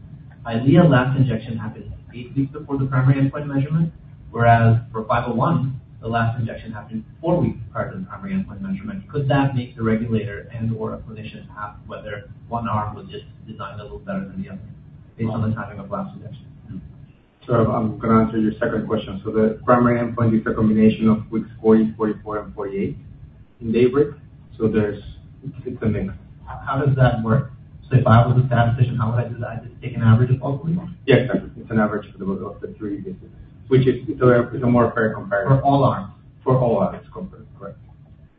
ideally, a last injection happens eight weeks before the primary endpoint measurement, whereas for 501, the last injection happened four weeks prior to the primary endpoint measurement. Could that make the regulator and/or a clinician ask whether one arm was just designed a little better than the other based on the timing of last injection? So I'm gonna answer your second question. So the primary endpoint is a combination of weeks forty, forty-four, and forty-eight in Daybreak, so there's. It's a mix. How does that work? So if I was a decision maker, how would I do that? Just take an average of all three? Yes, it's an average of the three visits, which is, so it's a more fair comparison. For all arms? For all arms. Correct.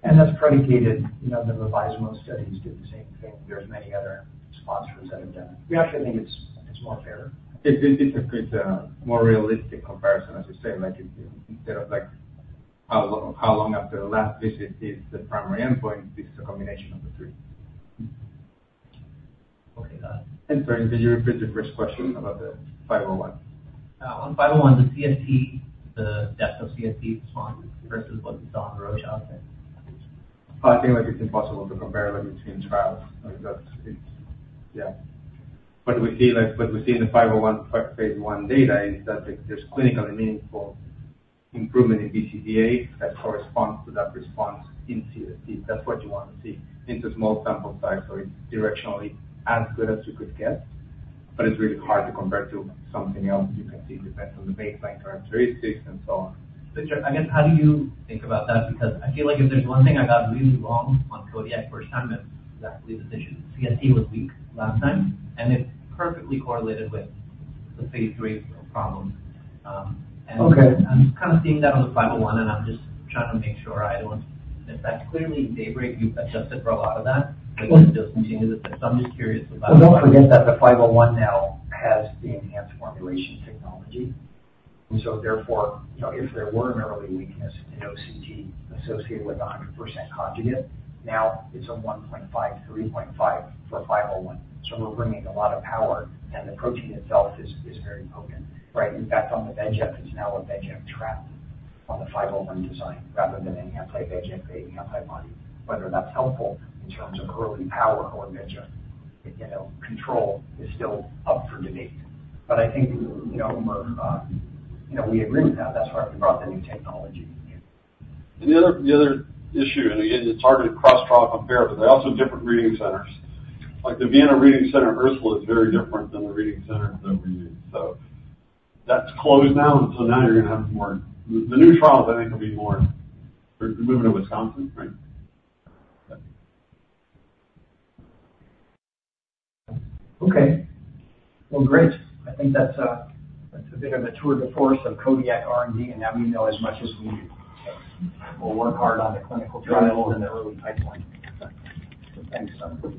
That's predicated, you know, the Vabysmo studies do the same thing. There's many other sponsors that have done it. We actually think it's more fair. It creates a more realistic comparison, as you say, like, if you, instead of, like, how long after the last visit is the primary endpoint, this is a combination of the three. Okay, got it. Sorry, could you repeat the first question about the 501? On 501, the CST, the depth of CST response versus what you saw on Roche option? I think it is impossible to compare between trials. Like, that's it. Yeah. What we see, like, what we see in the 501 phase I data is that there's clinically meaningful improvement in BCVA that corresponds to that response in CST. That's what you want to see. It's a small sample size, so it's directionally as good as you could get, but it's really hard to compare to something else. You can see it depends on the baseline characteristics and so on. Richard, I guess, how do you think about that? Because I feel like if there's one thing I got really wrong on Kodiak first time, it's exactly this issue. CST was weak last time, and it perfectly correlated with the phase three problems. I'm just kind of seeing that on the KSI-501, and I'm just trying to make sure I don't-- If that's clearly DAYBREAK, you've adjusted for a lot of that, but it does seem to the system. I'm just curious about- Don't forget that the 501 now has the enhanced formulation technology, and so therefore, you know, if there were an early weakness in OCT associated with 100% conjugate, now it's a 1.5, 3.5 for 501. So we're bringing a lot of power, and the protein itself is very potent, right? In fact, on the VEGF, it's now a VEGF trap on the 501 design rather than an anti-VEGF or antibody. Whether that's helpful in terms of early power or VEGF, you know, control is still up for debate. But I think, you know, we're, you know, we agree with that. That's why we brought the new technology. The other issue, and again, it's hard to cross-trial compare, but they're also different reading centers. Like, the Vienna Reading Center, Ursula, is very different than the reading center that we use. So that's closed now, and so now you're going to have some more. The new trials, I think, will be more, they're moving to Wisconsin, right? Okay. Well, great. I think that's, that's a bit of a tour de force of Kodiak R&D, and now we know as much as we need. We'll work hard on the clinical trial and the early pipeline. Thanks so much.